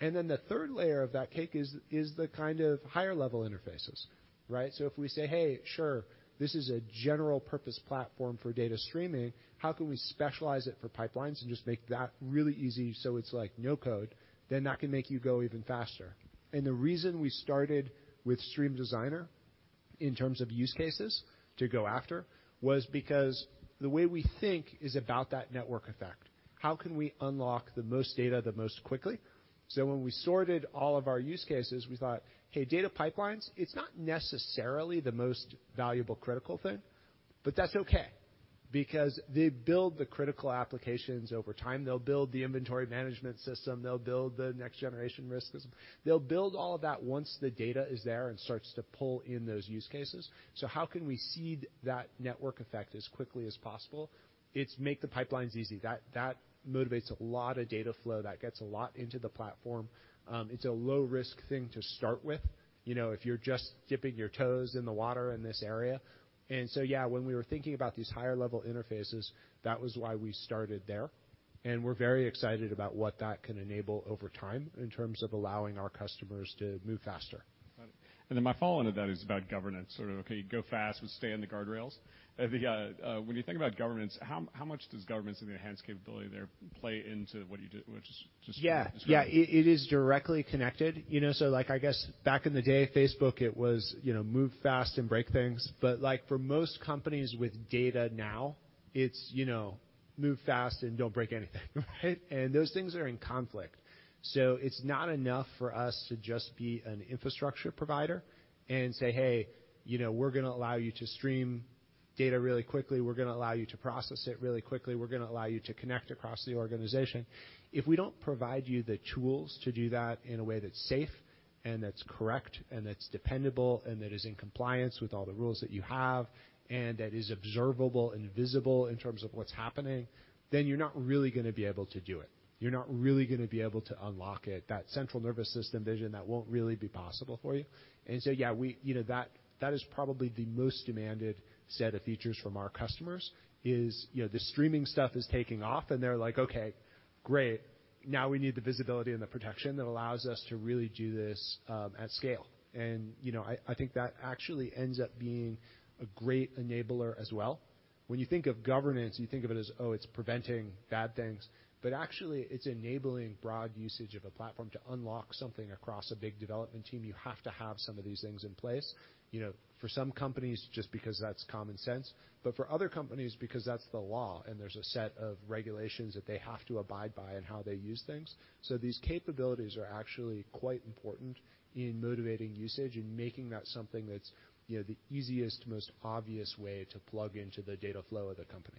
The third layer of that cake is the kind of higher level interfaces, right? If we say, "Hey, sure, this is a general purpose platform for data streaming, how can we specialize it for pipelines and just make that really easy so it's like no code?" That can make you go even faster. The reason we started with Stream Designer, in terms of use cases to go after, was because the way we think is about that network effect. How can we unlock the most data the most quickly? When we sorted all of our use cases, we thought, "Hey, data pipelines, it's not necessarily the most valuable, critical thing, but that's okay," because they build the critical applications over time. They'll build the inventory management system, they'll build the next generation risk system. They'll build all of that once the data is there and starts to pull in those use cases. How can we seed that network effect as quickly as possible? It's make the pipelines easy. That motivates a lot of data flow, that gets a lot into the platform. It's a low risk thing to start with, you know, if you're just dipping your toes in the water in this area. Yeah, when we were thinking about these higher level interfaces, that was why we started there, and we're very excited about what that can enable over time in terms of allowing our customers to move faster. Got it. My follow-on to that is about governance. Sort of, okay, go fast but stay in the guardrails. I think, when you think about governance, how much does governance and the enhanced capability there play into what you did? Which is just- Yeah. It is directly connected, you know. Like, I guess back in the day, Facebook, it was, you know, move fast and break things. Like for most companies with data now, it's, you know, move fast and don't break anything, right? Those things are in conflict. It's not enough for us to just be an infrastructure provider and say, "Hey, you know, we're gonna allow you to stream data really quickly. We're gonna allow you to process it really quickly. We're gonna allow you to connect across the organization." If we don't provide you the tools to do that in a way that's safe. That's correct, and that's dependable, and that is in compliance with all the rules that you have, and that is observable and visible in terms of what's happening, then you're not really gonna be able to do it. You're not really gonna be able to unlock it. That central nervous system vision, that won't really be possible for you. Yeah, you know, that is probably the most demanded set of features from our customers, is, you know, the streaming stuff is taking off, and they're like, "Okay, great. Now we need the visibility and the protection that allows us to really do this, at scale." You know, I think that actually ends up being a great enabler as well. When you think of governance, you think of it as, oh, it's preventing bad things. Actually it's enabling broad usage of a platform. To unlock something across a big development team, you have to have some of these things in place. You know, for some companies just because that's common sense, but for other companies because that's the law, and there's a set of regulations that they have to abide by in how they use things. These capabilities are actually quite important in motivating usage and making that something that's, you know, the easiest, most obvious way to plug into the data flow of the company.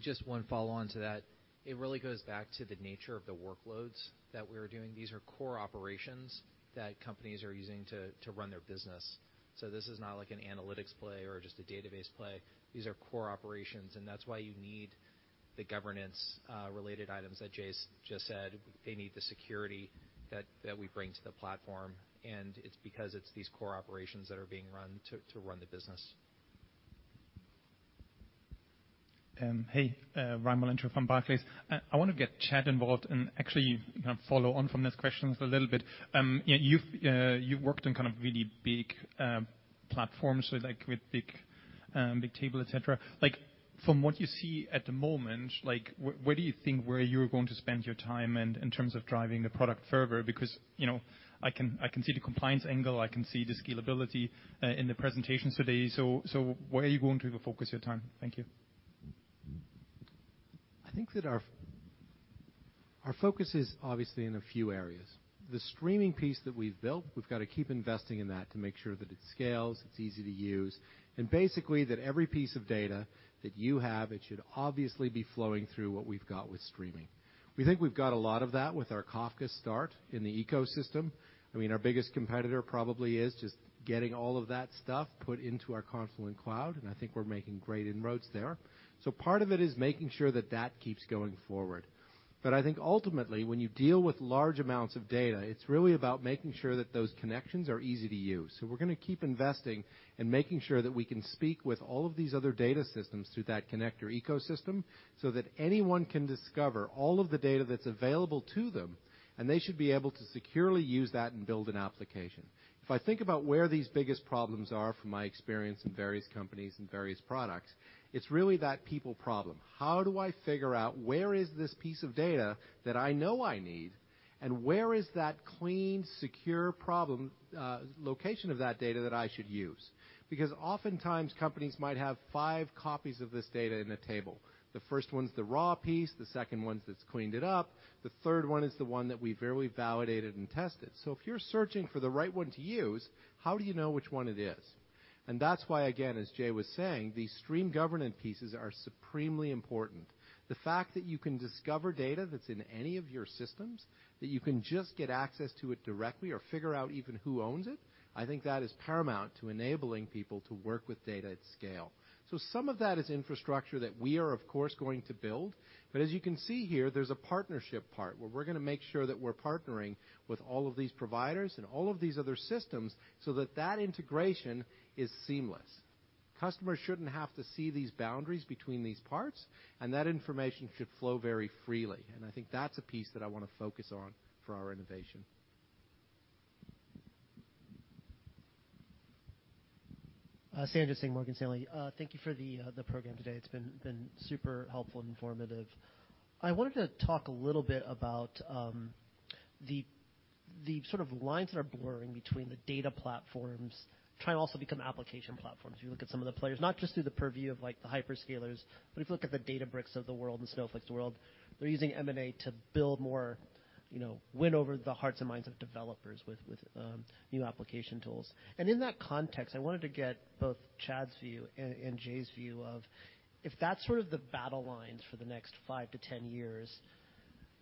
Just one follow-on to that. It really goes back to the nature of the workloads that we're doing. These are core operations that companies are using to run their business. This is not like an analytics play or just a database play. These are core operations, and that's why you need the governance related items that Jay's just said. They need the security that we bring to the platform, and it's because it's these core operations that are being run to run the business. Hey, Ryan MacWilliams from Barclays. I wanna get Chad Verbowski involved and actually, you know, follow on from this question just a little bit. You've worked on kind of really big platforms so like with Bigtable, et cetera. Like, from what you see at the moment, like, where do you think you're going to spend your time in terms of driving the product further? Because, you know, I can see the compliance angle, I can see the scalability in the presentations today. Where are you going to focus your time? Thank you. I think that our focus is obviously in a few areas. The streaming piece that we've built, we've got to keep investing in that to make sure that it scales, it's easy to use, and basically that every piece of data that you have, it should obviously be flowing through what we've got with streaming. We think we've got a lot of that with our Kafka start in the ecosystem. I mean, our biggest competitor probably is just getting all of that stuff put into our Confluent Cloud, and I think we're making great inroads there. Part of it is making sure that that keeps going forward. I think ultimately, when you deal with large amounts of data, it's really about making sure that those connections are easy to use. We're gonna keep investing and making sure that we can speak with all of these other data systems through that connector ecosystem, so that anyone can discover all of the data that's available to them, and they should be able to securely use that and build an application. If I think about where these biggest problems are from my experience in various companies and various products, it's really that people problem. How do I figure out where is this piece of data that I know I need, and where is that clean, secure, proper location of that data that I should use? Because oftentimes companies might have five copies of this data in a table. The first one's the raw piece, the second one that's cleaned it up, the third one is the one that we've barely validated and tested. If you're searching for the right one to use, how do you know which one it is? That's why, again, as Jay was saying, these Stream Governance pieces are supremely important. The fact that you can discover data that's in any of your systems, that you can just get access to it directly or figure out even who owns it, I think that is paramount to enabling people to work with data at scale. Some of that is infrastructure that we are of course going to build. As you can see here, there's a partnership part where we're gonna make sure that we're partnering with all of these providers and all of these other systems so that that integration is seamless. Customers shouldn't have to see these boundaries between these parts, and that information should flow very freely. I think that's a piece that I wanna focus on for our innovation. Sanjit Singh, Morgan Stanley. Thank you for the program today. It's been super helpful and informative. I wanted to talk a little bit about the sort of lines that are blurring between the data platforms trying to also become application platforms. If you look at some of the players, not just through the purview of like the hyperscalers, but if you look at the Databricks of the world and Snowflake's of the world, they're using M&A to build more, you know, win over the hearts and minds of developers with new application tools. In that context, I wanted to get both Chad's view and Jay's view of if that's sort of the battle lines for the next 5-10 years,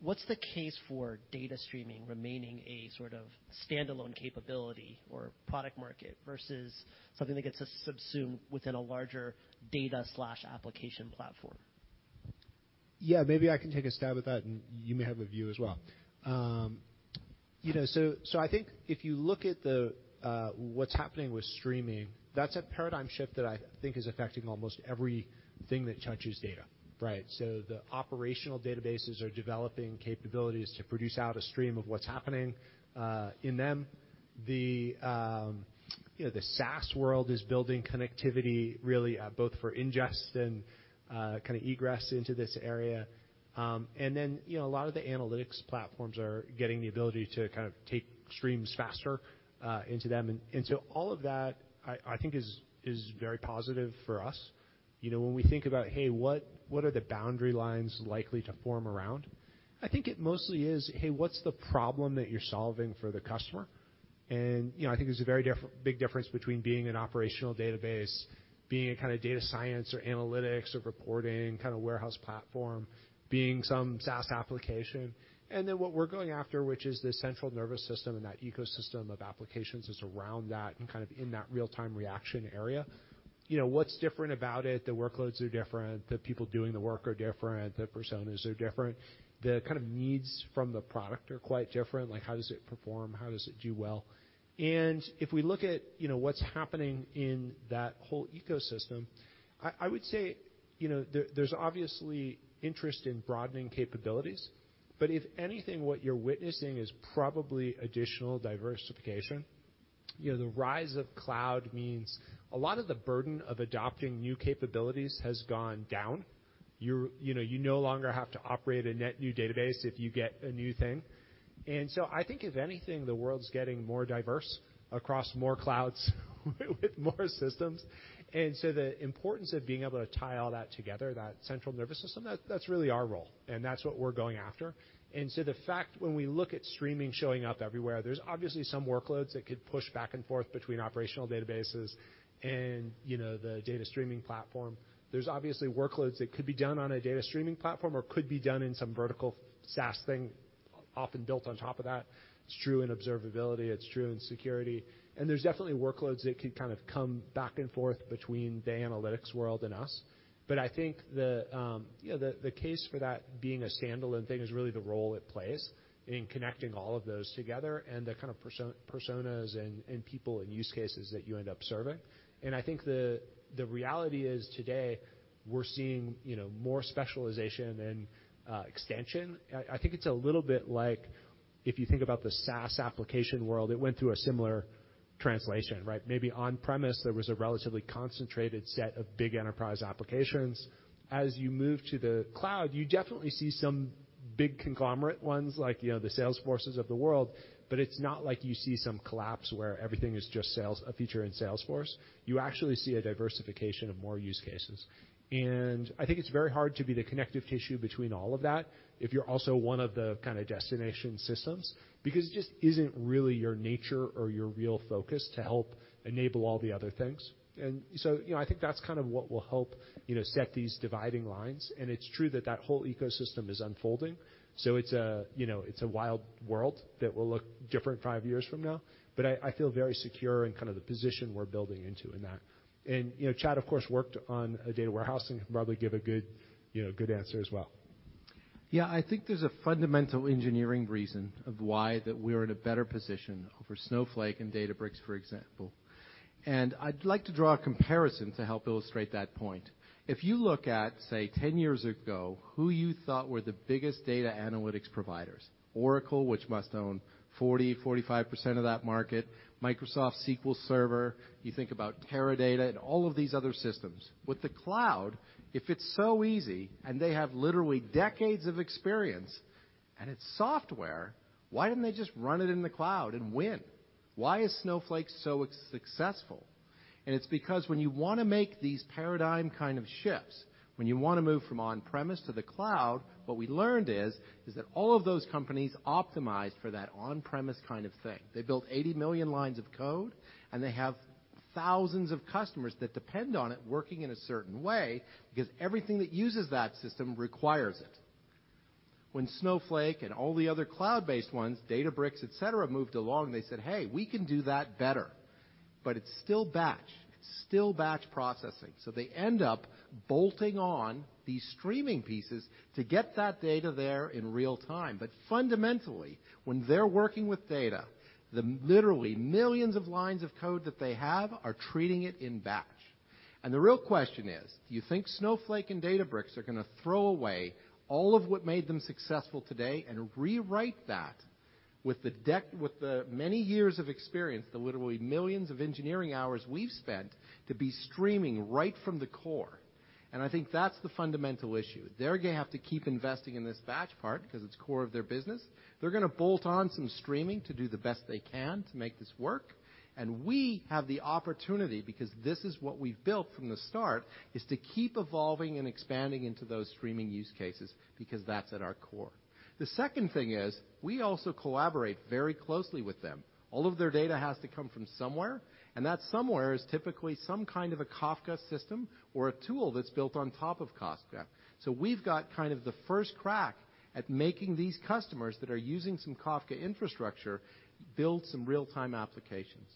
what's the case for data streaming remaining a sort of standalone capability or product market versus something that gets subsumed within a larger data/application platform? Yeah, maybe I can take a stab at that, and you may have a view as well. You know, so I think if you look at what's happening with streaming, that's a paradigm shift that I think is affecting almost everything that touches data, right? The operational databases are developing capabilities to produce out a stream of what's happening in them. You know, the SaaS world is building connectivity really both for ingest and kinda egress into this area. You know, a lot of the analytics platforms are getting the ability to kind of take streams faster into them. All of that I think is very positive for us. You know, when we think about, hey, what are the boundary lines likely to form around, I think it mostly is, hey, what's the problem that you're solving for the customer? You know, I think there's a very big difference between being an operational database, being a kinda data science or analytics or reporting kinda warehouse platform, being some SaaS application, and then what we're going after, which is the central nervous system and that ecosystem of applications that's around that and kind of in that real-time reaction area. You know, what's different about it? The workloads are different, the people doing the work are different, the personas are different. The kind of needs from the product are quite different, like how does it perform? How does it do well? If we look at, you know, what's happening in that whole ecosystem, I would say, you know, there's obviously interest in broadening capabilities. But if anything, what you're witnessing is probably additional diversification. You know, the rise of cloud means a lot of the burden of adopting new capabilities has gone down. You know, you no longer have to operate a net new database if you get a new thing. I think if anything, the world's getting more diverse across more clouds with more systems. The importance of being able to tie all that together, that central nervous system, that's really our role, and that's what we're going after. The fact when we look at streaming showing up everywhere, there's obviously some workloads that could push back and forth between operational databases and, you know, the data streaming platform. There's obviously workloads that could be done on a data streaming platform or could be done in some vertical SaaS thing often built on top of that. It's true in observability, it's true in security, and there's definitely workloads that could kind of come back and forth between the analytics world and us. I think the case for that being a standalone thing is really the role it plays in connecting all of those together and the kind of personas and people and use cases that you end up serving. I think the reality is today we're seeing, you know, more specialization and extension. I think it's a little bit like if you think about the SaaS application world, it went through a similar translation, right? Maybe on-premise, there was a relatively concentrated set of big enterprise applications. As you move to the cloud, you definitely see some big conglomerate ones like, you know, the Salesforces of the world, but it's not like you see some collapse where everything is just Salesforce, a feature in Salesforce. You actually see a diversification of more use cases. I think it's very hard to be the connective tissue between all of that if you're also one of the kinda destination systems because it just isn't really your nature or your real focus to help enable all the other things. You know, I think that's kind of what will help, you know, set these dividing lines. It's true that that whole ecosystem is unfolding, so it's a, you know, it's a wild world that will look different five years from now. I feel very secure in kind of the position we're building into in that. You know, Chad, of course, worked on a data warehouse and can probably give a good, you know, good answer as well. Yeah. I think there's a fundamental engineering reason of why that we're in a better position over Snowflake and Databricks, for example. I'd like to draw a comparison to help illustrate that point. If you look at, say, 10 years ago, who you thought were the biggest data analytics providers, Oracle, which must own 40%-45% of that market, Microsoft SQL Server, you think about Teradata and all of these other systems. With the cloud, if it's so easy and they have literally decades of experience and it's software, why didn't they just run it in the cloud and win? Why is Snowflake so successful? It's because when you wanna make these paradigm kind of shifts, when you wanna move from on-premise to the cloud, what we learned is that all of those companies optimized for that on-premise kind of thing. They built 80 million lines of code, and they have thousands of customers that depend on it working in a certain way because everything that uses that system requires it. When Snowflake and all the other cloud-based ones, Databricks, et cetera, moved along, they said, "Hey, we can do that better." It's still batch, still batch processing. They end up bolting on these streaming pieces to get that data there in real time. Fundamentally, when they're working with data, the literally millions of lines of code that they have are treating it in batch. The real question is, do you think Snowflake and Databricks are gonna throw away all of what made them successful today and rewrite that with the many years of experience, the literally millions of engineering hours we've spent to be streaming right from the core? I think that's the fundamental issue. They're gonna have to keep investing in this batch part 'cause it's core of their business. They're gonna bolt on some streaming to do the best they can to make this work, and we have the opportunity because this is what we've built from the start, is to keep evolving and expanding into those streaming use cases because that's at our core. The second thing is we also collaborate very closely with them. All of their data has to come from somewhere, and that somewhere is typically some kind of a Kafka system or a tool that's built on top of Kafka. We've got kind of the first crack at making these customers that are using some Kafka infrastructure build some real-time applications.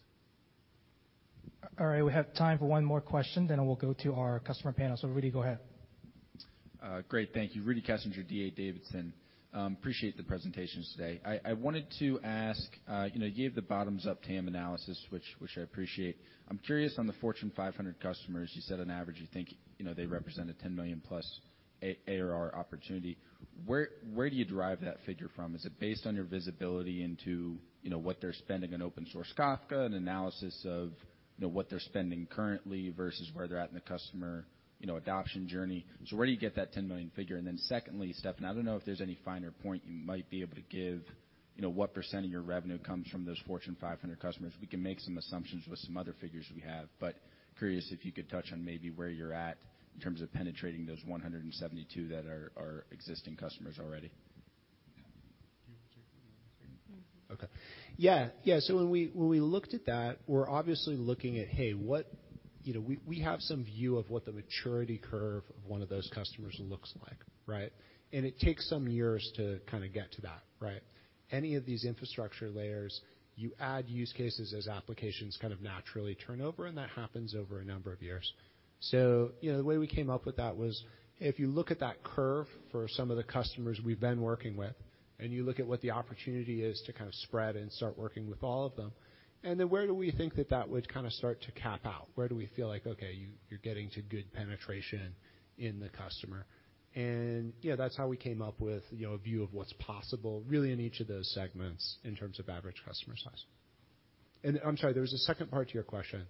All right. We have time for one more question, then we'll go to our customer panel. Rudy, go ahead. Great. Thank you. Rudy Kessinger, D.A. Davidson. Appreciate the presentations today. I wanted to ask, you know, you gave the bottoms-up TAM analysis, which I appreciate. I'm curious on the Fortune 500 customers, you said on average you think, you know, they represent a $10 million-plus ARR opportunity. Where do you derive that figure from? Is it based on your visibility into, you know, what they're spending on open source Kafka and analysis of, you know, what they're spending currently versus where they're at in the customer, you know, adoption journey? Where do you get that $10 million figure? And then secondly, Steffan, I don't know if there's any finer point you might be able to give, you know, what percent of your revenue comes from those Fortune 500 customers. We can make some assumptions with some other figures we have, but curious if you could touch on maybe where you're at in terms of penetrating those 172 that are existing customers already? Okay. Yeah. Yeah. When we looked at that, we're obviously looking at, hey, what you know, we have some view of what the maturity curve of one of those customers looks like, right? It takes some years to kinda get to that, right? Any of these infrastructure layers, you add use cases as applications kind of naturally turn over, and that happens over a number of years. You know, the way we came up with that was if you look at that curve for some of the customers we've been working with, and you look at what the opportunity is to kind of spread and start working with all of them, and then where do we think that would kinda start to cap out? Where do we feel like, okay, you're getting to good penetration in the customer. Yeah, that's how we came up with, you know, a view of what's possible really in each of those segments in terms of average customer size. I'm sorry, there was a second part to your question.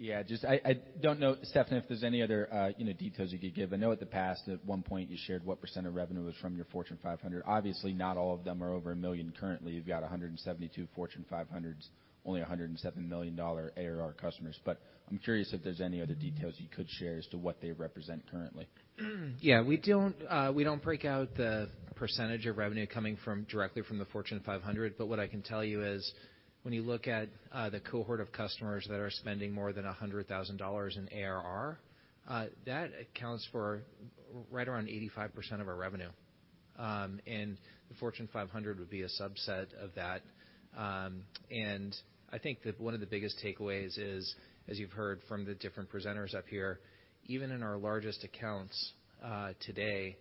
Yeah. Just, I don't know, Steffan, if there's any other, you know, details you could give. I know in the past, at one point you shared what percent of revenue was from your Fortune 500. Obviously, not all of them are over $1 million currently. You've got 172 Fortune 500s, only 107 $1 million ARR customers. I'm curious if there's any other details you could share as to what they represent currently. Yeah. We don't break out the percentage of revenue coming directly from the Fortune 500. What I can tell you is when you look at the cohort of customers that are spending more than $100,000 in ARR, that accounts for right around 85% of our revenue. The Fortune 500 would be a subset of that. I think that one of the biggest takeaways is, as you've heard from the different presenters up here, even in our largest accounts today,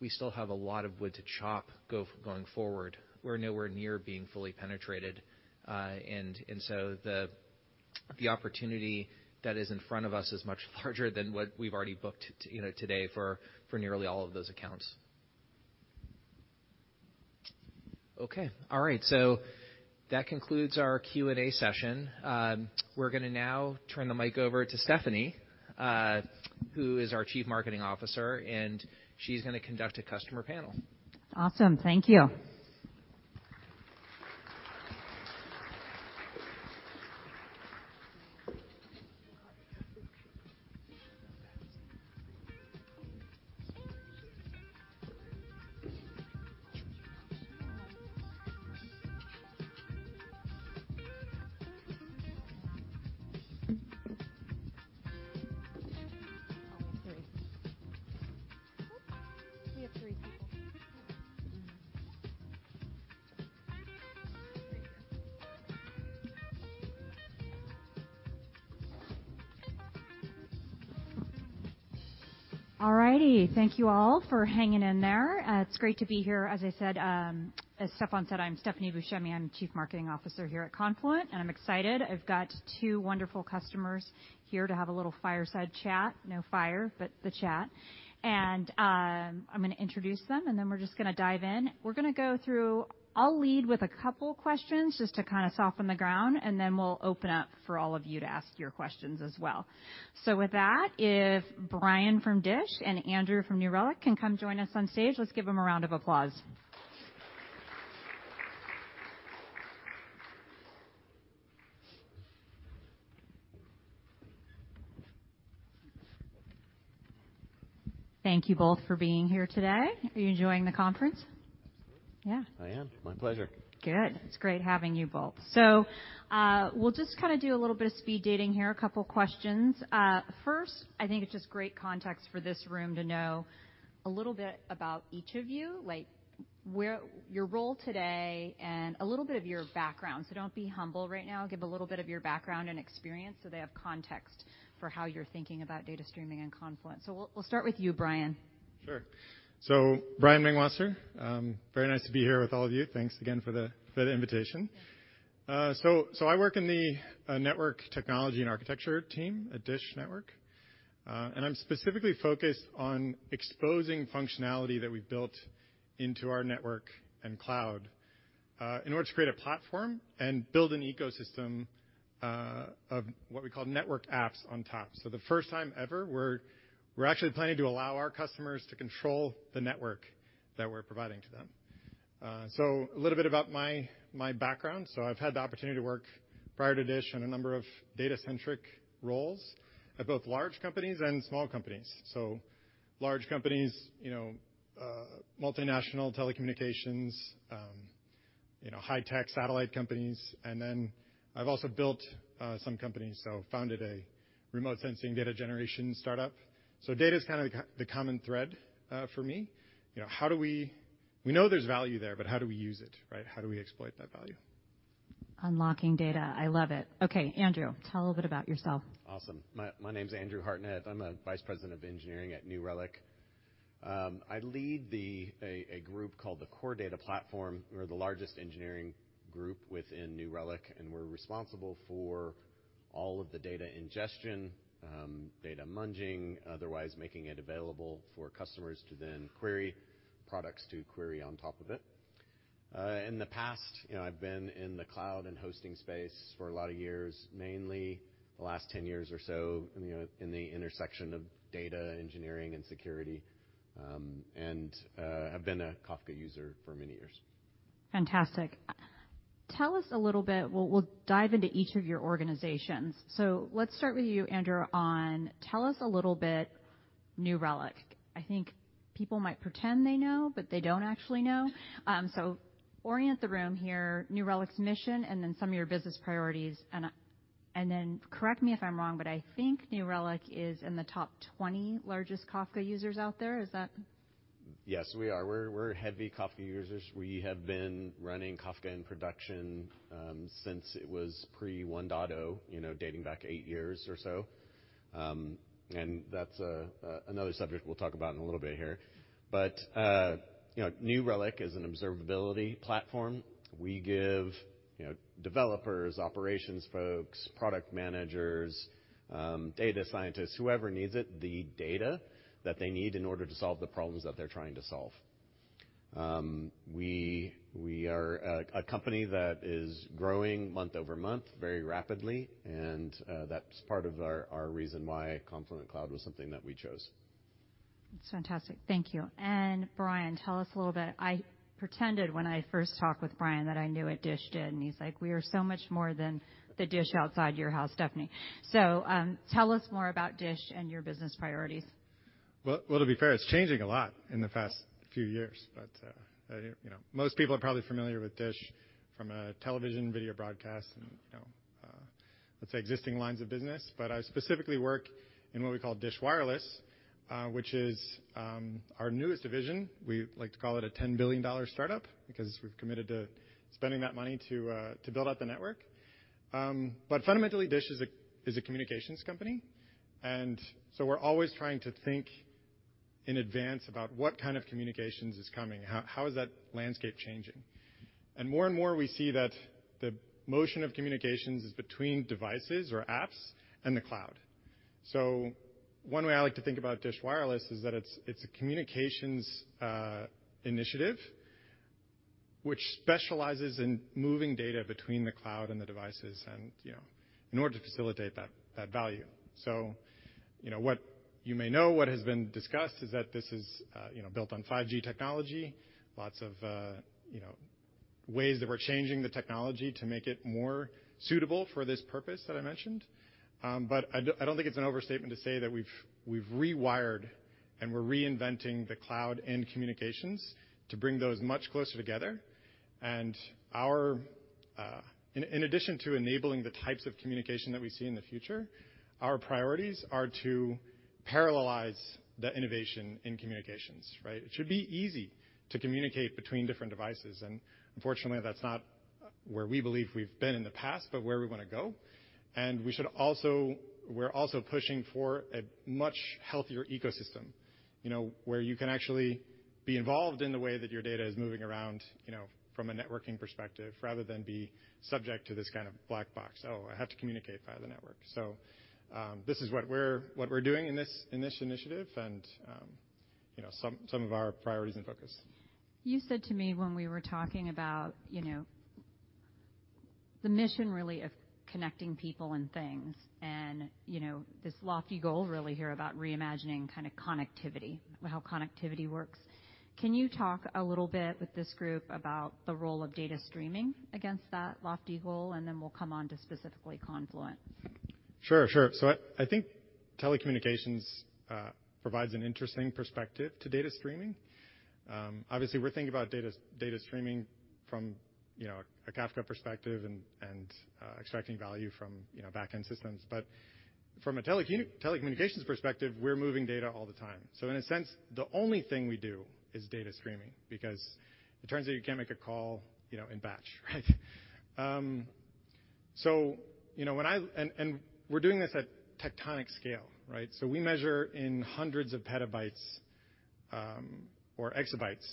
we still have a lot of wood to chop going forward. We're nowhere near being fully penetrated. The opportunity that is in front of us is much larger than what we've already booked, you know, today for nearly all of those accounts. Okay. All right. That concludes our Q&A session. We're gonna now turn the mic over to Stephanie, who is our Chief Marketing Officer, and she's gonna conduct a customer panel. Awesome. Thank you. All righty. Thank you all for hanging in there. It's great to be here. As I said, as Steffan said, I'm Stephanie Buscemi. I'm the Chief Marketing Officer here at Confluent, and I'm excited. I've got two wonderful customers here to have a little fireside chat. No fire, but the chat. I'm gonna introduce them, and then we're just gonna dive in. We're gonna go through. I'll lead with a couple questions just to kinda soften the ground, and then we'll open up for all of you to ask your questions as well. With that, if Brian from DISH and Andrew from New Relic can come join us on stage, let's give them a round of applause. Thank you both for being here today. Are you enjoying the conference? Yeah. I am. My pleasure. Good. It's great having you both. We'll just kinda do a little bit of speed dating here, a couple questions. First, I think it's just great context for this room to know a little bit about each of you, like where your role today and a little bit of your background. Don't be humble right now. Give a little bit of your background and experience so they have context for how you're thinking about data streaming and Confluent. We'll start with you, Brian. Sure. Brian Mengwasser. Very nice to be here with all of you. Thanks again for the invitation. Yeah. I work in the network technology and architecture team at DISH Network. I'm specifically focused on exposing functionality that we've built into our network and cloud in order to create a platform and build an ecosystem of what we call network apps on top. The first time ever, we're actually planning to allow our customers to control the network that we're providing to them. A little bit about my background. I've had the opportunity to work prior to DISH in a number of data-centric roles at both large companies and small companies. Large companies, you know, multinational telecommunications, you know, high tech satellite companies. Then I've also built some companies, founded a remote sensing data generation startup. Data is kinda the common thread for me. You know, we know there's value there, but how do we use it, right? How do we exploit that value? Unlocking data. I love it. Okay, Andrew, tell a little bit about yourself. Awesome. My name's Andrew Hartnett. I'm a Vice President of Engineering at New Relic. I lead a group called the Core Data Platform. We're the largest engineering group within New Relic, and we're responsible for all of the data ingestion, data munging, otherwise making it available for customers to then query, products to query on top of it. In the past, you know, I've been in the cloud and hosting space for a lot of years, mainly the last 10 years or so, you know, in the intersection of data engineering and security, and have been a Kafka user for many years. Fantastic. Tell us a little bit. We'll dive into each of your organizations. Let's start with you, Andrew, and tell us a little bit about New Relic. I think people might pretend they know, but they don't actually know. So orient the room here, New Relic's mission and then some of your business priorities. And then correct me if I'm wrong, but I think New Relic is in the top 20 largest Kafka users out there. Is that? Yes, we are. We're heavy Kafka users. We have been running Kafka in production since it was pre-1.0, you know, dating back eight years or so. That's another subject we'll talk about in a little bit here. You know, New Relic is an observability platform. We give, you know, developers, operations folks, product managers, data scientists, whoever needs it, the data that they need in order to solve the problems that they're trying to solve. We are a company that is growing month-over-month very rapidly, and that's part of our reason why Confluent Cloud was something that we chose. That's fantastic. Thank you. Brian, tell us a little bit. I pretended when I first talked with Brian that I knew what DISH did, and he's like, "We are so much more than the dish outside your house, Stephanie." Tell us more about DISH and your business priorities. Well, to be fair, it's changing a lot in the past few years. You know, most people are probably familiar with DISH from a television video broadcast and, you know, let's say existing lines of business. I specifically work in what we call DISH Wireless, which is our newest division. We like to call it a $10 billion startup because we've committed to spending that money to build out the network. Fundamentally, DISH is a communications company, and so we're always trying to think in advance about what kind of communications is coming, how is that landscape changing. More and more we see that the motion of communications is between devices or apps and the cloud. One way I like to think about DISH Wireless is that it's a communications initiative which specializes in moving data between the cloud and the devices and, you know, in order to facilitate that value. You know what you may know, what has been discussed is that this is, you know, built on 5G technology. Lots of, you know, ways that we're changing the technology to make it more suitable for this purpose that I mentioned. I don't think it's an overstatement to say that we've rewired and we're reinventing the cloud and communications to bring those much closer together. In addition to enabling the types of communication that we see in the future, our priorities are to parallelize the innovation in communications, right? It should be easy to communicate between different devices, and unfortunately, that's not where we believe we've been in the past, but where we wanna go. We're also pushing for a much healthier ecosystem, you know, where you can actually be involved in the way that your data is moving around, you know, from a networking perspective, rather than be subject to this kind of black box. "Oh, I have to communicate via the network." This is what we're doing in this initiative and, you know, some of our priorities and focus. You said to me when we were talking about, you know, the mission really of connecting people and things and, you know, this lofty goal really here about reimagining kind of connectivity or how connectivity works. Can you talk a little bit with this group about the role of data streaming against that lofty goal? We'll come on to specifically Confluent. Sure. I think telecommunications provides an interesting perspective to data streaming. Obviously we're thinking about data streaming from, you know, a Kafka perspective and extracting value from, you know, back-end systems. From a telecommunications perspective, we're moving data all the time. In a sense, the only thing we do is data streaming, because it turns out you can't make a call, you know, in batch, right? We're doing this at titanic scale, right? We measure in hundreds of petabytes or exabytes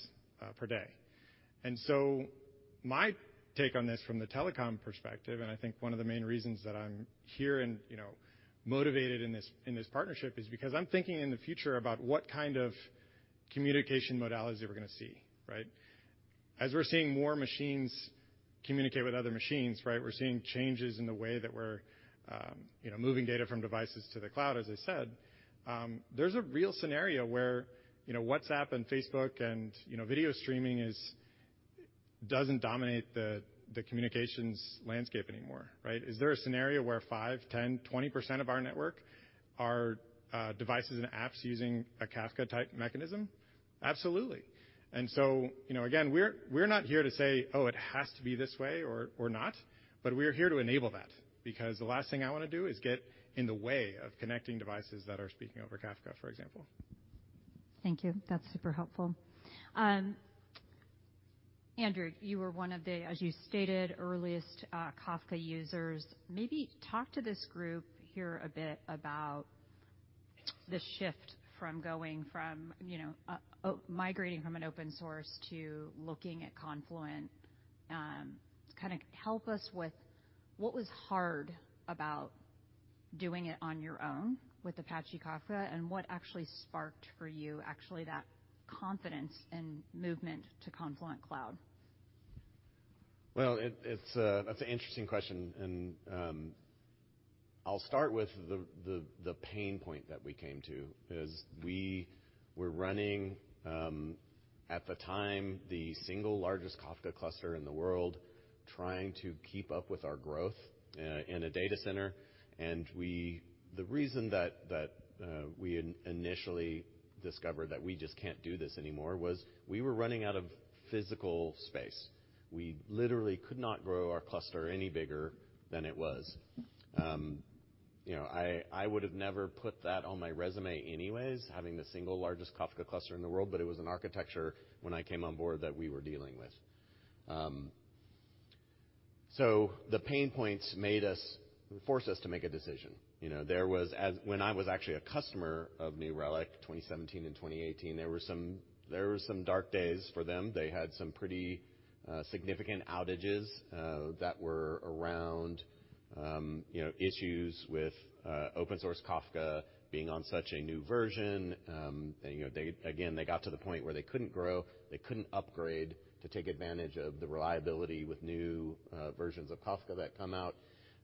per day. My take on this from the telecom perspective, and I think one of the main reasons that I'm here and, you know, motivated in this partnership, is because I'm thinking in the future about what kind of communication modalities we're gonna see, right? As we're seeing more machines communicate with other machines, right, we're seeing changes in the way that we're, you know, moving data from devices to the cloud, as I said. There's a real scenario where, you know, WhatsApp and Facebook and, you know, video streaming doesn't dominate the communications landscape anymore, right? Is there a scenario where 5%, 10%, 20% of our network are devices and apps using a Kafka type mechanism? Absolutely. you know, again, we're not here to say, "Oh, it has to be this way or not," but we are here to enable that, because the last thing I wanna do is get in the way of connecting devices that are speaking over Kafka, for example. Thank you. That's super helpful. Andrew, you were one of the, as you stated, earliest Kafka users. Maybe talk to this group here a bit about the shift from going from, you know, migrating from an open source to looking at Confluent. Kind of help us with what was hard about doing it on your own with Apache Kafka, and what actually sparked for you that confidence and movement to Confluent Cloud? That's an interesting question. I'll start with the pain point that we came to is we were running at the time the single largest Kafka cluster in the world trying to keep up with our growth in a data center. The reason that we initially discovered that we just can't do this anymore was we were running out of physical space. We literally could not grow our cluster any bigger than it was. I would have never put that on my resume anyways, having the single largest Kafka cluster in the world, but it was an architecture when I came on board that we were dealing with. The pain points forced us to make a decision. You know, there was. When I was actually a customer of New Relic, 2017 and 2018, there were some dark days for them. They had some pretty significant outages that were around, you know, issues with open source Kafka being on such a new version. And, you know, they again, they got to the point where they couldn't grow, they couldn't upgrade to take advantage of the reliability with new versions of Kafka that come out.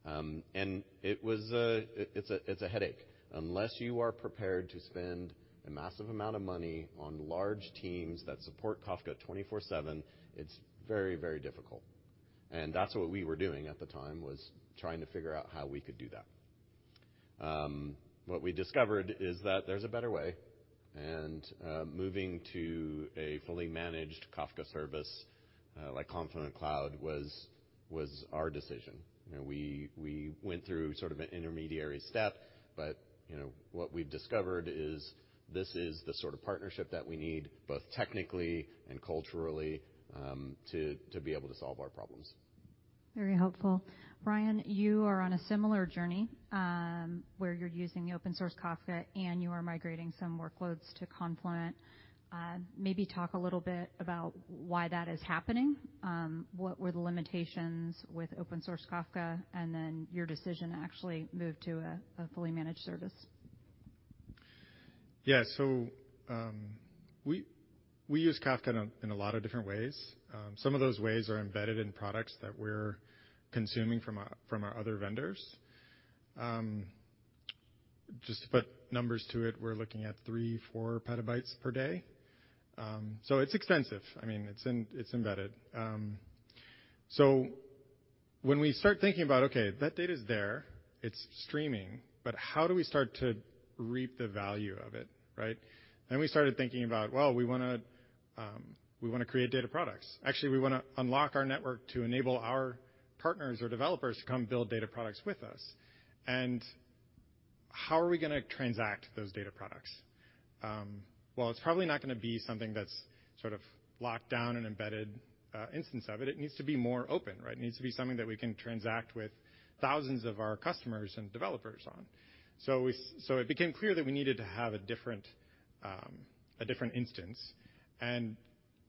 And it was, it's a headache. Unless you are prepared to spend a massive amount of money on large teams that support Kafka 24/7, it's very, very difficult. That's what we were doing at the time, was trying to figure out how we could do that. What we discovered is that there's a better way, and moving to a fully managed Kafka service, like Confluent Cloud, was our decision. You know, we went through sort of an intermediary step, but you know, what we've discovered is this is the sort of partnership that we need, both technically and culturally, to be able to solve our problems. Very helpful. Brian, you are on a similar journey, where you're using the open source Kafka and you are migrating some workloads to Confluent. Maybe talk a little bit about why that is happening. What were the limitations with open source Kafka and then your decision to actually move to a fully managed service? Yeah. We use Kafka in a lot of different ways. Some of those ways are embedded in products that we're consuming from our other vendors. Just to put numbers to it, we're looking at 3-4 petabytes per day. So it's extensive. I mean, it's embedded. So when we start thinking about, okay, that data's there, it's streaming, but how do we start to reap the value of it, right? We started thinking about, well, we wanna create data products. Actually, we wanna unlock our network to enable our partners or developers to come build data products with us. How are we gonna transact those data products? Well, it's probably not gonna be something that's sort of locked down and embedded instance of it. It needs to be more open, right? It needs to be something that we can transact with thousands of our customers and developers on. It became clear that we needed to have a different instance.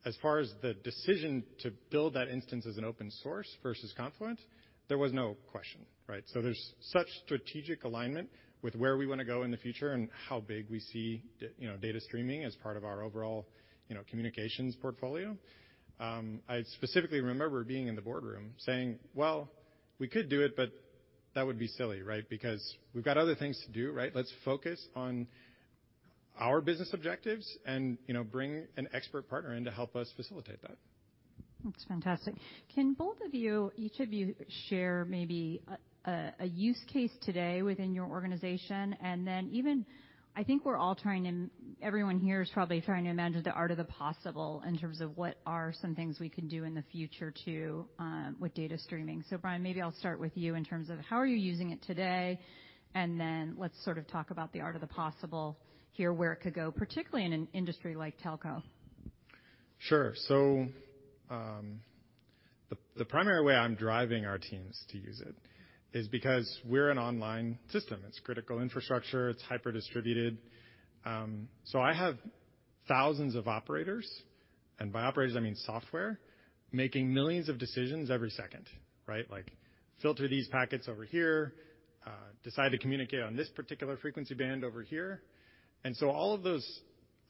As far as the decision to build that instance as an open source versus Confluent, there was no question, right? There's such strategic alignment with where we wanna go in the future and how big we see, you know, data streaming as part of our overall, you know, communications portfolio. I specifically remember being in the boardroom saying, "Well, we could do it, but that would be silly, right? Because we've got other things to do, right? Let's focus on our business objectives and, you know, bring an expert partner in to help us facilitate that. That's fantastic. Can both of you, each of you share maybe a use case today within your organization, and then even I think everyone here is probably trying to imagine the art of the possible in terms of what are some things we can do in the future too, with data streaming. Brian, maybe I'll start with you in terms of how are you using it today, and then let's sort of talk about the art of the possible here, where it could go, particularly in an industry like telco. Sure. The primary way I'm driving our teams to use it is because we're an online system. It's critical infrastructure, it's hyper-distributed. I have thousands of operators, and by operators I mean software, making millions of decisions every second, right? Like filter these packets over here, decide to communicate on this particular frequency band over here. All of those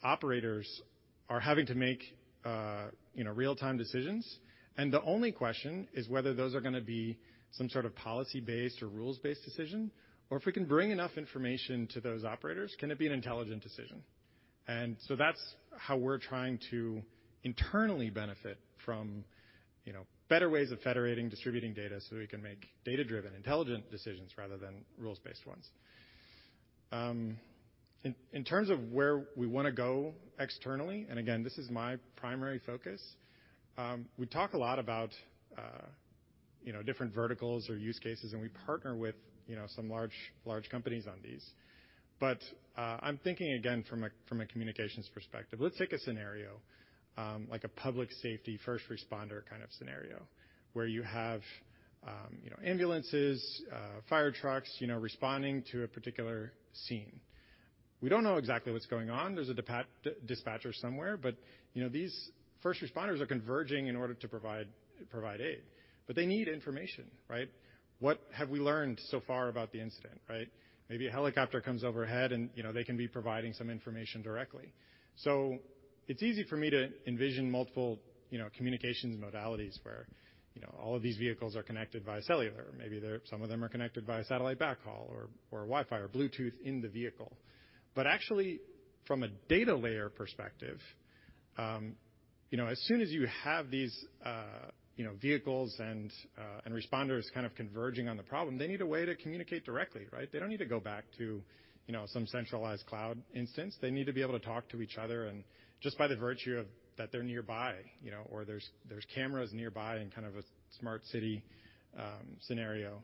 operators are having to make, you know, real-time decisions. The only question is whether those are gonna be some sort of policy-based or rules-based decision, or if we can bring enough information to those operators, can it be an intelligent decision? That's how we're trying to internally benefit from, you know, better ways of federating, distributing data, so we can make data-driven, intelligent decisions rather than rules-based ones. In terms of where we wanna go externally, and again, this is my primary focus, we talk a lot about, you know, different verticals or use cases, and we partner with, you know, some large companies on these. I'm thinking again, from a communications perspective. Let's take a scenario like a public safety first responder kind of scenario, where you have, you know, ambulances, fire trucks, you know, responding to a particular scene. We don't know exactly what's going on. There's a dispatcher somewhere, but, you know, these first responders are converging in order to provide aid. They need information, right? What have we learned so far about the incident, right? Maybe a helicopter comes overhead and, you know, they can be providing some information directly. It's easy for me to envision multiple, you know, communications modalities where all of these vehicles are connected via cellular. Maybe some of them are connected via satellite backhaul or Wi-Fi or Bluetooth in the vehicle. But actually, from a data layer perspective, you know, as soon as you have these, you know, vehicles and responders kind of converging on the problem, they need a way to communicate directly, right? They don't need to go back to, you know, some centralized cloud instance. They need to be able to talk to each other and just by the virtue of that they're nearby, you know, or there's cameras nearby in kind of a smart city scenario.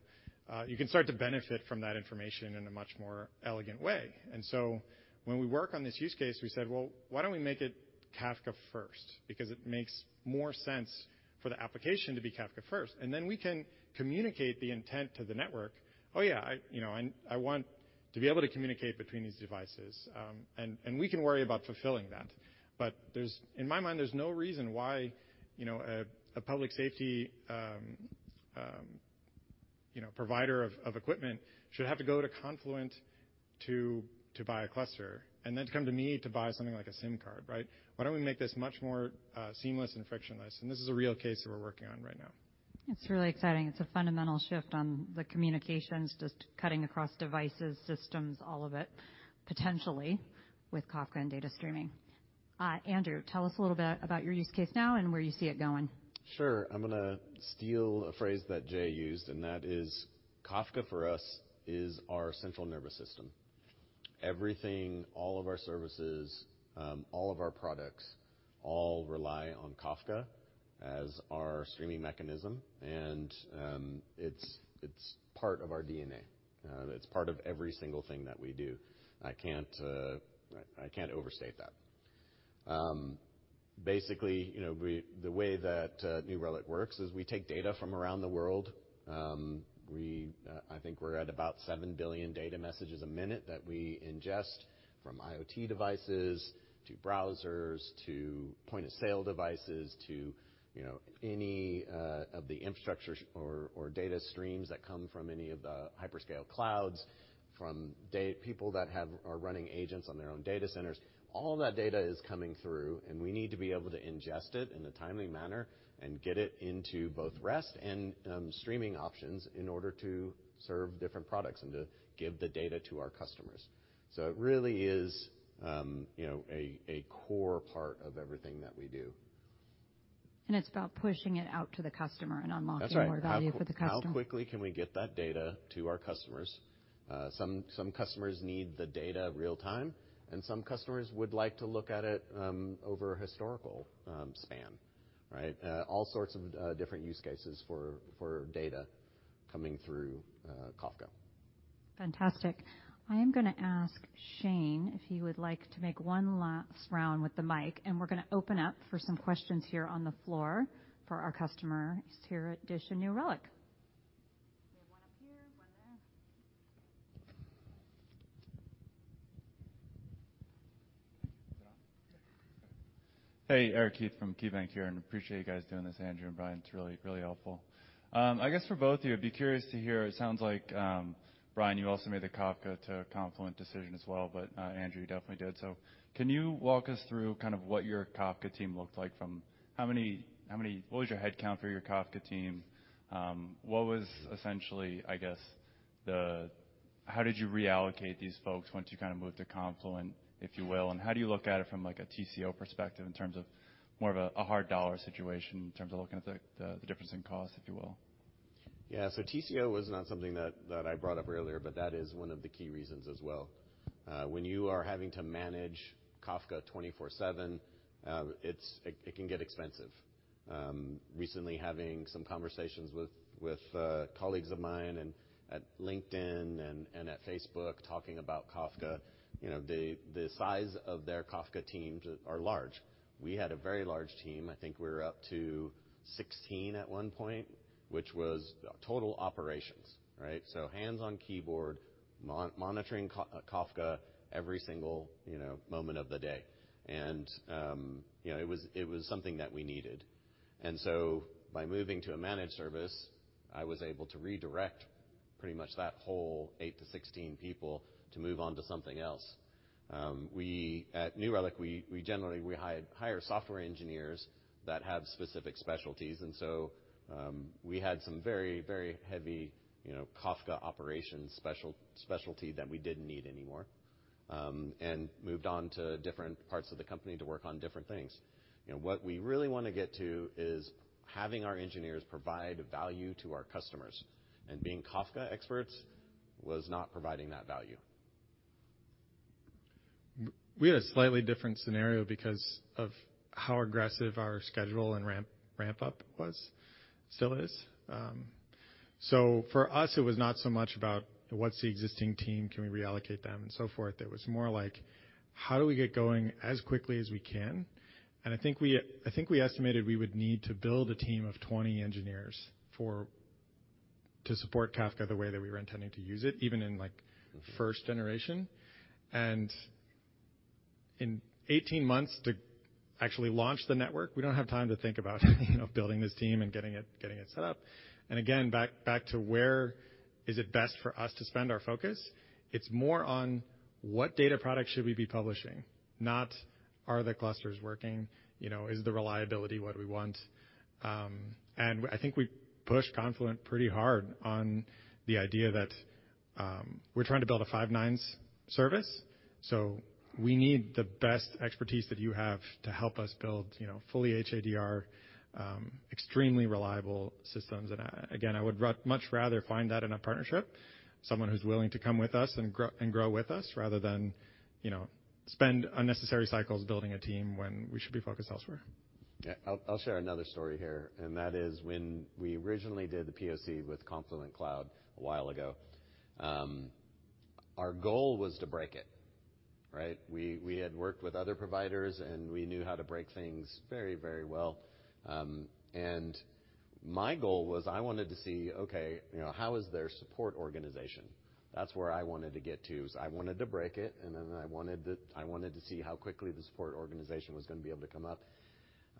You can start to benefit from that information in a much more elegant way. When we work on this use case, we said, "Well, why don't we make it Kafka first?" Because it makes more sense for the application to be Kafka first, and then we can communicate the intent to the network. Oh, yeah, you know, I want to be able to communicate between these devices. We can worry about fulfilling that. In my mind, there's no reason why, you know, a public safety provider of equipment should have to go to Confluent to buy a cluster and then come to me to buy something like a SIM card, right? Why don't we make this much more seamless and frictionless? This is a real case that we're working on right now. It's really exciting. It's a fundamental shift on the communications, just cutting across devices, systems, all of it, potentially with Kafka and data streaming. Andrew, tell us a little bit about your use case now and where you see it going. Sure. I'm gonna steal a phrase that Jay used, and that is Kafka for us is our central nervous system. Everything, all of our services, all of our products, all rely on Kafka as our streaming mechanism. It's part of our DNA. It's part of every single thing that we do. I can't overstate that. Basically, you know, the way that New Relic works is we take data from around the world. I think we're at about seven billion data messages a minute that we ingest from IoT devices to browsers to point-of-sale devices to, you know, any of the infrastructures or data streams that come from any of the hyperscale clouds, from people that are running agents on their own data centers. All that data is coming through, and we need to be able to ingest it in a timely manner and get it into both rest and streaming options in order to serve different products and to give the data to our customers. It really is, you know, a core part of everything that we do. It's about pushing it out to the customer and unlocking. That's right. More value for the customer. How quickly can we get that data to our customers? Some customers need the data real-time, and some customers would like to look at it over a historical span, right? All sorts of different use cases for data coming through Kafka. Fantastic. I am gonna ask Shane if he would like to make one last round with the mic, and we're gonna open up for some questions here on the floor for our customers here at DISH and New Relic. We have one up here, one there. Hey, Eric Heath from KeyBanc Capital Markets here, and appreciate you guys doing this, Andrew and Brian. It's really helpful. I guess for both of you, I'd be curious to hear, it sounds like, Brian, you also made the Kafka to Confluent decision as well, but, Andrew, you definitely did. Can you walk us through kind of what your Kafka team looked like from what was your headcount for your Kafka team? What was essentially, I guess the How did you reallocate these folks once you kinda moved to Confluent, if you will? And how do you look at it from like a TCO perspective in terms of more of a hard dollar situation in terms of looking at the difference in cost, if you will? TCO was not something that I brought up earlier, but that is one of the key reasons as well. When you are having to manage Kafka 24/7, it can get expensive. Recently having some conversations with colleagues of mine and at LinkedIn and at Facebook talking about Kafka. The size of their Kafka teams are large. We had a very large team. I think we were up to 16 at one point, which was total operations. Hands on keyboard, monitoring Kafka every single moment of the day. It was something that we needed. By moving to a managed service, I was able to redirect pretty much that whole eight to 16 people to move on to something else. At New Relic, we generally hire software engineers that have specific specialties. We had some very heavy, you know, Kafka operations specialty that we didn't need anymore, and moved on to different parts of the company to work on different things. You know, what we really wanna get to is having our engineers provide value to our customers, and being Kafka experts was not providing that value. We had a slightly different scenario because of how aggressive our schedule and ramp-up was. Still is. For us, it was not so much about what's the existing team, can we reallocate them and so forth. It was more like, how do we get going as quickly as we can? I think we estimated we would need to build a team of 20 engineers to support Kafka the way that we were intending to use it, even in, like, first generation. In 18 months to actually launch the network, we don't have time to think about building this team and getting it set up. Again, back to where is it best for us to spend our focus, it's more on what data products should we be publishing, not are the clusters working, is the reliability what we want? I think we pushed Confluent pretty hard on the idea that we're trying to build a five-nines service, so we need the best expertise that you have to help us build fully HADR extremely reliable systems. Again, I would much rather find that in a partnership, someone who's willing to come with us and grow with us rather than spend unnecessary cycles building a team when we should be focused elsewhere. Yeah. I'll share another story here, and that is when we originally did the POC with Confluent Cloud a while ago, our goal was to break it, right? We had worked with other providers, and we knew how to break things very, very well. My goal was I wanted to see, okay, you know, how is their support organization? That's where I wanted to get to is I wanted to break it, and then I wanted to see how quickly the support organization was gonna be able to come up.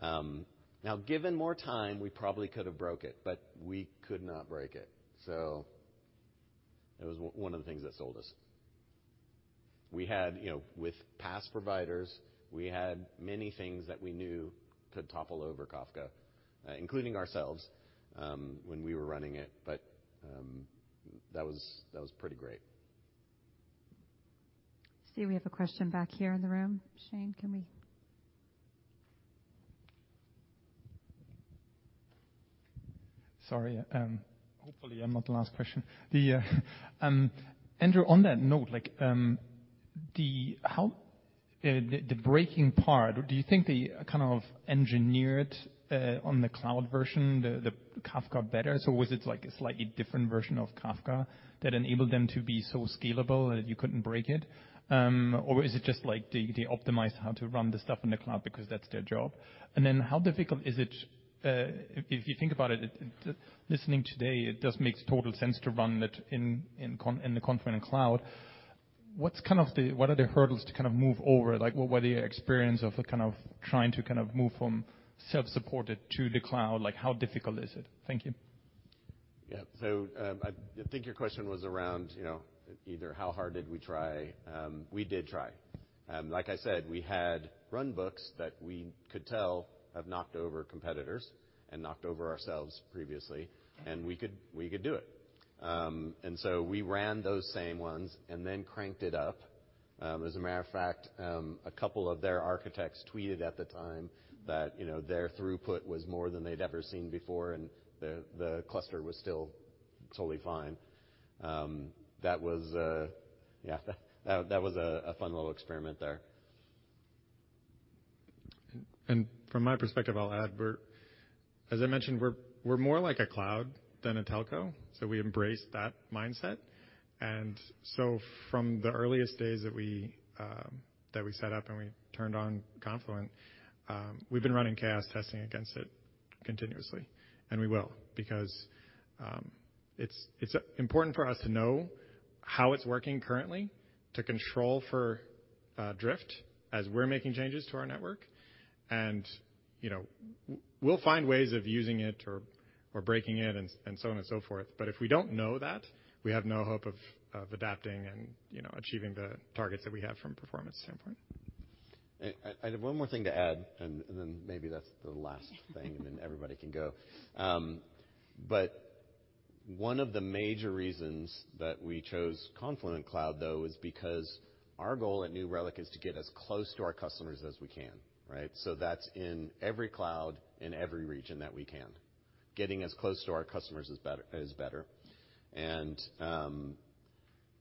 Now given more time, we probably could have broke it, but we could not break it. It was one of the things that sold us. We had, you know, with past providers, we had many things that we knew could topple over Kafka, including ourselves, when we were running it. That was pretty great. I see we have a question back here in the room. Shane, can we? Sorry. Hopefully I'm not the last question. Andrew, on that note, like, the breaking part, do you think they kind of engineered on the cloud version the Kafka better? Was it like a slightly different version of Kafka that enabled them to be so scalable that you couldn't break it? Or is it just like they optimize how to run the stuff in the cloud because that's their job? Then how difficult is it, if you think about it, listening today, it just makes total sense to run it in the Confluent Cloud. What are the hurdles to kind of move over? Like, what are your experience of kind of trying to kind of move from self-supported to the cloud? Like, how difficult is it? Thank you. Yeah. I think your question was around, you know, either how hard did we try? We did try. Like I said, we had runbooks that we could tell have knocked over competitors and knocked over ourselves previously, and we could do it. We ran those same ones and then cranked it up. As a matter of fact, a couple of their architects tweeted at the time that, you know, their throughput was more than they'd ever seen before, and the cluster was still totally fine. That was a fun little experiment there. From my perspective, I'll add, as I mentioned, we're more like a cloud than a telco, so we embrace that mindset. From the earliest days that we set up and we turned on Confluent, we've been running chaos testing against it continuously, and we will, because it's important for us to know how it's working currently to control for drift as we're making changes to our network. You know, we'll find ways of using it or breaking it, and so on and so forth, but if we don't know that, we have no hope of adapting and, you know, achieving the targets that we have from a performance standpoint. I have one more thing to add, and then maybe that's the last thing, and then everybody can go. One of the major reasons that we chose Confluent Cloud, though, is because our goal at New Relic is to get as close to our customers as we can, right? So that's in every cloud in every region that we can. Getting as close to our customers is better.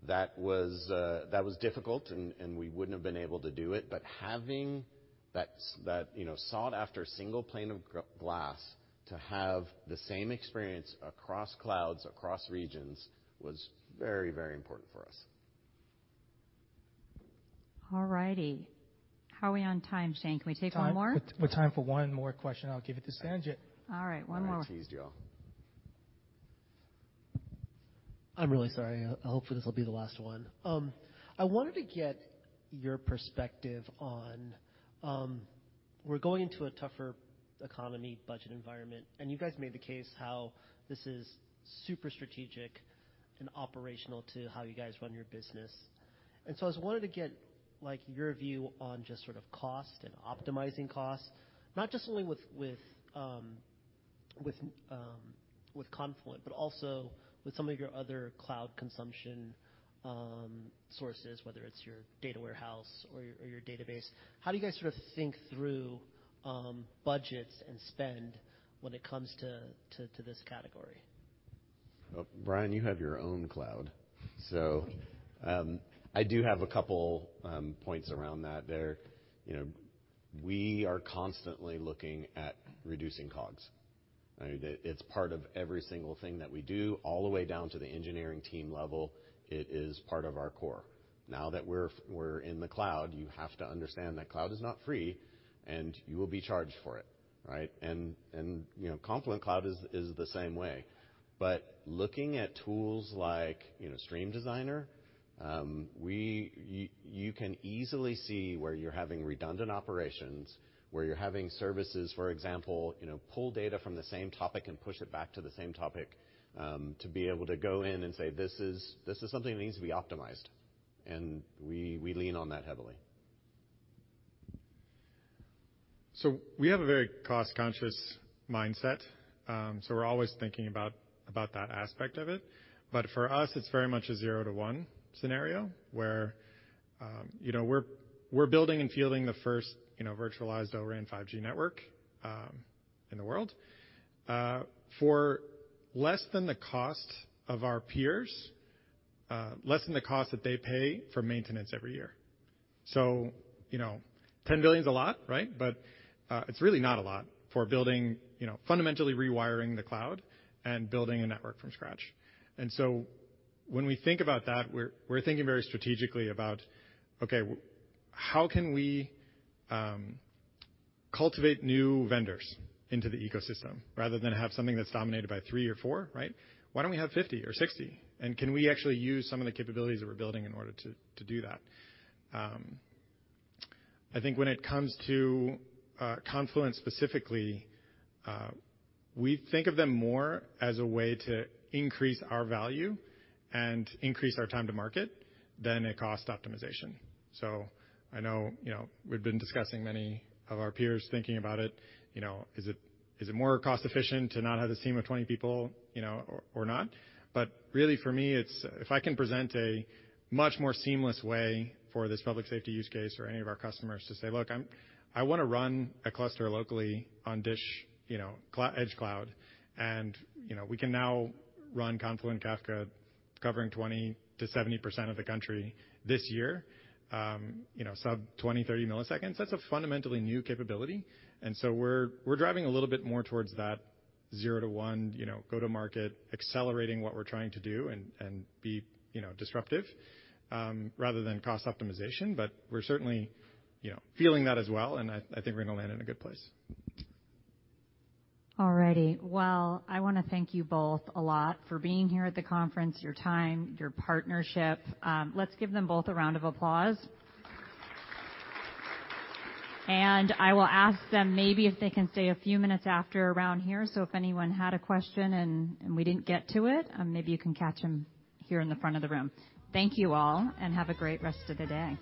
That was difficult, and we wouldn't have been able to do it. Having that, you know, sought after single pane of glass to have the same experience across clouds, across regions was very important for us. All righty. How are we on time, Shane? Can we take one more? We have time for one more question. I'll give it to Sanjit. All right. One more. I teased you all. I'm really sorry. Hopefully, this will be the last one. I wanted to get your perspective on, we're going into a tougher economy budget environment, and you guys made the case how this is super strategic and operational to how you guys run your business. I just wanted to get, like, your view on just sort of cost and optimizing costs, not just only with Confluent, but also with some of your other cloud consumption sources, whether it's your data warehouse or your database. How do you guys sort of think through budgets and spend when it comes to this category? Well, Brian, you have your own cloud. I do have a couple points around that there. You know, we are constantly looking at reducing COGS. I mean, it's part of every single thing that we do all the way down to the engineering team level. It is part of our core. Now that we're in the cloud, you have to understand that cloud is not free, and you will be charged for it, right? You know, Confluent Cloud is the same way. Looking at tools like, you know, Stream Designer, you can easily see where you're having redundant operations, where you're having services, for example, you know, pull data from the same topic and push it back to the same topic, to be able to go in and say, "This is something that needs to be optimized." We lean on that heavily. We have a very cost-conscious mindset. We're always thinking about that aspect of it. For us, it's very much a zero to one scenario where you know we're building and fielding the first you know virtualized O-RAN 5G network in the world for less than the cost of our peers less than the cost that they pay for maintenance every year. You know, $10 billion's a lot, right? It's really not a lot for building you know fundamentally rewiring the cloud and building a network from scratch. When we think about that, we're thinking very strategically about okay how can we cultivate new vendors into the ecosystem rather than have something that's dominated by three or four, right? Why don't we have 50 or 60? Can we actually use some of the capabilities that we're building in order to do that? I think when it comes to Confluent specifically, we think of them more as a way to increase our value and increase our time to market than a cost optimization. I know, you know, we've been discussing many of our peers thinking about it, you know, is it more cost efficient to not have this team of 20 people, you know, or not? Really for me it's if I can present a much more seamless way for this public safety use case or any of our customers to say, "Look, I wanna run a cluster locally on DISH, you know, Edge cloud," and, you know, we can now run Confluent Kafka covering 20%-70% of the country this year, sub-20-30 milliseconds, that's a fundamentally new capability. We're driving a little bit more towards that zero to one, you know, go to market, accelerating what we're trying to do and be, you know, disruptive, rather than cost optimization. We're certainly, you know, feeling that as well, and I think we're gonna land in a good place. All righty. Well, I wanna thank you both a lot for being here at the conference, your time, your partnership. Let's give them both a round of applause. I will ask them maybe if they can stay a few minutes after around here, so if anyone had a question and we didn't get to it, maybe you can catch them here in the front of the room. Thank you all, and have a great rest of the day.